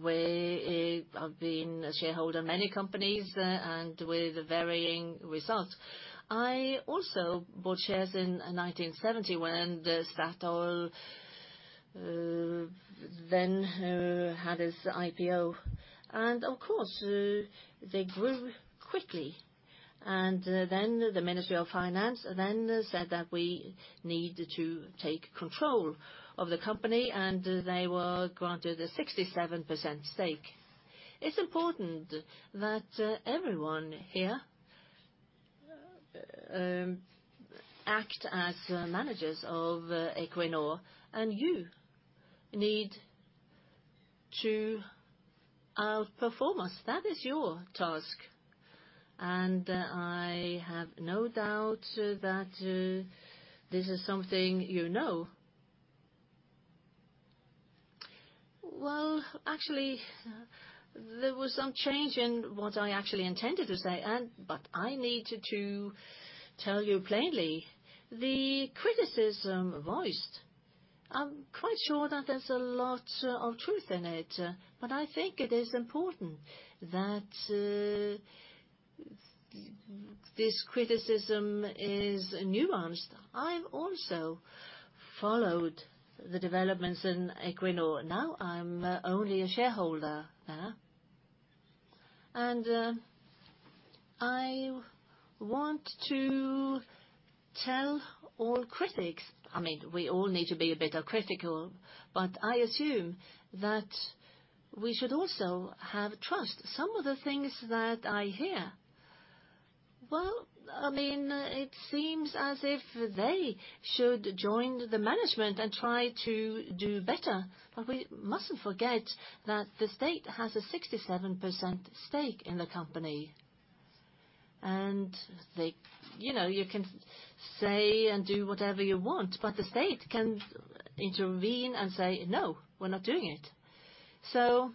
where I've been a shareholder in many companies, and with varying results. I also bought shares in 1970 when the Statoil then had its IPO. Of course, they grew quickly. Then the Ministry of Finance then said that we need to take control of the company, and they were granted a 67% stake. It's important that everyone here act as managers of Equinor, and you need to outperform us. That is your task, and I have no doubt that this is something you know. I need to tell you plainly, the criticism voiced. I'm quite sure that there's a lot of truth in it, but I think it is important that this criticism is nuanced. I've also followed the developments in Equinor. Now I'm only a shareholder there. I want to tell all critics, I mean, we all need to be a bit critical, but I assume that we should also have trust. Some of the things that I hear, well, I mean, it seems as if they should join the management and try to do better. We mustn't forget that the state has a 67% stake in the company. They You know, you can say and do whatever you want, but the state can intervene and say, "No, we're not doing it."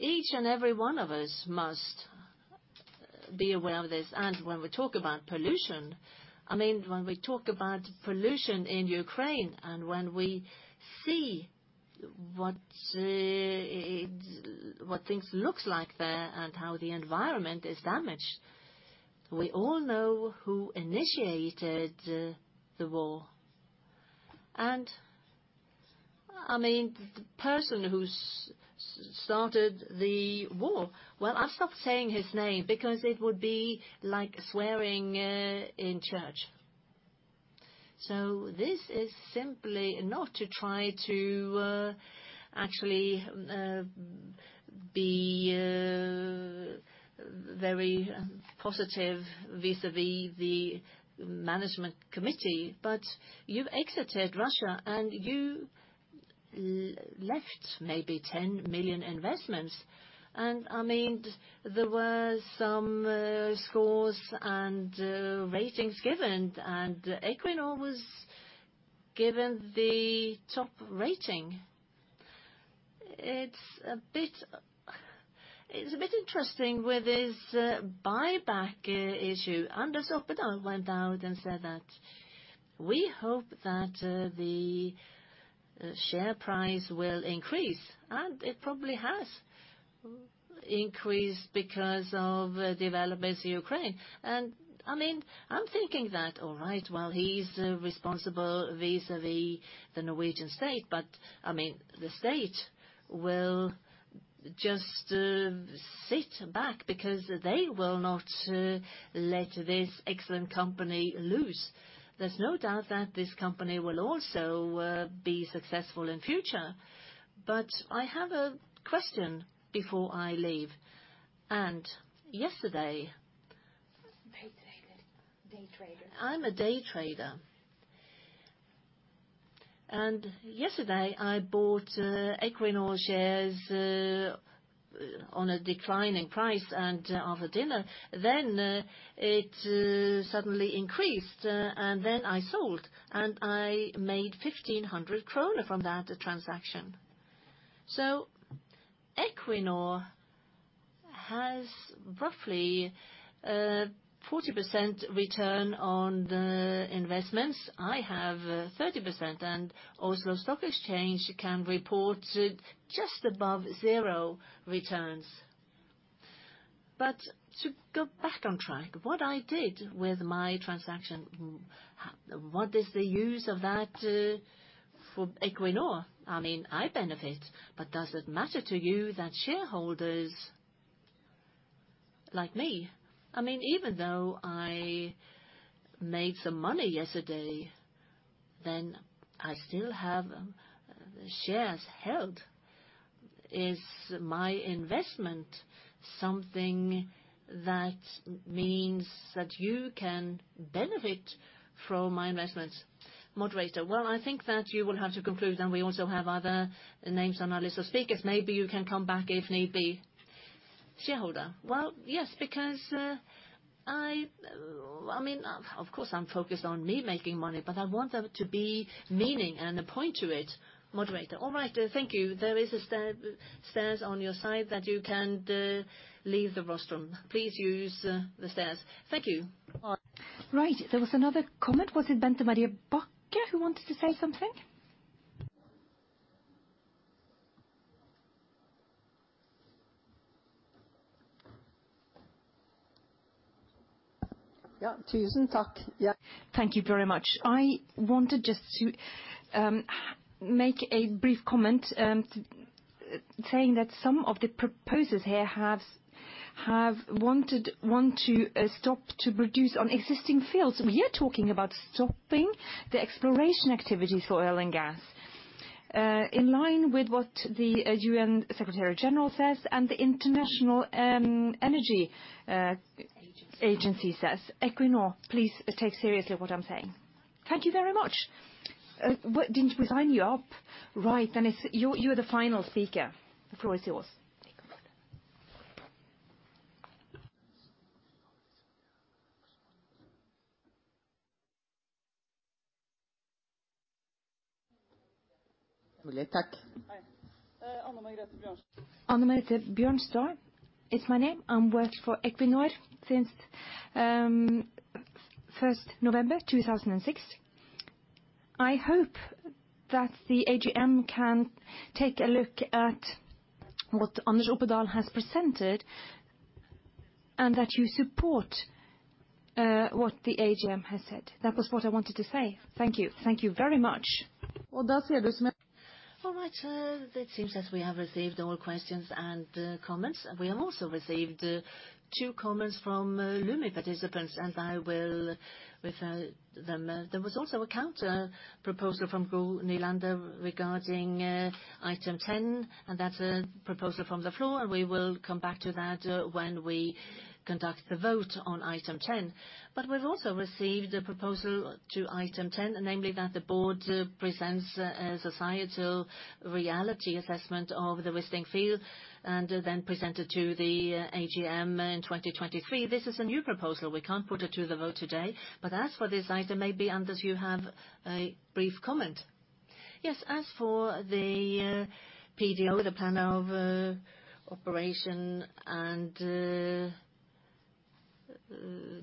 Each and every one of us must be aware of this. When we talk about pollution, I mean, when we talk about pollution in Ukraine, and when we see what things look like there and how the environment is damaged, we all know who initiated the war. I mean, the person who started the war, well, I'll stop saying his name because it would be like swearing in church. This is simply not to try to actually be very positive vis-à-vis the management committee, but you've exited Russia, and you left maybe 10 million investments. I mean, there were some scores and ratings given, and Equinor was given the top rating. It's a bit interesting with this buyback issue. Anders Opedal went out and said that we hope that the share price will increase, and it probably has increased because of developments in Ukraine. I mean, I'm thinking that, all right, well, he's responsible vis-à-vis the Norwegian state, but I mean, the state will just sit back because they will not let this excellent company lose. There's no doubt that this company will also be successful in future. I have a question before I leave. Day trader. I'm a day trader. Yesterday, I bought Equinor shares on a declining price over dinner. It suddenly increased, and then I sold, and I made 1,500 kroner from that transaction. Equinor has roughly 40% return on the investments. I have 30%, and Oslo Stock Exchange can report just above zero returns. To go back on track, what I did with my transaction, what is the use of that for Equinor? I mean, I benefit, but does it matter to you that shareholders like me? I mean, even though I made some money yesterday, then I still have shares held. Is my investment something that means that you can benefit from my investments? I think that you will have to conclude, and we also have other names on our list of speakers. Maybe you can come back if need be. Yes, because I... I mean, of course, I'm focused on me making money, but I want there to be meaning and a point to it. All right, thank you. There is a stairs on your side that you can leave the rostrum. Please use the stairs. Thank you. Right. There was another comment. Was it Bente Marie Bakke who wanted to say something? Yeah. Thank you very much. I wanted just to make a brief comment saying that some of the proposers here want to stop production on existing fields. We are talking about stopping the exploration activities for oil and gas in line with what the UN Secretary General says and the International Energy Agency says. Equinor, please take seriously what I'm saying. Thank you very much. Didn't we sign you up? Right. You, you're the final speaker. The floor is yours. Take over. Anne-Margrete Bjørnstad. Anne-Margrete Bjørnstad is my name. I've worked for Equinor since first November 2006. I hope that the AGM can take a look at what Anders Opedal has presented and that you support what the AGM has said. That was what I wanted to say. Thank you. Thank you very much. All right. It seems that we have received all questions and comments. We have also received two comments from Lumi participants, and I will refer them. There was also a counter proposal from Gro Nylander regarding item ten, and that's a proposal from the floor, and we will come back to that when we conduct the vote on item ten. We've also received a proposal to item ten, namely that the board presents a societal reality assessment of the Wisting field and then present it to the AGM in 2023. This is a new proposal. We can't put it to the vote today. As for this item, maybe, Anders, you have a brief comment. Yes. As for the PDO, the plan of operation and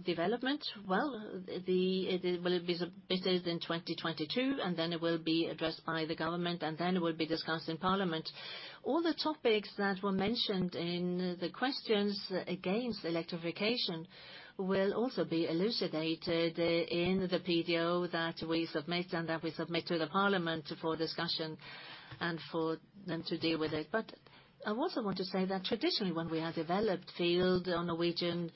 development, well, the It will be submitted in 2022, then it will be addressed by the government, then it will be discussed in parliament. All the topics that were mentioned in the questions against electrification will also be elucidated in the PDO that we submit, and that we submit to the parliament for discussion and for them to deal with it. I also want to say that traditionally, when we have developed field on Norwegian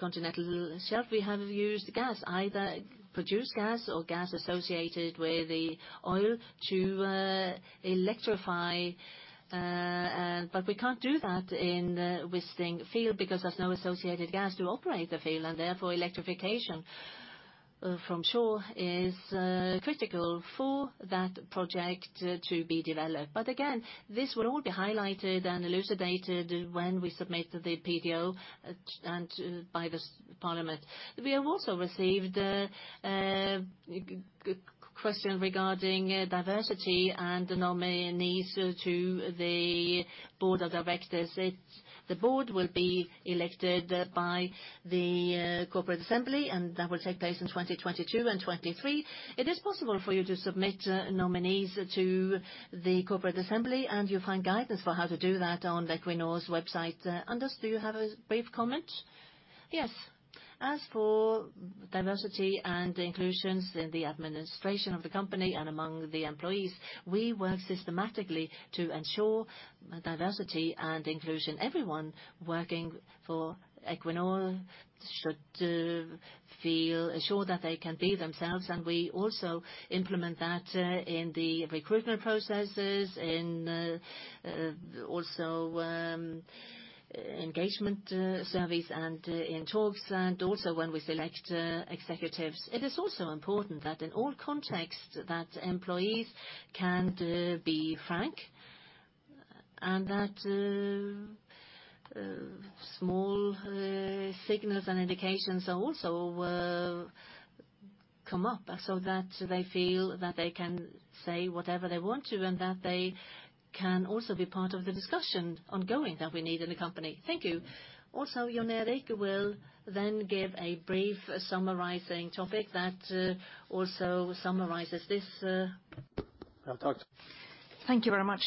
Continental Shelf, we have used gas, either produced gas or gas associated with the oil to electrify. We can't do that in Wisting field because there's no associated gas to operate the field, and therefore, electrification from shore is critical for that project to be developed. This will all be highlighted and elucidated when we submit the PDO by this parliament. We have also received a question regarding diversity and the nominees to the Board of Directors. It is the board will be elected by the corporate assembly, and that will take place in 2022 and 2023. It is possible for you to submit nominees to the corporate assembly, and you'll find guidance for how to do that on the Equinor's website. Anders, do you have a brief comment? Yes. As for diversity and inclusion in the administration of the company and among the employees, we work systematically to ensure diversity and inclusion. Everyone working for Equinor should feel assured that they can be themselves, and we also implement that in the recruitment processes, in also engagement surveys, and in talks, and also when we select executives. It is also important that in all contexts that employees can be frank and that small signals and indications also will come up so that they feel that they can say whatever they want to, and that they can also be part of the discussion ongoing that we need in the company. Thank you. Jon Erik will then give a brief summarizing topic that also summarizes this. I'll talk. Thank you very much.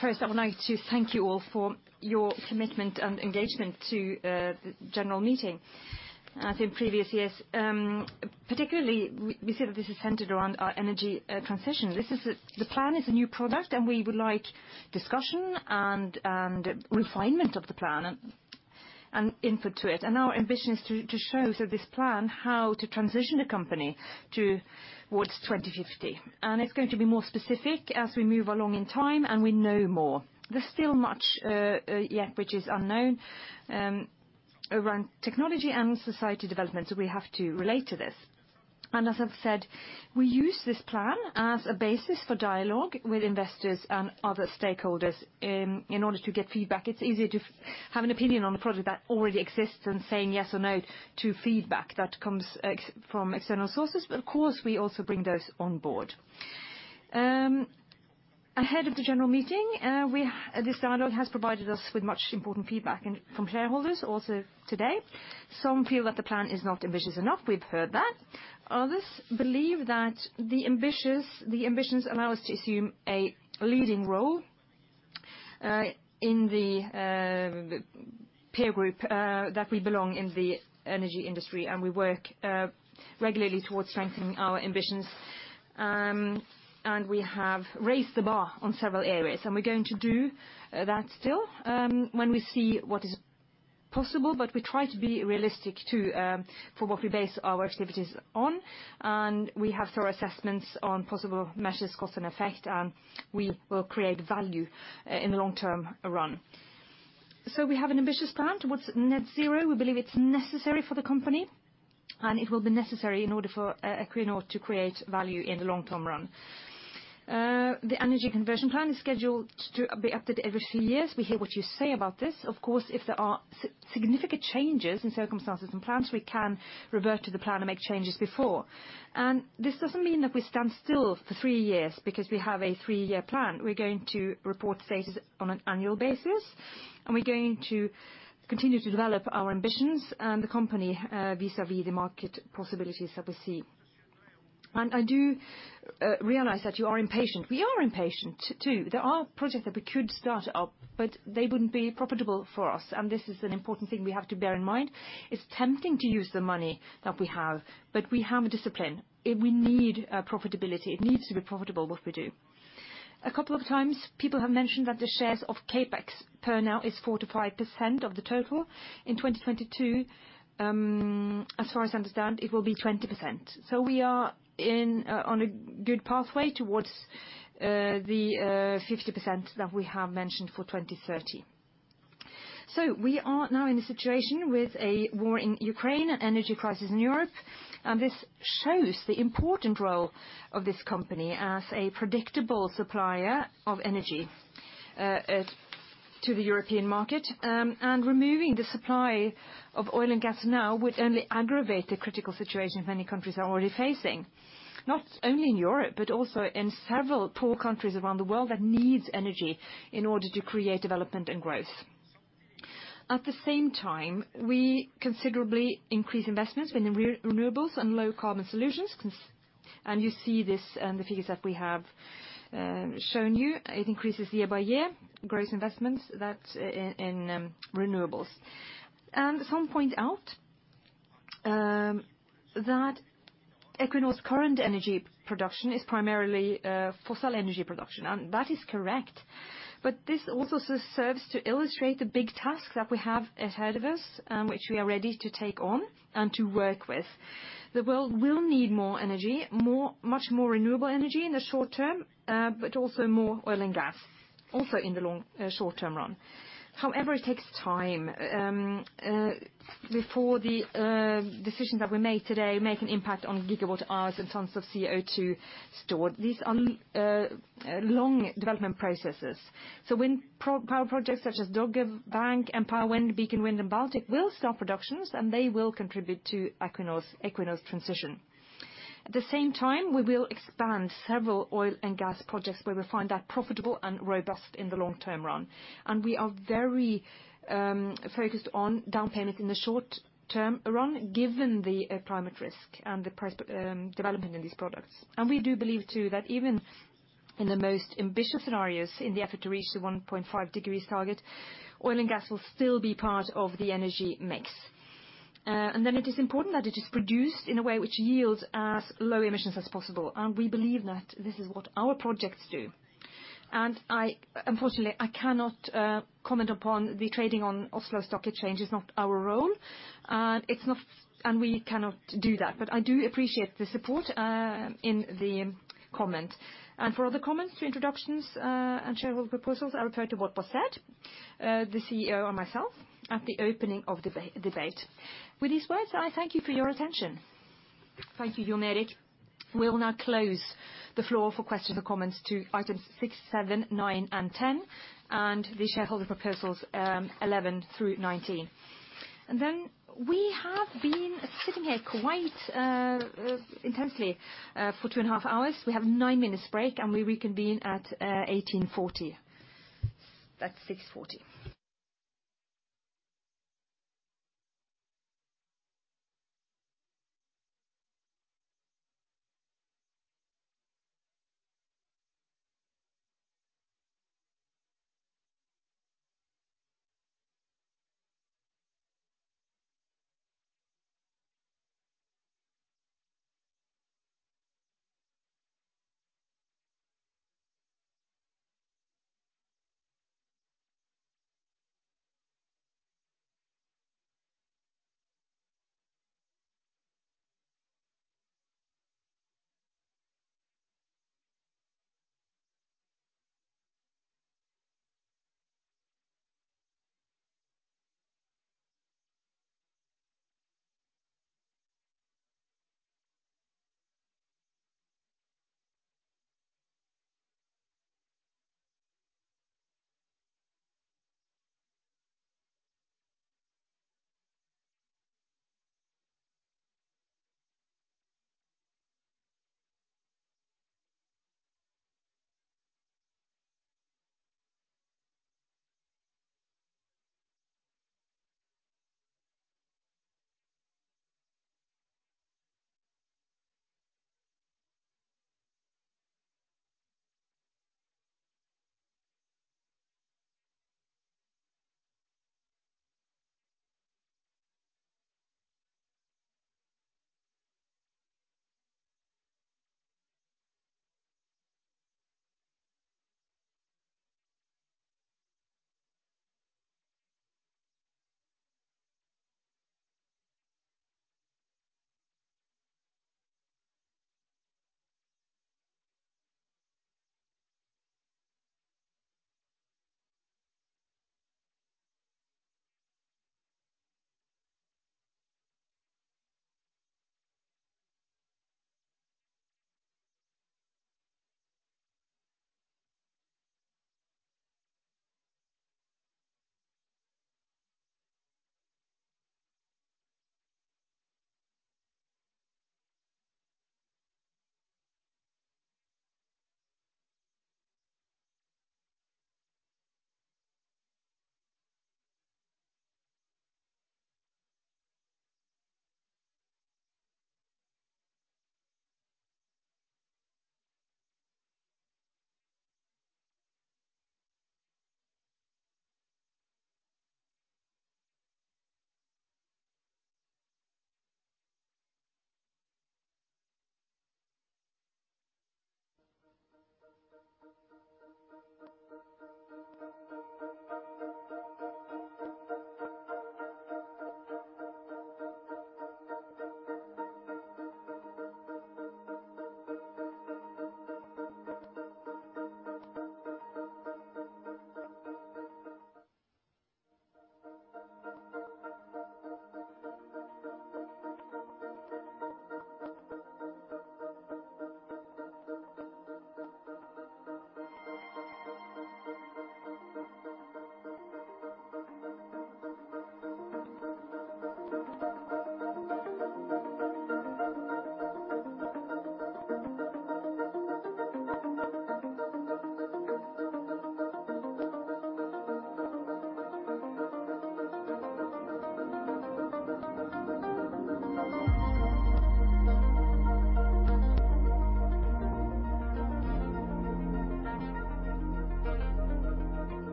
First, I would like to thank you all for your commitment and engagement to the general meeting, as in previous years. Particularly we see that this is centered around our energy transition. The plan is a new product, and we would like discussion and refinement of the plan and input to it. Our ambition is to show through this plan how to transition the company towards 2050. It's going to be more specific as we move along in time, and we know more. There's still much yet which is unknown around technology and society development, so we have to relate to this. As I've said, we use this plan as a basis for dialogue with investors and other stakeholders in order to get feedback. It's easier to have an opinion on a project that already exists than saying yes or no to feedback that comes from external sources, but of course, we also bring those on board. Ahead of the general meeting, this dialogue has provided us with much important feedback and from shareholders also today. Some feel that the plan is not ambitious enough. We've heard that. Others believe that the ambitions allow us to assume a leading role, in the peer group that we belong in the energy industry, and we work regularly towards strengthening our ambitions. We have raised the bar on several areas, and we're going to do that still, when we see what is possible. We try to be realistic, too, for what we base our activities on, and we have thorough assessments on possible measures, cost, and effect, and we will create value, in the long-term run. We have an ambitious plan towards net zero. We believe it's necessary for the company, and it will be necessary in order for, Equinor to create value in the long-term run. The energy transition plan is scheduled to be updated every three years. We hear what you say about this. Of course, if there are significant changes in circumstances and plans, we can revert to the plan and make changes before. This doesn't mean that we stand still for three years because we have a three-year plan. We're going to report status on an annual basis, and we're going to continue to develop our ambitions and the company, vis-à-vis the market possibilities that we see. I do realize that you are impatient. We are impatient too. There are projects that we could start up, but they wouldn't be profitable for us, and this is an important thing we have to bear in mind. It's tempting to use the money that we have, but we have a discipline. We need profitability. It needs to be profitable, what we do. A couple of times people have mentioned that the shares of CapEx as of now is 45% of the total. In 2022, as far as I understand, it will be 20%. We are in on a good pathway towards the 50% that we have mentioned for 2030. We are now in a situation with a war in Ukraine, an energy crisis in Europe, and this shows the important role of this company as a predictable supplier of energy to the European market. Removing the supply of oil and gas now would only aggravate the critical situation many countries are already facing, not only in Europe, but also in several poor countries around the world that needs energy in order to create development and growth. At the same time, we considerably increase investments in renewables and low carbon solutions. You see this in the figures that we have shown you. It increases year by year, growth investments in renewables. Some point out that Equinor's current energy production is primarily fossil energy production, and that is correct. But this also serves to illustrate the big task that we have ahead of us, which we are ready to take on and to work with. The world will need more energy, more, much more renewable energy in the short term, but also more oil and gas in the short-term run. However, it takes time before the decisions that we make today make an impact on gigawatt hours and tons of CO2 stored. These are long development processes. Wind power projects such as Dogger Bank, Empire Wind, Beacon Wind, and Baltyk will start production, and they will contribute to Equinor's transition. At the same time, we will expand several oil and gas projects where we find that profitable and robust in the long-term run. We are very focused on down payment in the short-term run, given the climate risk and the price development in these products. We do believe, too, that even in the most ambitious scenarios in the effort to reach the 1.5 degrees target, oil and gas will still be part of the energy mix. It is important that it is produced in a way which yields as low emissions as possible, and we believe that this is what our projects do. Unfortunately, I cannot comment upon the trading on Oslo Stock Exchange. It's not our role, and it's not and we cannot do that. I do appreciate the support in the comment. For other comments to introductions and shareholder proposals, I refer to what was said the CEO and myself at the opening of the debate. With these words, I thank you for your attention. Thank you, Jon Erik Reinhardsen. We'll now close the floor for questions or comments to items 6, 7, 9, and 10, and the shareholder proposals 11 through 19. Then we have been sitting here quite intensely for two and a half hours. We have nine minutes break, and we reconvene at 6:40 P.M. That's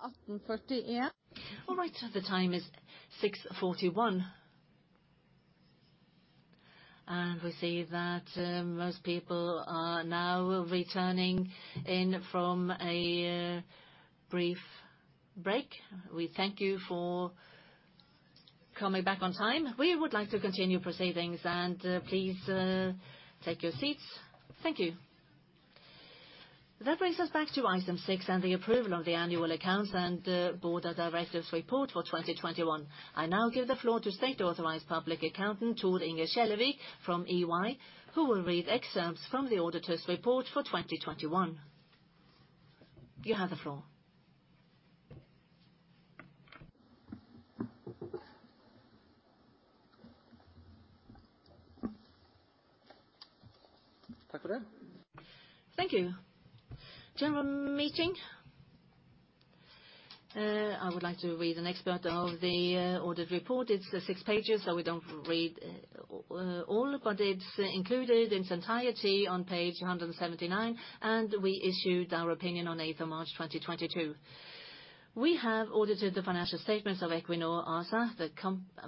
All right. The time is 6:41, and we see that most people are now returning in from a brief break. We thank you for coming back on time. We would like to continue proceedings and please take your seats. Thank you. That brings us back to item six and the approval of the annual accounts and Board of Directors report for 2021. I now give the floor to State Authorized Public Accountant Tor Inge Skjellevik from EY, who will read excerpts from the auditor's report for 2021. You have the floor. Thank you. General meeting, I would like to read an excerpt of the audit report. It's the six pages, so we don't read all, but it's included in its entirety on page 179, and we issued our opinion on March 8th, 2022. We have audited the financial statements of Equinor ASA,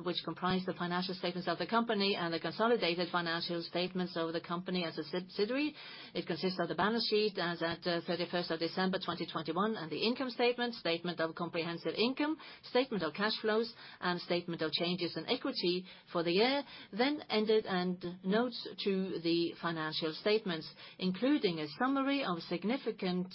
which comprise the financial statements of the company and the consolidated financial statements of the company as a subsidiary. It consists of the balance sheet as at December 31st, 2021, and the income statement of comprehensive income, statement of cash flows, and statement of changes in equity for the year then ended, and notes to the financial statements, including a summary of significant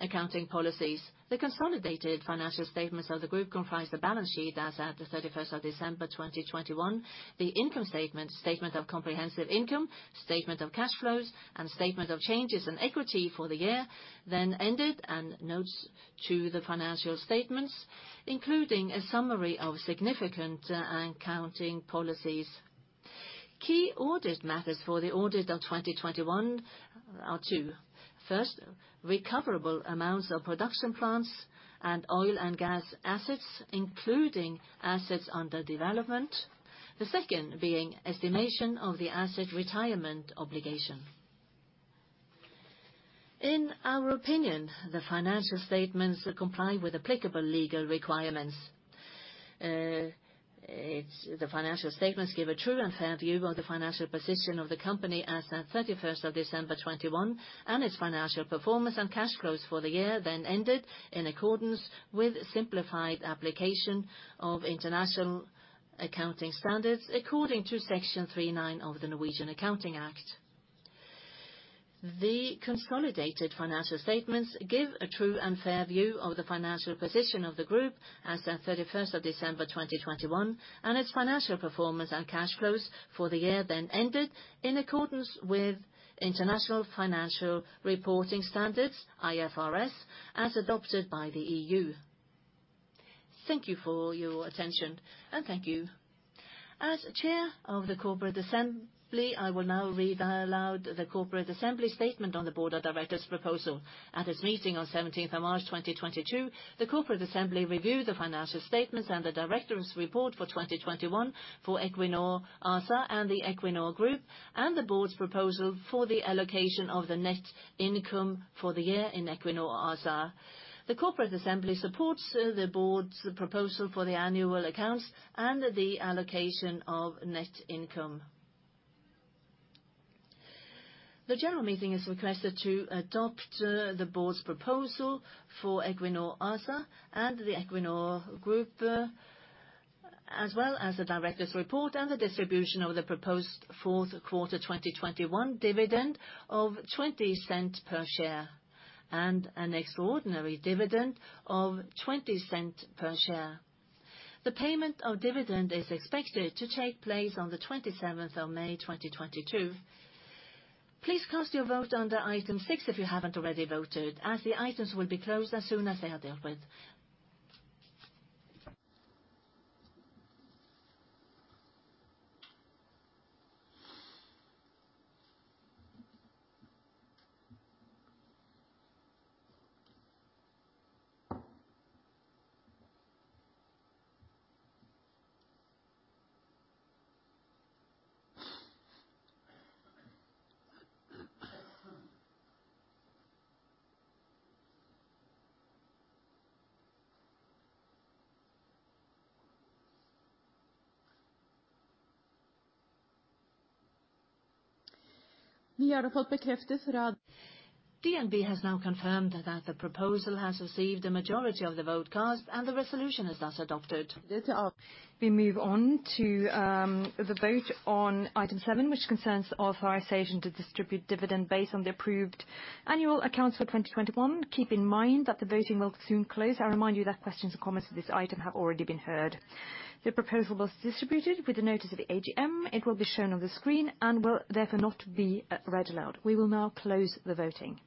accounting policies. The consolidated financial statements of the group comprise the balance sheet as at the 31st of December 2021, the income statement of comprehensive income, statement of cash flows, and statement of changes in equity for the year then ended, and notes to the financial statements, including a summary of significant accounting policies. Key audit matters for the audit of 2021 are two. First, recoverable amounts of production plants and oil and gas assets, including assets under development. The second being estimation of the asset retirement obligation. In our opinion, the financial statements comply with applicable legal requirements. The financial statements give a true and fair view of the financial position of the company as at 31st December 2021, and its financial performance and cash flows for the year then ended in accordance with simplified application of International Accounting Standards according to Section 3-9 of the Norwegian Accounting Act. The consolidated financial statements give a true and fair view of the financial position of the group as at 31st December 2021, and its financial performance and cash flows for the year then ended in accordance with International Financial Reporting Standards, IFRS, as adopted by the EU. Thank you for your attention, and thank you. As chair of the Corporate Assembly, I will now read aloud the Corporate Assembly statement on the Board of Directors' proposal. At its meeting on 17th of March 2022, the corporate assembly reviewed the financial statements and the directors' report for 2021 for Equinor ASA and the Equinor Group, and the board's proposal for the allocation of the net income for the year in Equinor ASA. The corporate assembly supports the board's proposal for the annual accounts and the allocation of net income. The general meeting is requested to adopt the board's proposal for Equinor ASA and the Equinor Group, as well as the directors' report and the distribution of the proposed fourth quarter 2021 dividend of $0.20 per share, and an extraordinary dividend of $0.20 per share. The payment of dividend is expected to take place on the 27th of May 2022. Please cast your vote under item 6 if you haven't already voted, as the items will be closed as soon as they are dealt with. DNB has now confirmed that the proposal has received a majority of the vote cast, and the resolution is thus adopted. We move on to the vote on item 7, which concerns authorization to distribute dividend based on the approved annual accounts for 2021. Keep in mind that the voting will soon close. I remind you that questions and comments to this item have already been heard. The proposal was distributed with the notice of the AGM. It will be shown on the screen and will therefore not be read aloud. We will now close the voting.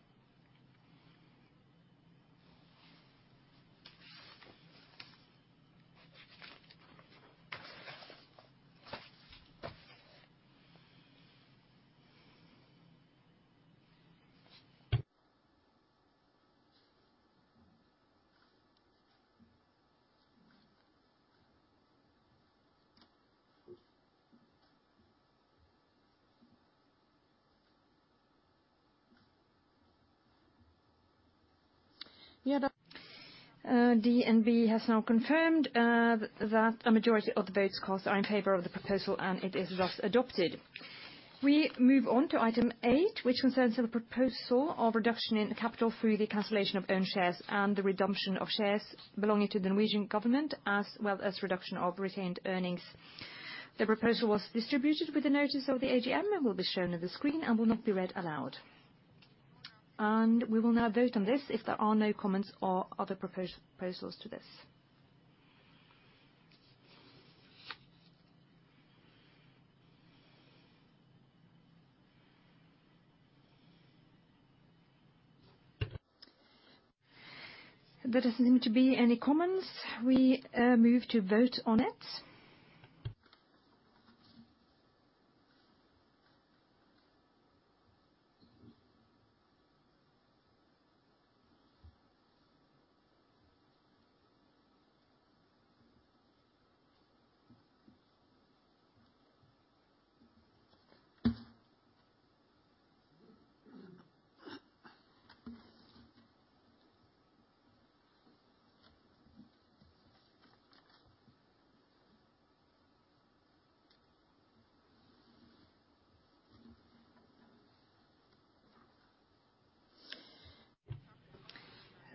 DNB has now confirmed that a majority of the votes cast are in favor of the proposal, and it is thus adopted. We move on to item eight, which concerns the proposal of reduction in capital through the cancellation of own shares and the redemption of shares belonging to the Norwegian government, as well as reduction of retained earnings. The proposal was distributed with the notice of the AGM and will be shown on the screen and will not be read aloud. We will now vote on this if there are no comments or other proposals to this. There doesn't seem to be any comments. We move to vote on it.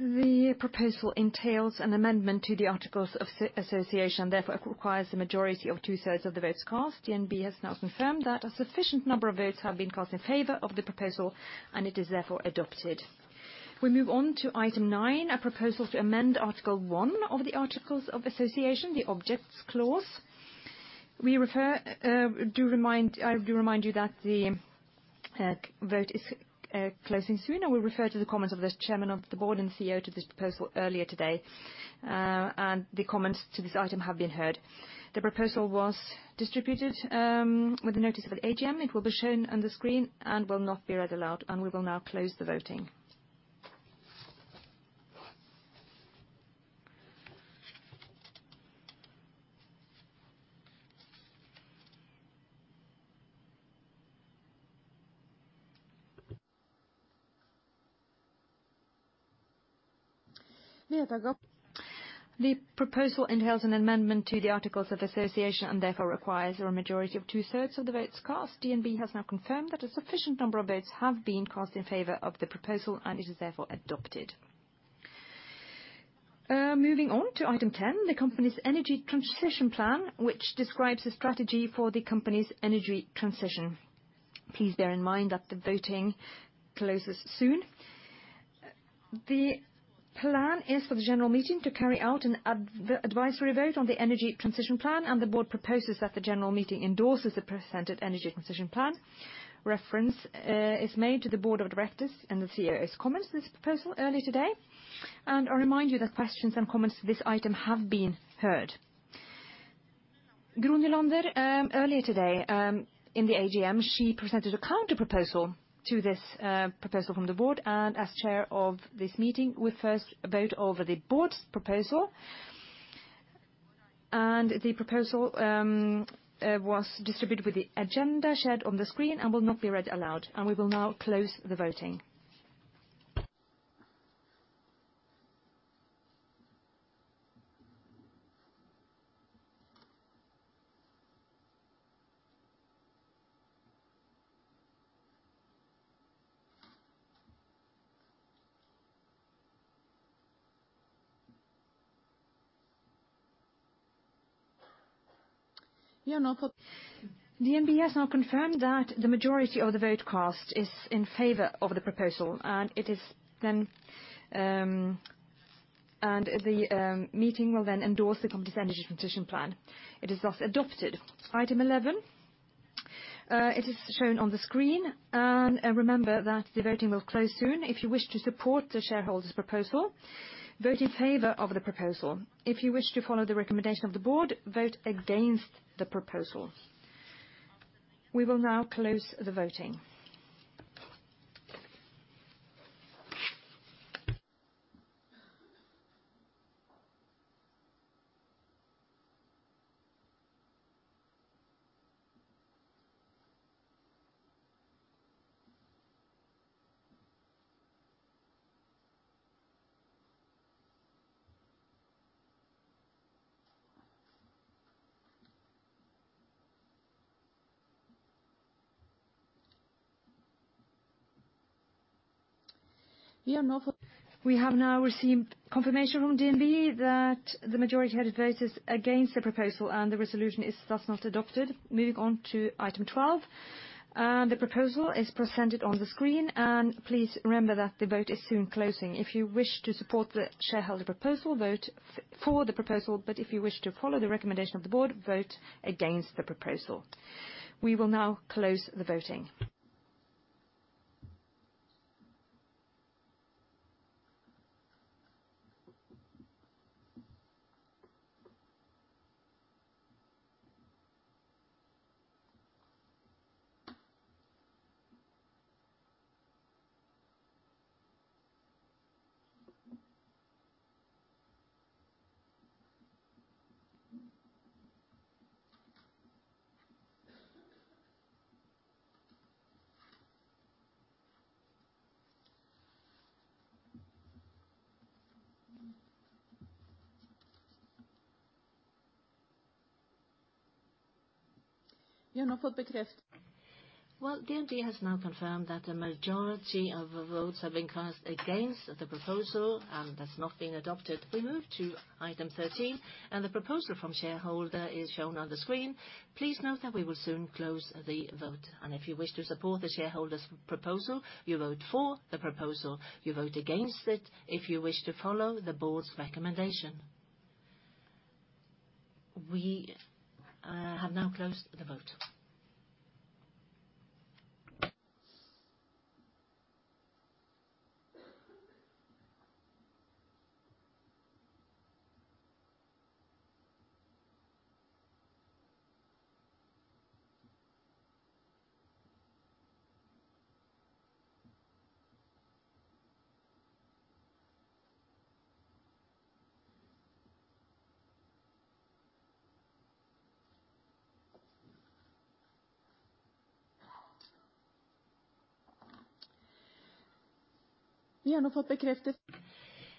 The proposal entails an amendment to the articles of association, therefore it requires the majority of two-thirds of the votes cast. DNB has now confirmed that a sufficient number of votes have been cast in favor of the proposal, and it is therefore adopted. We move on to item 9, a proposal to amend article one of the articles of association, the objects clause. I do remind you that the vote is closing soon, and we refer to the comments of the chairman of the board and CEO to this proposal earlier today. And the comments to this item have been heard. The proposal was distributed with the notice of the AGM. It will be shown on the screen and will not be read aloud. We will now close the voting. The proposal entails an amendment to the articles of association and therefore requires a majority of 2/3 of the votes cast. DNB has now confirmed that a sufficient number of votes have been cast in favor of the proposal, and it is therefore adopted. Moving on to item 10, the company's energy transition plan, which describes the strategy for the company's energy transition. Please bear in mind that the voting closes soon. The plan is for the general meeting to carry out an advisory vote on the energy transition plan, and the board proposes that the general meeting endorses the presented energy transition plan. Reference is made to the Board of Directors and the CEO's comments to this proposal earlier today. I remind you that questions and comments to this item have been heard. Gro Nylander, earlier today, in the AGM, she presented a counterproposal to this, proposal from the board. As chair of this meeting, we first vote over the board's proposal. The proposal was distributed with the agenda shared on the screen and will not be read aloud. We will now close the voting. DNB has now confirmed that the majority of the vote cast is in favor of the proposal, and it is then. The meeting will then endorse the company's energy transition plan. It is thus adopted. Item 11, it is shown on the screen. Remember that the voting will close soon. If you wish to support the shareholder's proposal, vote in favor of the proposal. If you wish to follow the recommendation of the board, vote against the proposal. We will now close the voting. We have now received confirmation from DNB that the majority had voted against the proposal, and the resolution is thus not adopted. Moving on to item twelve, the proposal is presented on the screen. Please remember that the vote is soon closing. If you wish to support the shareholder proposal, vote for the proposal, but if you wish to follow the recommendation of the board, vote against the proposal. We will now close the voting. Well, DNB has now confirmed that a majority of the votes have been cast against the proposal, and that's not been adopted. We move to item 13, and the proposal from shareholder is shown on the screen. Please note that we will soon close the vote. If you wish to support the shareholder's proposal, you vote for the proposal. You vote against it if you wish to follow the board's recommendation. We have now closed the vote.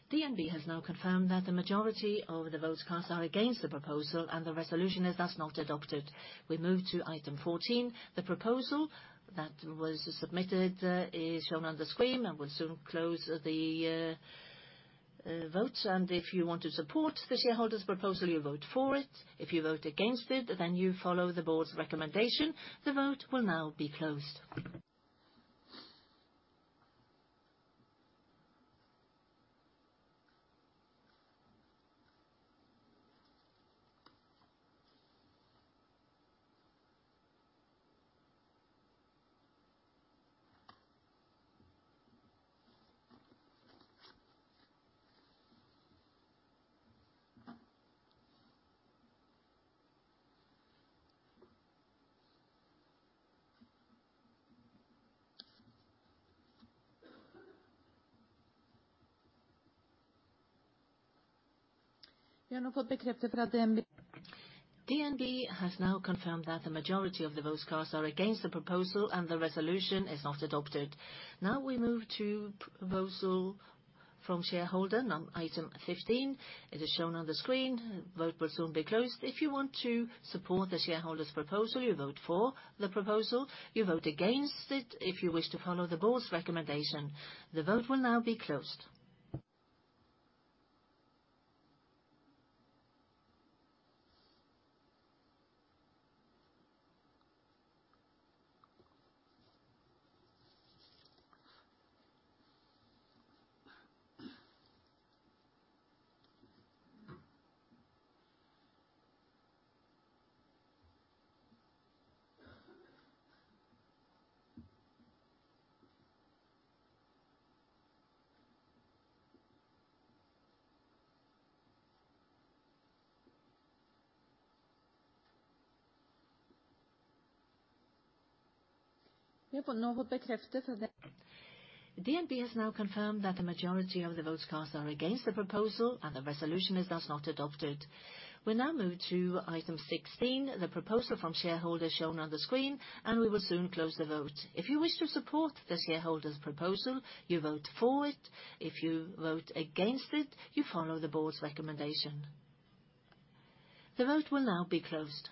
DNB has now confirmed that the majority of the votes cast are against the proposal, and the resolution is thus not adopted. We move to item 14. The proposal that was submitted is shown on the screen, and we'll soon close the vote. If you want to support the shareholders proposal, you vote for it. If you vote against it, then you follow the board's recommendation. The vote will now be closed. DNB has now confirmed that the majority of the votes cast are against the proposal, and the resolution is not adopted. We move to proposal from shareholder on item 15. It is shown on the screen. Vote will soon be closed. If you want to support the shareholders proposal, you vote for the proposal. You vote against it if you wish to follow the board's recommendation. The vote will now be closed. DNB has now confirmed that the majority of the votes cast are against the proposal, and the resolution is thus not adopted. We now move to item 16. The proposal from shareholders shown on the screen, and we will soon close the vote. If you wish to support the shareholders proposal, you vote for it. If you vote against it, you follow the board's recommendation. The vote will now be closed.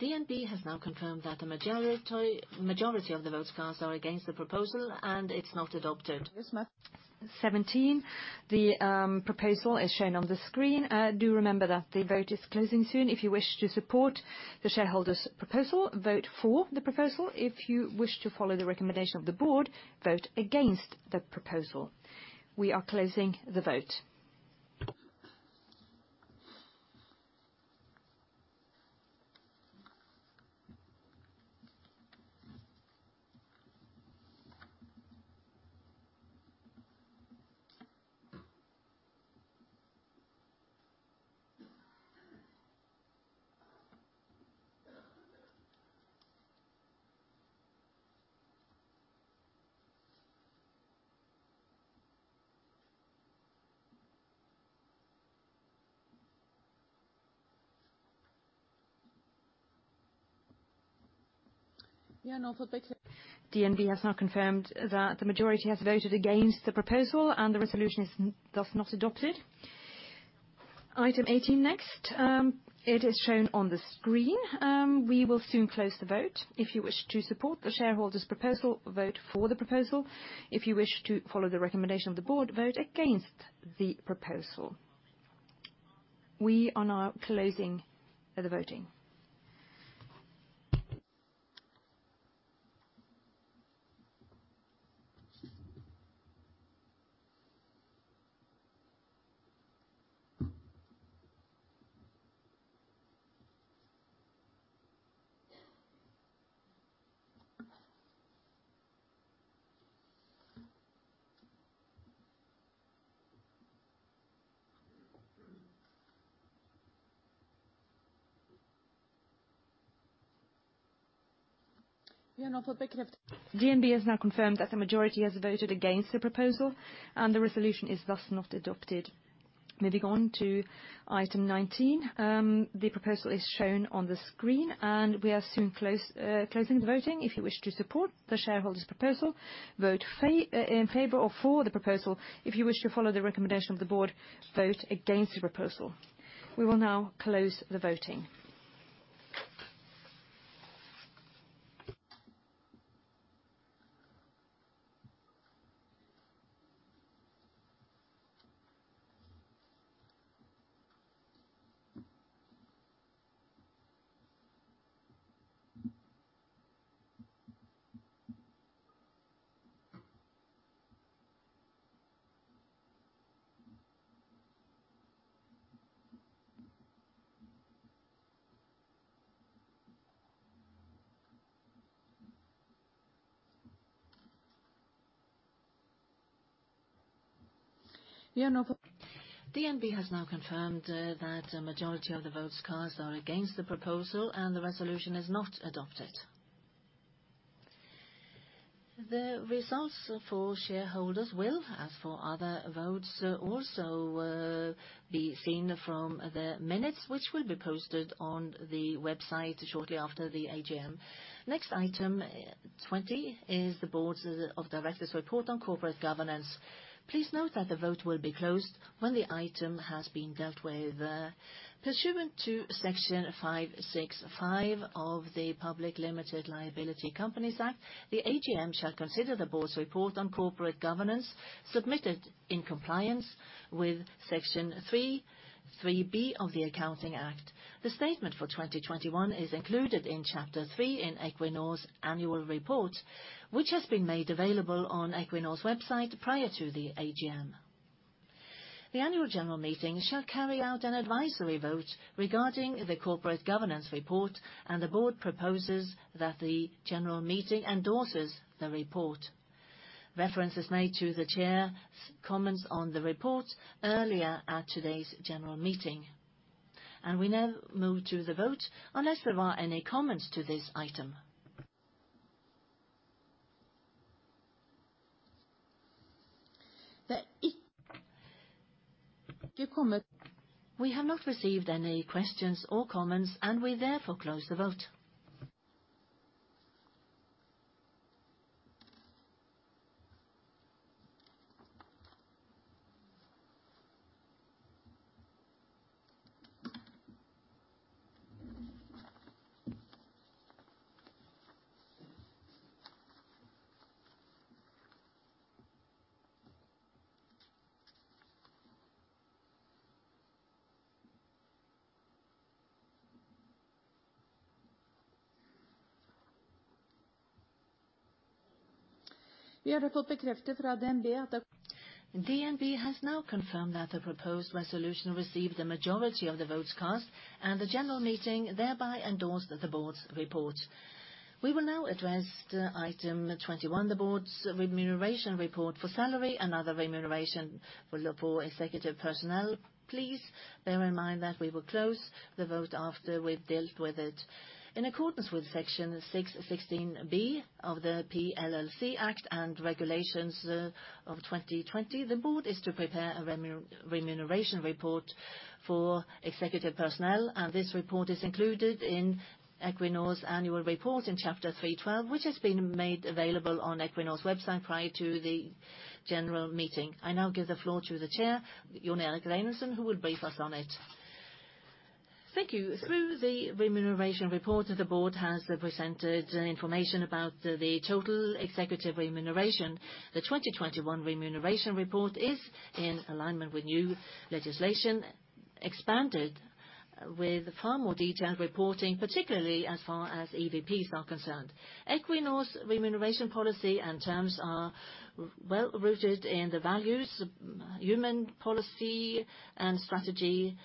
DNB has now confirmed that the majority of the votes cast are against the proposal, and it's not adopted. 17, the proposal is shown on the screen. Do remember that the vote is closing soon. If you wish to support the shareholders proposal, vote for the proposal. If you wish to follow the recommendation of the board, vote against the proposal. We are closing the vote. DNB has now confirmed that the majority has voted against the proposal, and the resolution is thus not adopted. Item 18 next. It is shown on the screen. We will soon close the vote. If you wish to support the shareholders proposal, vote for the proposal. If you wish to follow the recommendation of the board, vote against the proposal. We are now closing the voting. DNB has now confirmed that the majority has voted against the proposal, and the resolution is thus not adopted. Moving on to item 19. The proposal is shown on the screen, and we are soon closing the voting. If you wish to support the shareholders proposal, vote in favor or for the proposal. If you wish to follow the recommendation of the board, vote against the proposal. We will now close the voting. DNB has now confirmed that a majority of the votes cast are against the proposal, and the resolution is not adopted. The results for shareholders will, as for other votes also, be seen from the minutes, which will be posted on the website shortly after the AGM. Next item, 20, is the Board of Directors report on corporate governance. Please note that the vote will be closed when the item has been dealt with, pursuant to Section 565 of the Public Limited Liability Companies Act. The AGM shall consider the board's report on corporate governance submitted in compliance with Section 3-3b of the Accounting Act. The statement for 2021 is included in chapter 3 in Equinor's annual report, which has been made available on Equinor's website prior to the AGM. The annual general meeting shall carry out an advisory vote regarding the corporate governance report, and the board proposes that the general meeting endorses the report. Reference is made to the chair's comments on the report earlier at today's general meeting. We now move to the vote unless there are any comments to this item. We have not received any questions or comments, and we therefore close the vote. DNB has now confirmed that the proposed resolution received the majority of the votes cast, and the general meeting thereby endorsed the board's report. We will now address item 21, the board's remuneration report for salary and other remuneration for executive personnel. Please bear in mind that we will close the vote after we've dealt with it. In accordance with Section 6-16 b of the PLLCA and regulations of 2020, the board is to prepare a remuneration report for executive personnel, and this report is included in Equinor's annual report in chapter 3.12, which has been made available on Equinor's website prior to the general meeting. I now give the floor to the chair, Jon Erik Reinhardsen, who will brief us on it. Thank you. Through the remuneration report that the board has presented information about the total executive remuneration. The 2021 remuneration report is in alignment with new legislation expanded with far more detailed reporting, particularly as far as EVPs are concerned. Equinor's remuneration policy and terms are well rooted in the values, human policy and strategy,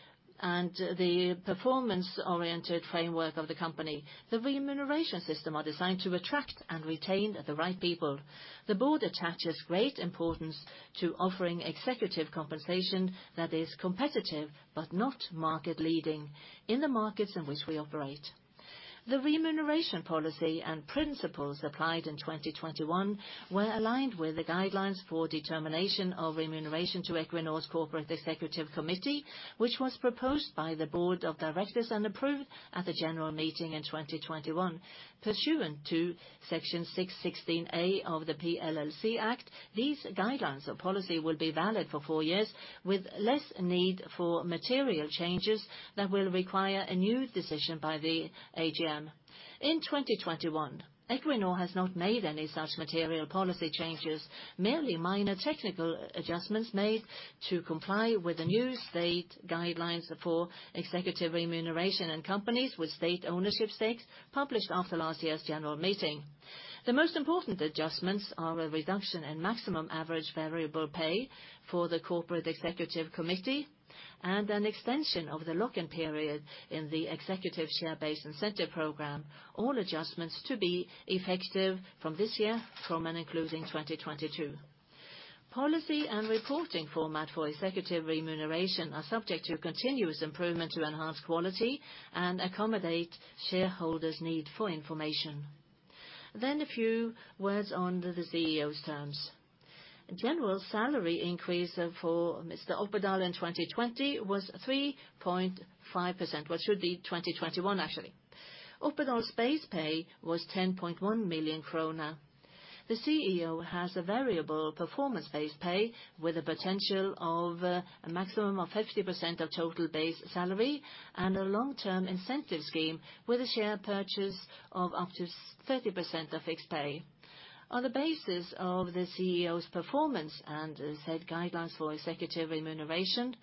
and the performance-oriented framework of the company. The remuneration system are designed to attract and retain the right people. The board attaches great importance to offering executive compensation that is competitive, but not market leading in the markets in which we operate. The remuneration policy and principles applied in 2021 were aligned with the guidelines for determination of remuneration to Equinor's Corporate Executive Committee, which was proposed by the Board of Directors and approved at the general meeting in 2021. Pursuant to Section 6-16 A of the PLLCA Act, these guidelines and policy will be valid for four years with less need for material changes that will require a new decision by the AGM. In 2021, Equinor has not made any such material policy changes, merely minor technical adjustments made to comply with the new State guidelines for executive remuneration and companies with State ownership stakes published after last year's general meeting. The most important adjustments are a reduction in maximum average variable pay for the corporate executive committee and an extension of the lock-in period in the executive share-based incentive program, all adjustments to be effective from this year from and including 2022. Policy and reporting format for executive remuneration are subject to continuous improvement to enhance quality and accommodate shareholders' need for information. A few words on the CEO's terms. General salary increase for Mr. Opedal in 2020 was 3.5%. Well, it should be 2021 actually. Opedal's base pay was 10.1 million kroner. The CEO has a variable performance-based pay with a potential of a maximum of 50% of total base salary and a long-term incentive scheme with a share purchase of up to 30% of fixed pay. On the basis of the CEO's performance and the said guidelines for executive remuneration,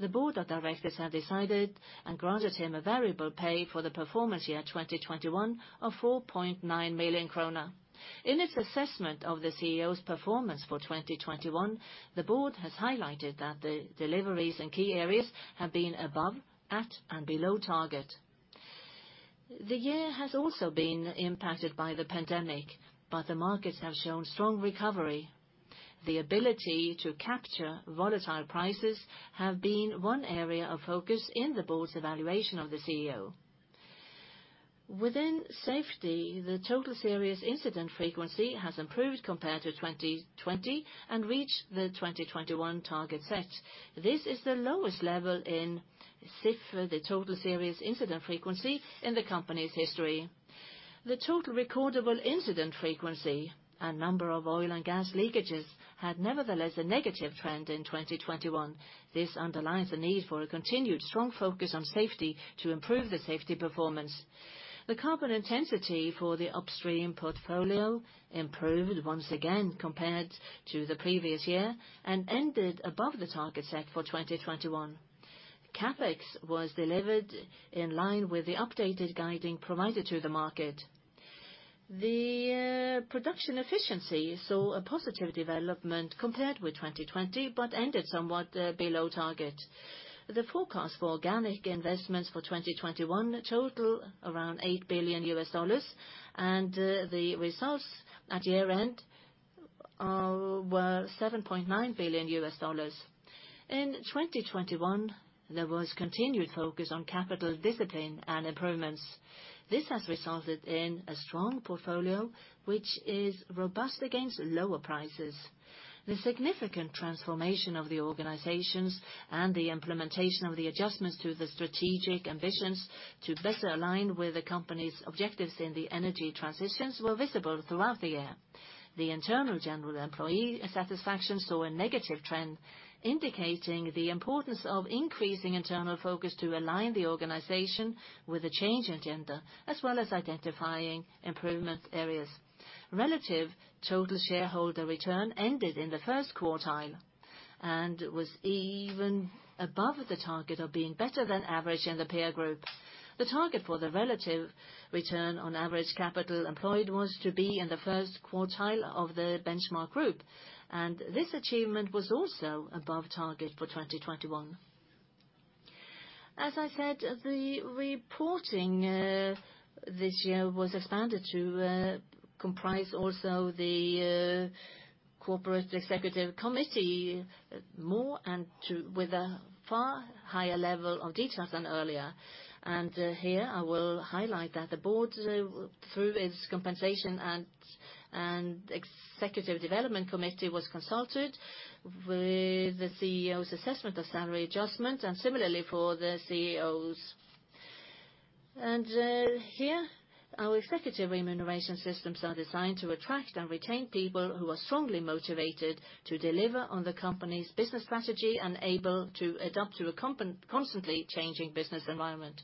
the Board of Directors have decided and granted him a variable pay for the performance year 2021 of 4.9 million kroner. In its assessment of the CEO's performance for 2021, the board has highlighted that the deliveries in key areas have been above, at, and below target. The year has also been impacted by the pandemic, but the markets have shown strong recovery. The ability to capture volatile prices have been one area of focus in the board's evaluation of the CEO. Within safety, the total serious incident frequency has improved compared to 2020 and reached the 2021 target set. This is the lowest level in SIF, the Total Serious Incident Frequency, in the company's history. The total recordable incident frequency and number of oil and gas leakages had nevertheless a negative trend in 2021. This underlines the need for a continued strong focus on safety to improve the safety performance. The carbon intensity for the upstream portfolio improved once again compared to the previous year and ended above the target set for 2021. CapEx was delivered in line with the updated guiding provided to the market. The production efficiency saw a positive development compared with 2020, but ended somewhat below target. The forecast for organic investments for 2021 total around $8 billion, and the results at year-end were $7.9 billion. In 2021, there was continued focus on capital discipline and improvements. This has resulted in a strong portfolio, which is robust against lower prices. The significant transformation of the organizations and the implementation of the adjustments to the strategic ambitions to better align with the company's objectives in the energy transitions were visible throughout the year. The internal general employee satisfaction saw a negative trend, indicating the importance of increasing internal focus to align the organization with the change in agenda, as well as identifying improvement areas. Relative total shareholder return ended in the first quartile and was even above the target of being better than average in the peer group. The target for the relative return on average capital employed was to be in the first quartile of the benchmark group, and this achievement was also above target for 2021. As I said, the reporting this year was expanded to comprise also the corporate executive committee more and with a far higher level of details than earlier. Here I will highlight that the board, through its Compensation and Executive Development Committee, was consulted with the CEO's assessment of salary adjustment and similarly for the CEOs. Here our executive remuneration systems are designed to attract and retain people who are strongly motivated to deliver on the company's business strategy and able to adapt to a constantly changing business environment.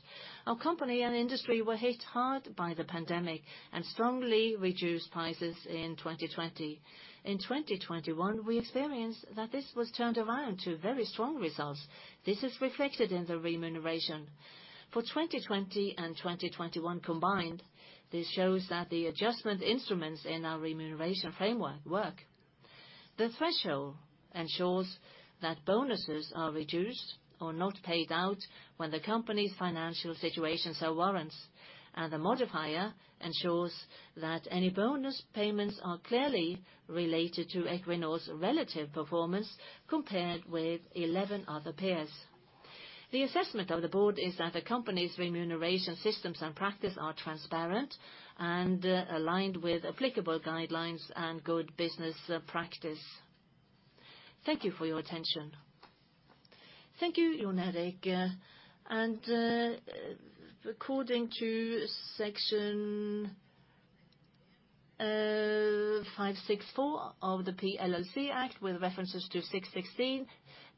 Our company and industry were hit hard by the pandemic and strongly reduced prices in 2020. In 2021, we experienced that this was turned around to very strong results. This is reflected in the remuneration. For 2020 and 2021 combined, this shows that the adjustment instruments in our remuneration framework work. The threshold ensures that bonuses are reduced or not paid out when the company's financial situation warrants. The modifier ensures that any bonus payments are clearly related to Equinor's relative performance compared with 11 other peers. The assessment of the board is that the company's remuneration systems and practice are transparent and aligned with applicable guidelines and good business practice. Thank you for your attention. Thank you, Jon Erik Reinhardsen. According to section 564 of the PLLCA Act, with references to 6-16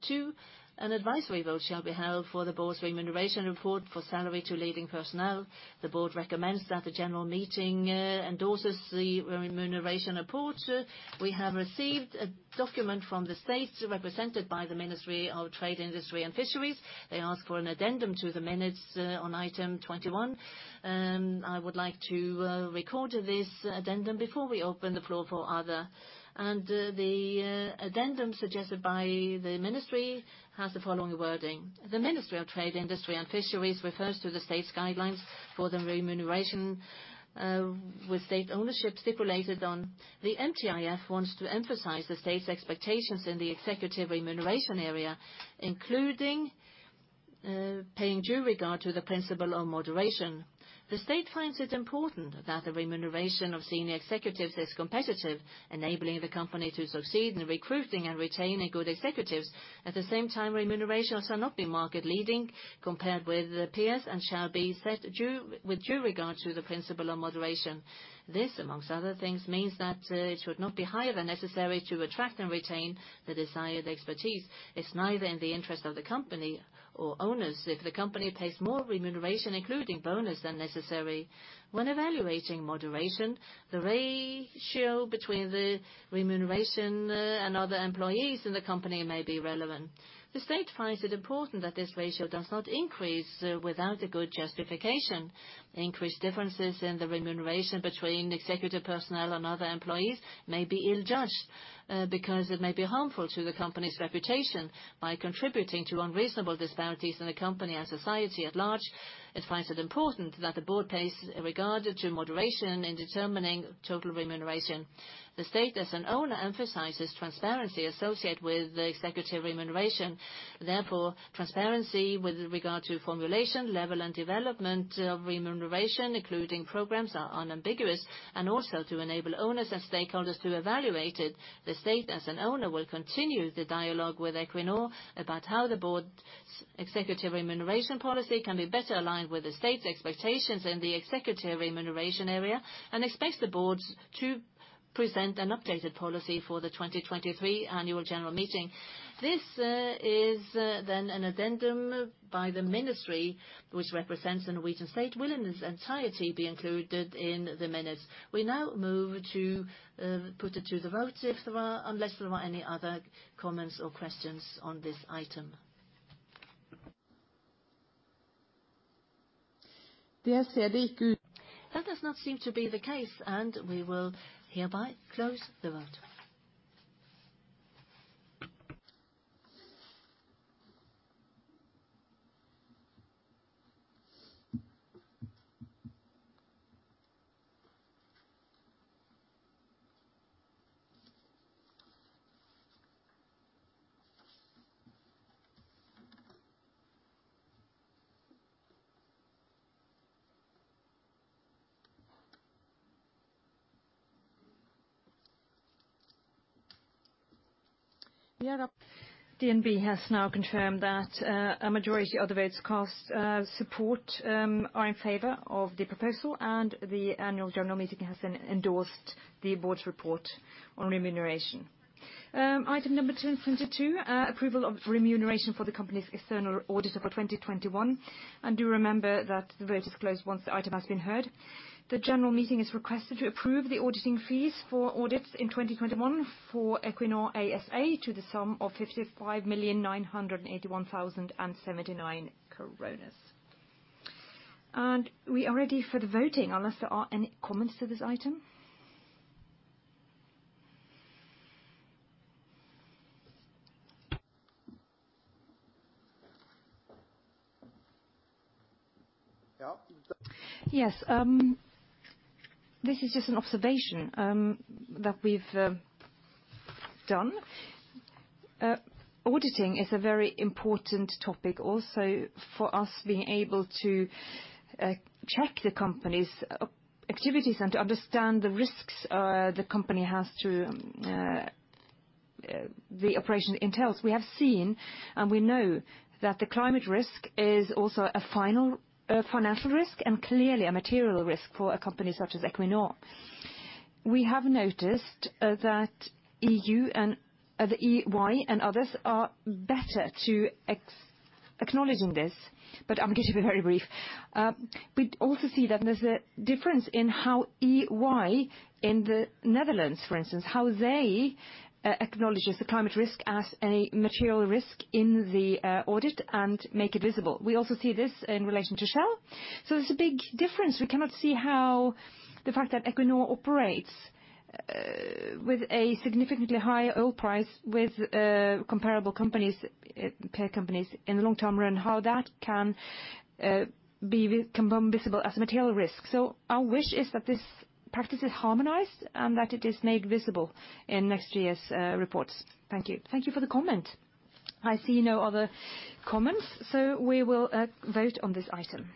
b, an advisory vote shall be held for the board's remuneration report for salary to leading personnel. The board recommends that the general meeting endorses the remuneration report. We have received a document from the state represented by the Ministry of Trade, Industry and Fisheries. They ask for an addendum to the minutes on item 21. I would like to record this addendum before we open the floor for other. The addendum suggested by the ministry has the following wording: The Ministry of Trade, Industry and Fisheries refers to the state's guidelines for the remuneration with state ownership stipulated on the MTIF website, wants to emphasize the state's expectations in the executive remuneration area, including paying due regard to the principle of moderation. The state finds it important that the remuneration of senior executives is competitive, enabling the company to succeed in recruiting and retaining good executives. At the same time, remunerations shall not be market-leading compared with the peers and shall be set with due regard to the principle of moderation. This, among other things, means that it should not be higher than necessary to attract and retain the desired expertise. It's neither in the interest of the company or owners if the company pays more remuneration, including bonus, than necessary. When evaluating moderation, the ratio between the remuneration and other employees in the company may be relevant. The state finds it important that this ratio does not increase without a good justification. Increased differences in the remuneration between executive personnel and other employees may be ill-judged because it may be harmful to the company's reputation by contributing to unreasonable disparities in the company and society at large. It finds it important that the board pays regard to moderation in determining total remuneration. The state as an owner emphasizes transparency associated with the executive remuneration. Therefore, transparency with regard to formulation, level, and development of remuneration, including programs are unambiguous, and also to enable owners and stakeholders to evaluate it. The state as an owner will continue the dialogue with Equinor about how the board's executive remuneration policy can be better aligned with the state's expectations in the executive remuneration area, and expects the boards to present an updated policy for the 2023 annual general meeting. This is then an addendum by the ministry which represents the Norwegian state, will in its entirety be included in the minutes. We now move to put it to the vote unless there are any other comments or questions on this item. That does not seem to be the case, and we will hereby close the vote. DNB has now confirmed that a majority of the votes cast are in favor of the proposal, and the annual general meeting has then endorsed the board's report on remuneration. Item number 10.22, approval of remuneration for the company's external auditor for 2021. Do remember that the vote is closed once the item has been heard. The general meeting is requested to approve the auditing fees for audits in 2021 for Equinor ASA to the sum of 55,981,079. We are ready for the voting unless there are any comments to this item. Yes. This is just an observation that we've done. Auditing is a very important topic also for us being able to check the company's activities and to understand the risks the company has through the operation it entails. We have seen we know that the climate risk is also a fundamental financial risk and clearly a material risk for a company such as Equinor. We have noticed that EU and the EY and others are better at acknowledging this, but I'm going to be very brief. We also see that there's a difference in how EY in the Netherlands, for instance, how they acknowledge the climate risk as a material risk in the audit and make it visible. We also see this in relation to Shell, so there's a big difference. We cannot see how the fact that Equinor operates with a significantly higher oil price with comparable companies, peer companies in the long term run, how that can become visible as a material risk. Our wish is that this practice is harmonized and that it is made visible in next year's reports. Thank you. Thank you for the comment. I see no other comments, so we will vote on this item.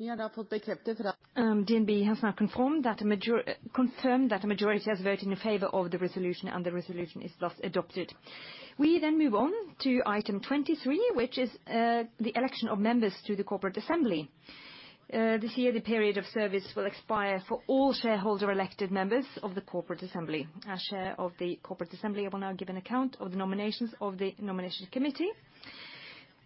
DNB has now confirmed that a majority has voted in favor of the resolution, and the resolution is thus adopted. We move on to item 23, which is the election of members to the Corporate Assembly. This year the period of service will expire for all shareholder-elected members of the Corporate Assembly. As Chair of the Corporate Assembly, I will now give an account of the nominations of the Nomination Committee.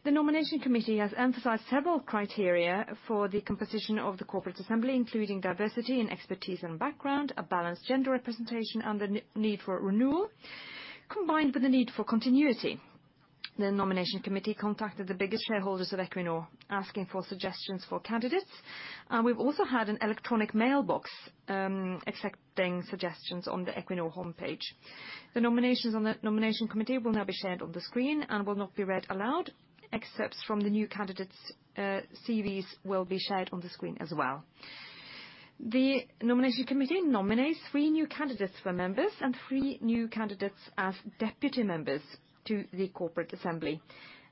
The Nomination Committee has emphasized several criteria for the composition of the Corporate Assembly, including diversity and expertise and background, a balanced gender representation, and the need for renewal, combined with the need for continuity. The Nomination Committee contacted the biggest shareholders of Equinor, asking for suggestions for candidates. We've also had an electronic mailbox accepting suggestions on the Equinor homepage. The nominations on the Nomination Committee will now be shared on the screen and will not be read aloud. Excerpts from the new candidates CVs will be shared on the screen as well. The Nomination Committee nominates three new candidates for members and three new candidates as deputy members to the Corporate Assembly.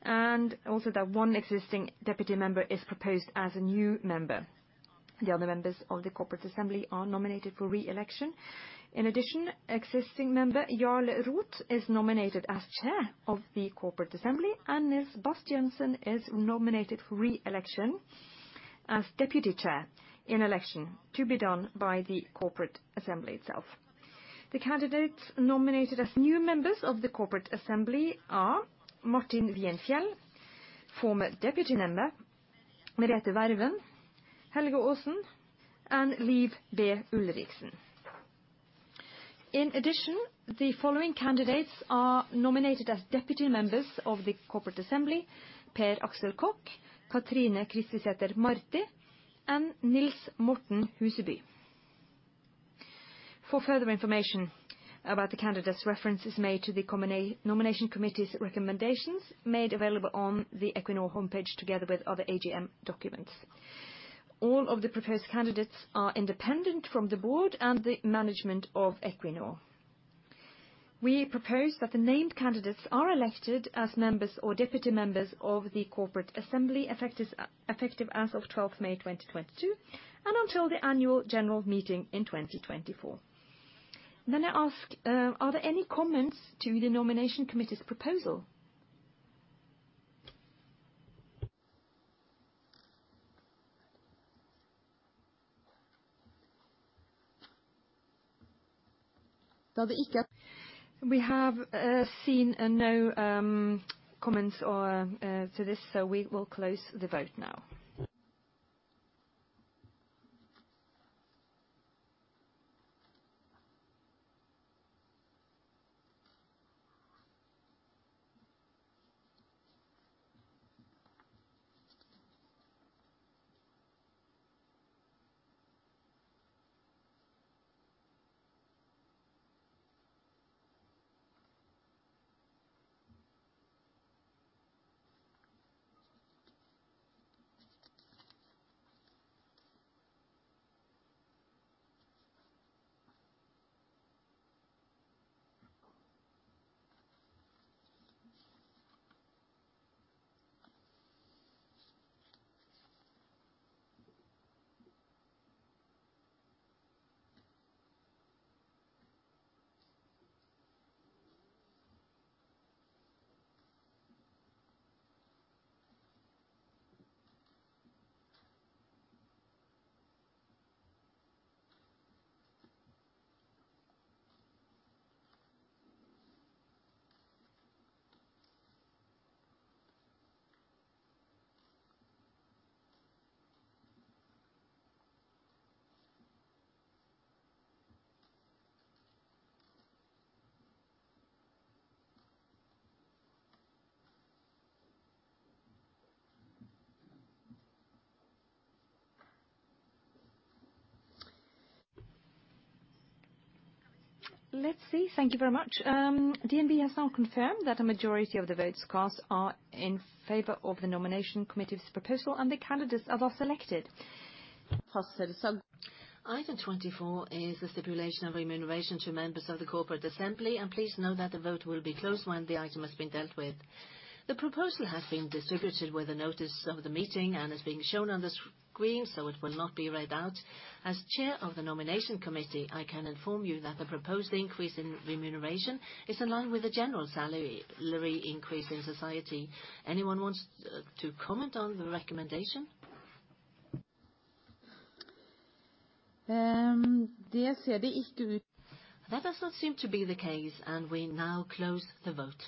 Also that one existing deputy member is proposed as a new member. The other members of the Corporate Assembly are nominated for re-election. In addition, existing member Jarle Roth is nominated as Chair of the Corporate Assembly, and Nils Bastiansen is nominated for re-election as Deputy Chair in election to be done by the Corporate Assembly itself. The candidates nominated as new members of the Corporate Assembly are Martin Vigenfjell, former Deputy Member Merete Hverven, Helge Aasen, and Liv B. Ulriksen. In addition, the following candidates are nominated as deputy members of the Corporate Assembly: Per Axel Koch, Katrine Kristiseter Marti, and Nils Morten Huseby. For further information about the candidates, reference is made to the nomination committee's recommendations made available on the Equinor homepage together with other AGM documents. All of the proposed candidates are independent from the board and the management of Equinor. We propose that the named candidates are elected as members or deputy members of the Corporate Assembly effective as of May 12th 2022, and until the annual general meeting in 2024. I ask, are there any comments to the nomination committee's proposal? We have seen no comments or to this, so we will close the vote now. Let's see. Thank you very much. DNB has now confirmed that a majority of the votes cast are in favor of the nomination committee's proposal, and the candidates are well selected. Item 24 is the stipulation of remuneration to members of the Corporate Assembly, and please know that the vote will be closed when the item has been dealt with. The proposal has been distributed with the notice of the meeting and is being shown on the screen, so it will not be read out. As chair of the nomination committee, I can inform you that the proposed increase in remuneration is in line with the general salary increase in society. Anyone wants to comment on the recommendation? That does not seem to be the case, and we now close the vote.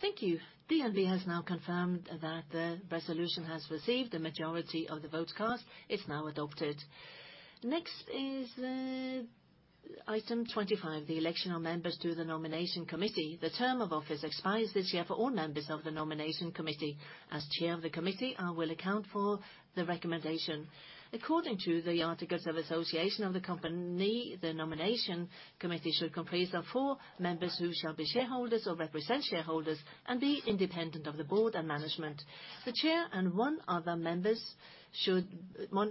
Thank you. DNB has now confirmed that the resolution has received the majority of the votes cast and is now adopted. Next is item 25, the election of members to the nomination committee. The term of office expires this year for all members of the nomination committee. As chair of the committee, I will account for the recommendation. According to the articles of association of the company, the Nomination Committee should comprise of four members who shall be shareholders or represent shareholders and be independent of the board and management. The chair and one other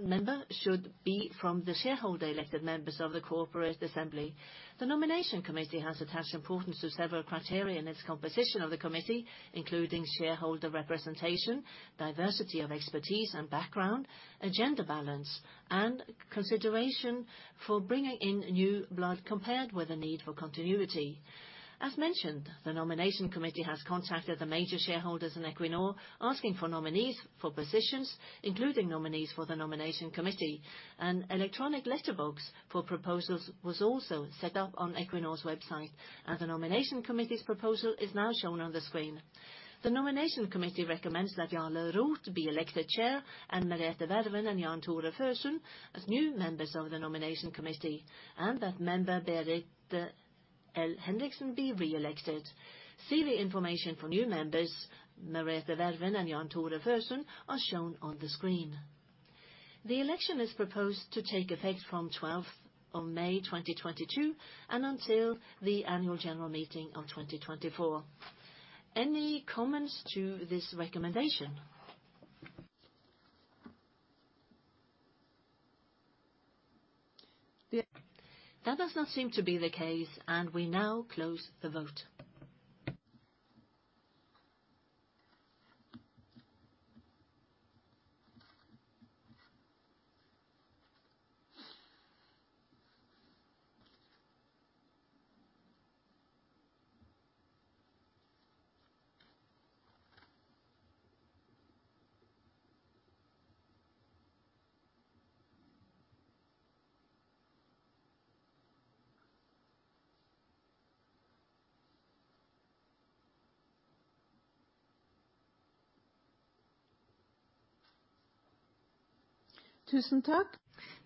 member should be from the shareholder elected members of the Corporate Assembly. The Nomination Committee has attached importance to several criteria in its composition of the committee, including shareholder representation, diversity of expertise and background, agenda balance, and consideration for bringing in new blood compared with the need for continuity. The Nomination Committee has contacted the major shareholders in Equinor asking for nominees for positions, including nominees for the Nomination Committee. An electronic letterbox for proposals was also set up on Equinor's website, and the Nomination Committee's proposal is now shown on the screen. The nomination committee recommends that Jarle Roth be elected chair, and Merete Hverven and Jan Tore Førland as new members of the nomination committee, and that member Berit L. Henriksen be re-elected. See the information for new members, Merete Hverven and Jan Tore Førland are shown on the screen. The election is proposed to take effect from 12th of May 2022 and until the annual general meeting of 2024. Any comments to this recommendation? That does not seem to be the case, and we now close the vote.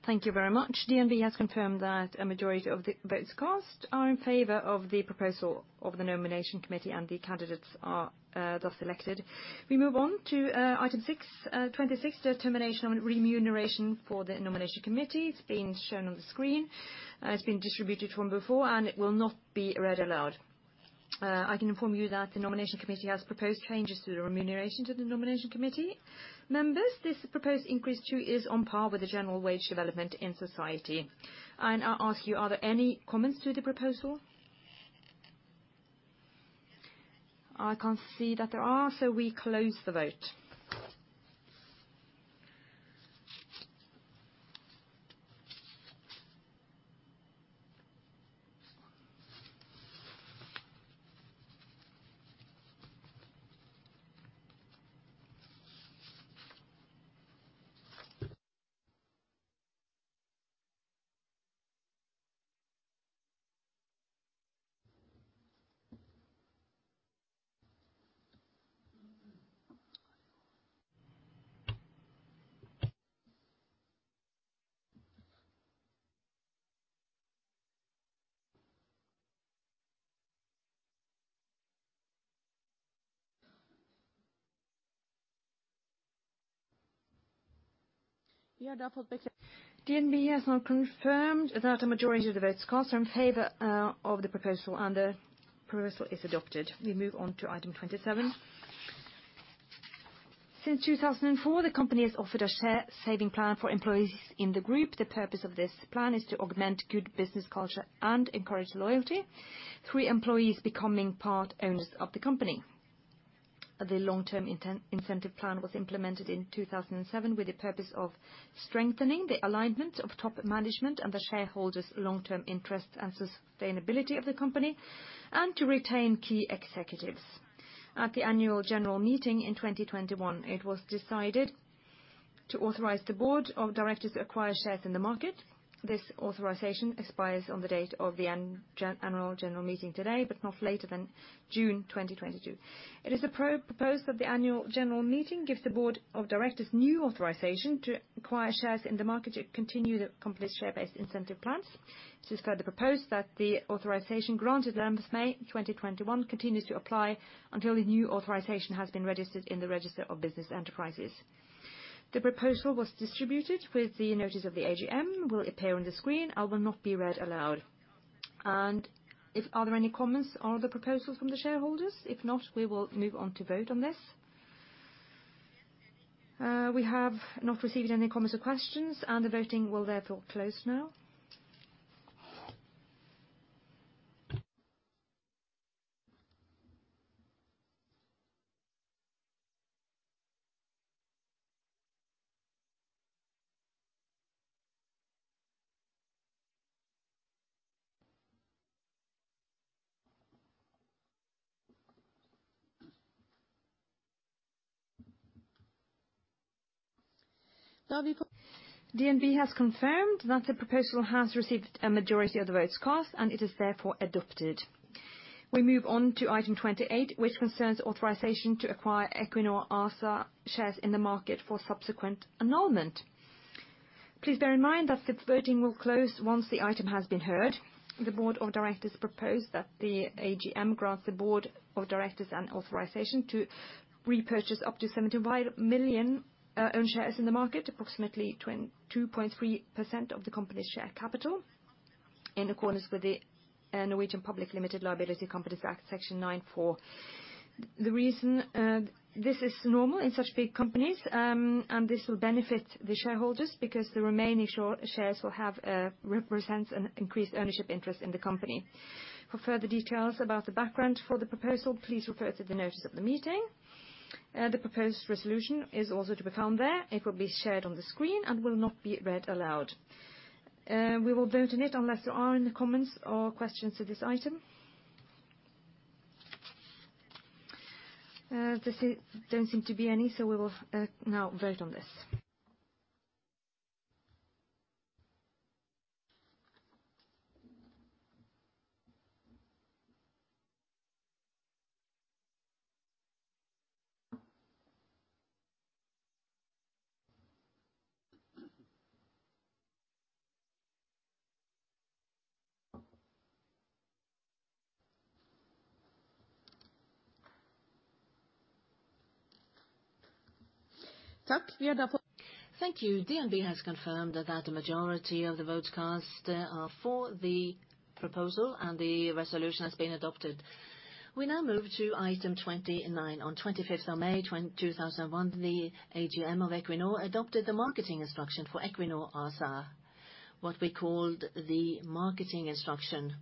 Thank you very much. DNB has confirmed that a majority of the votes cast are in favor of the proposal of the nomination committee and the candidates are thus elected. We move on to item 26, the determination on remuneration for the nomination committee. It's being shown on the screen. It's been distributed from before, and it will not be read aloud. I can inform you that the Nomination Committee has proposed changes to the remuneration to the Nomination Committee members. This proposed increase too is on par with the general wage development in society. I'll ask you, are there any comments to the proposal? I can't see that there are, so we close the vote. DNB has now confirmed that a majority of the votes cast are in favor of the proposal, and the proposal is adopted. We move on to item 27. Since 2004, the company has offered a share savings plan for employees in the group. The purpose of this plan is to augment good business culture and encourage loyalty through employees becoming part owners of the company. The long-term incentive plan was implemented in 2007 with the purpose of strengthening the alignment of top management and the shareholders' long-term interests and sustainability of the company and to retain key executives. At the annual general meeting in 2021, it was decided to authorize the Board of Directors to acquire shares in the market. This authorization expires on the date of the annual general meeting today, but not later than June 2022. It is proposed that the annual general meeting gives the Board of Directors new authorization to acquire shares in the market to continue the company's share-based incentive plans. It is further proposed that the authorization granted members May 2021 continues to apply until the new authorization has been registered in the Register of Business Enterprises. The proposal was distributed with the notice of the AGM, will appear on the screen, and will not be read aloud. If there are any comments on the proposal from the shareholders? If not, we will move on to vote on this. We have not received any comments or questions, and the voting will therefore close now. DNB has confirmed that the proposal has received a majority of the votes cast, and it is therefore adopted. We move on to item 28, which concerns authorization to acquire Equinor ASA shares in the market for subsequent annulment. Please bear in mind that the voting will close once the item has been heard. The Board of Directors propose that the AGM grants the Board of Directors an authorization to repurchase up to 75 million own shares in the market, approximately 22.3% of the company's share capital. In accordance with the Norwegian Public Limited Liability Companies Act, Section 9-4. The reason this is normal in such big companies, and this will benefit the shareholders because the remaining shares represent an increased ownership interest in the company. For further details about the background for the proposal, please refer to the notice of the meeting. The proposed resolution is also to be found there. It will be shared on the screen and will not be read aloud. We will vote on it unless there are any comments or questions to this item. Don't seem to be any, so we will now vote on this. Thank you. DNB has confirmed that the majority of the votes cast are for the proposal, and the resolution has been adopted. We now move to item 29. On the 25th of May, 2021, the AGM of Equinor adopted the Marketing Instruction for Equinor ASA, what we called the Marketing Instruction,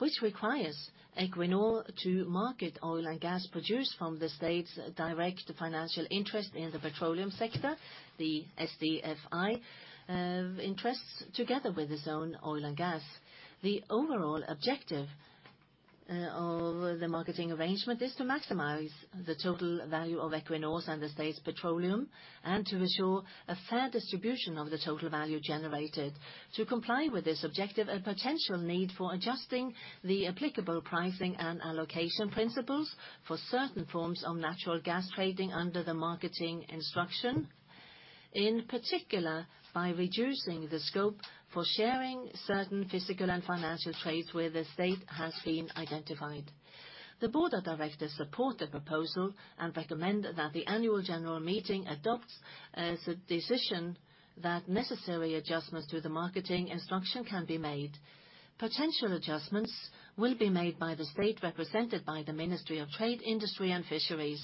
which requires Equinor to market oil and gas produced from the state's direct financial interest in the petroleum sector, the SDFI, interests together with its own oil and gas. The overall objective of the marketing arrangement is to maximize the total value of Equinor's and the state's petroleum and to ensure a fair distribution of the total value generated. To comply with this objective, a potential need for adjusting the applicable pricing and allocation principles for certain forms of natural gas trading under the Marketing Instruction, in particular by reducing the scope for sharing certain physical and financial trades where the state has been identified. The Board of Directors support the proposal and recommend that the annual general meeting adopts as a decision that necessary adjustments to the Marketing Instruction can be made. Potential adjustments will be made by the state represented by the Ministry of Trade, Industry and Fisheries.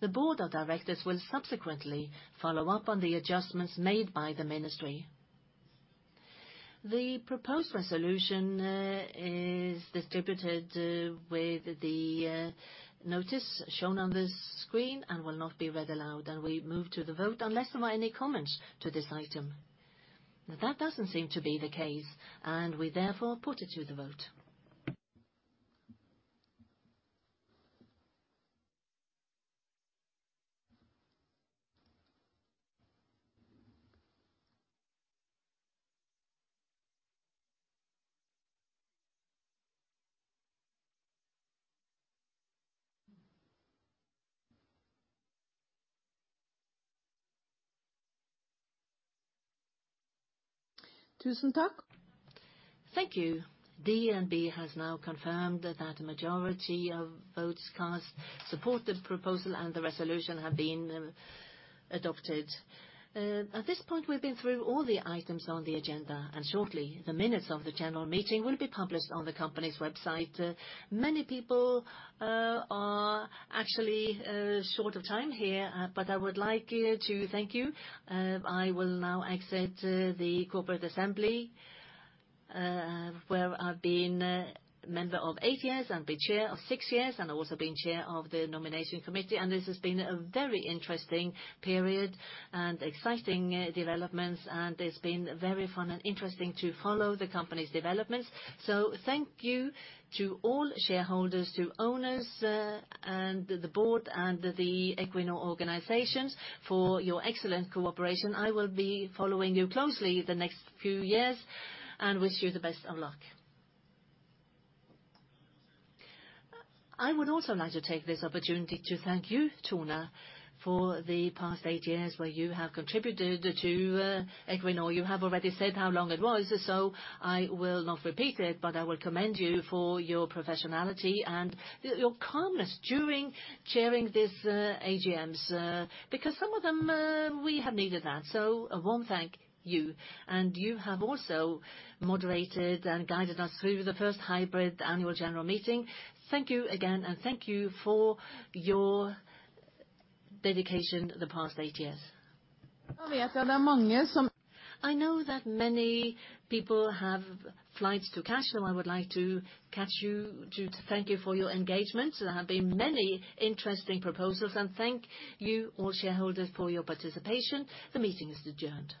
The Board of Directors will subsequently follow up on the adjustments made by the ministry. The proposed resolution is distributed with the notice shown on the screen and will not be read aloud. We move to the vote unless there are any comments to this item. Now, that doesn't seem to be the case, and we therefore put it to the vote. Thank you. DNB has now confirmed that a majority of votes cast support the proposal and the resolution have been adopted. At this point, we've been through all the items on the agenda, and shortly, the minutes of the general meeting will be published on the company's website. Many people are actually short of time here, but I would like to thank you. I will now exit the Corporate Assembly, where I've been a member of eight years and been chair of six years, and also been chair of the Nomination Committee. This has been a very interesting period and exciting developments, and it's been very fun and interesting to follow the company's developments. Thank you to all shareholders, to owners, and the board and the Equinor organizations for your excellent cooperation. I will be following you closely the next few years and wish you the best of luck. I would also like to take this opportunity to thank you, Tone, for the past eight years where you have contributed to Equinor. You have already said how long it was, so I will not repeat it, but I will commend you for your professionality and your calmness during chairing these AGMs because some of them we have needed that. A warm thank you. You have also moderated and guided us through the first hybrid annual general meeting. Thank you again, and thank you for your dedication the past eight years. I know that many people have flights to catch, so I would like to catch you to thank you for your engagement. There have been many interesting proposals, and thank you all shareholders for your participation. The meeting is adjourned.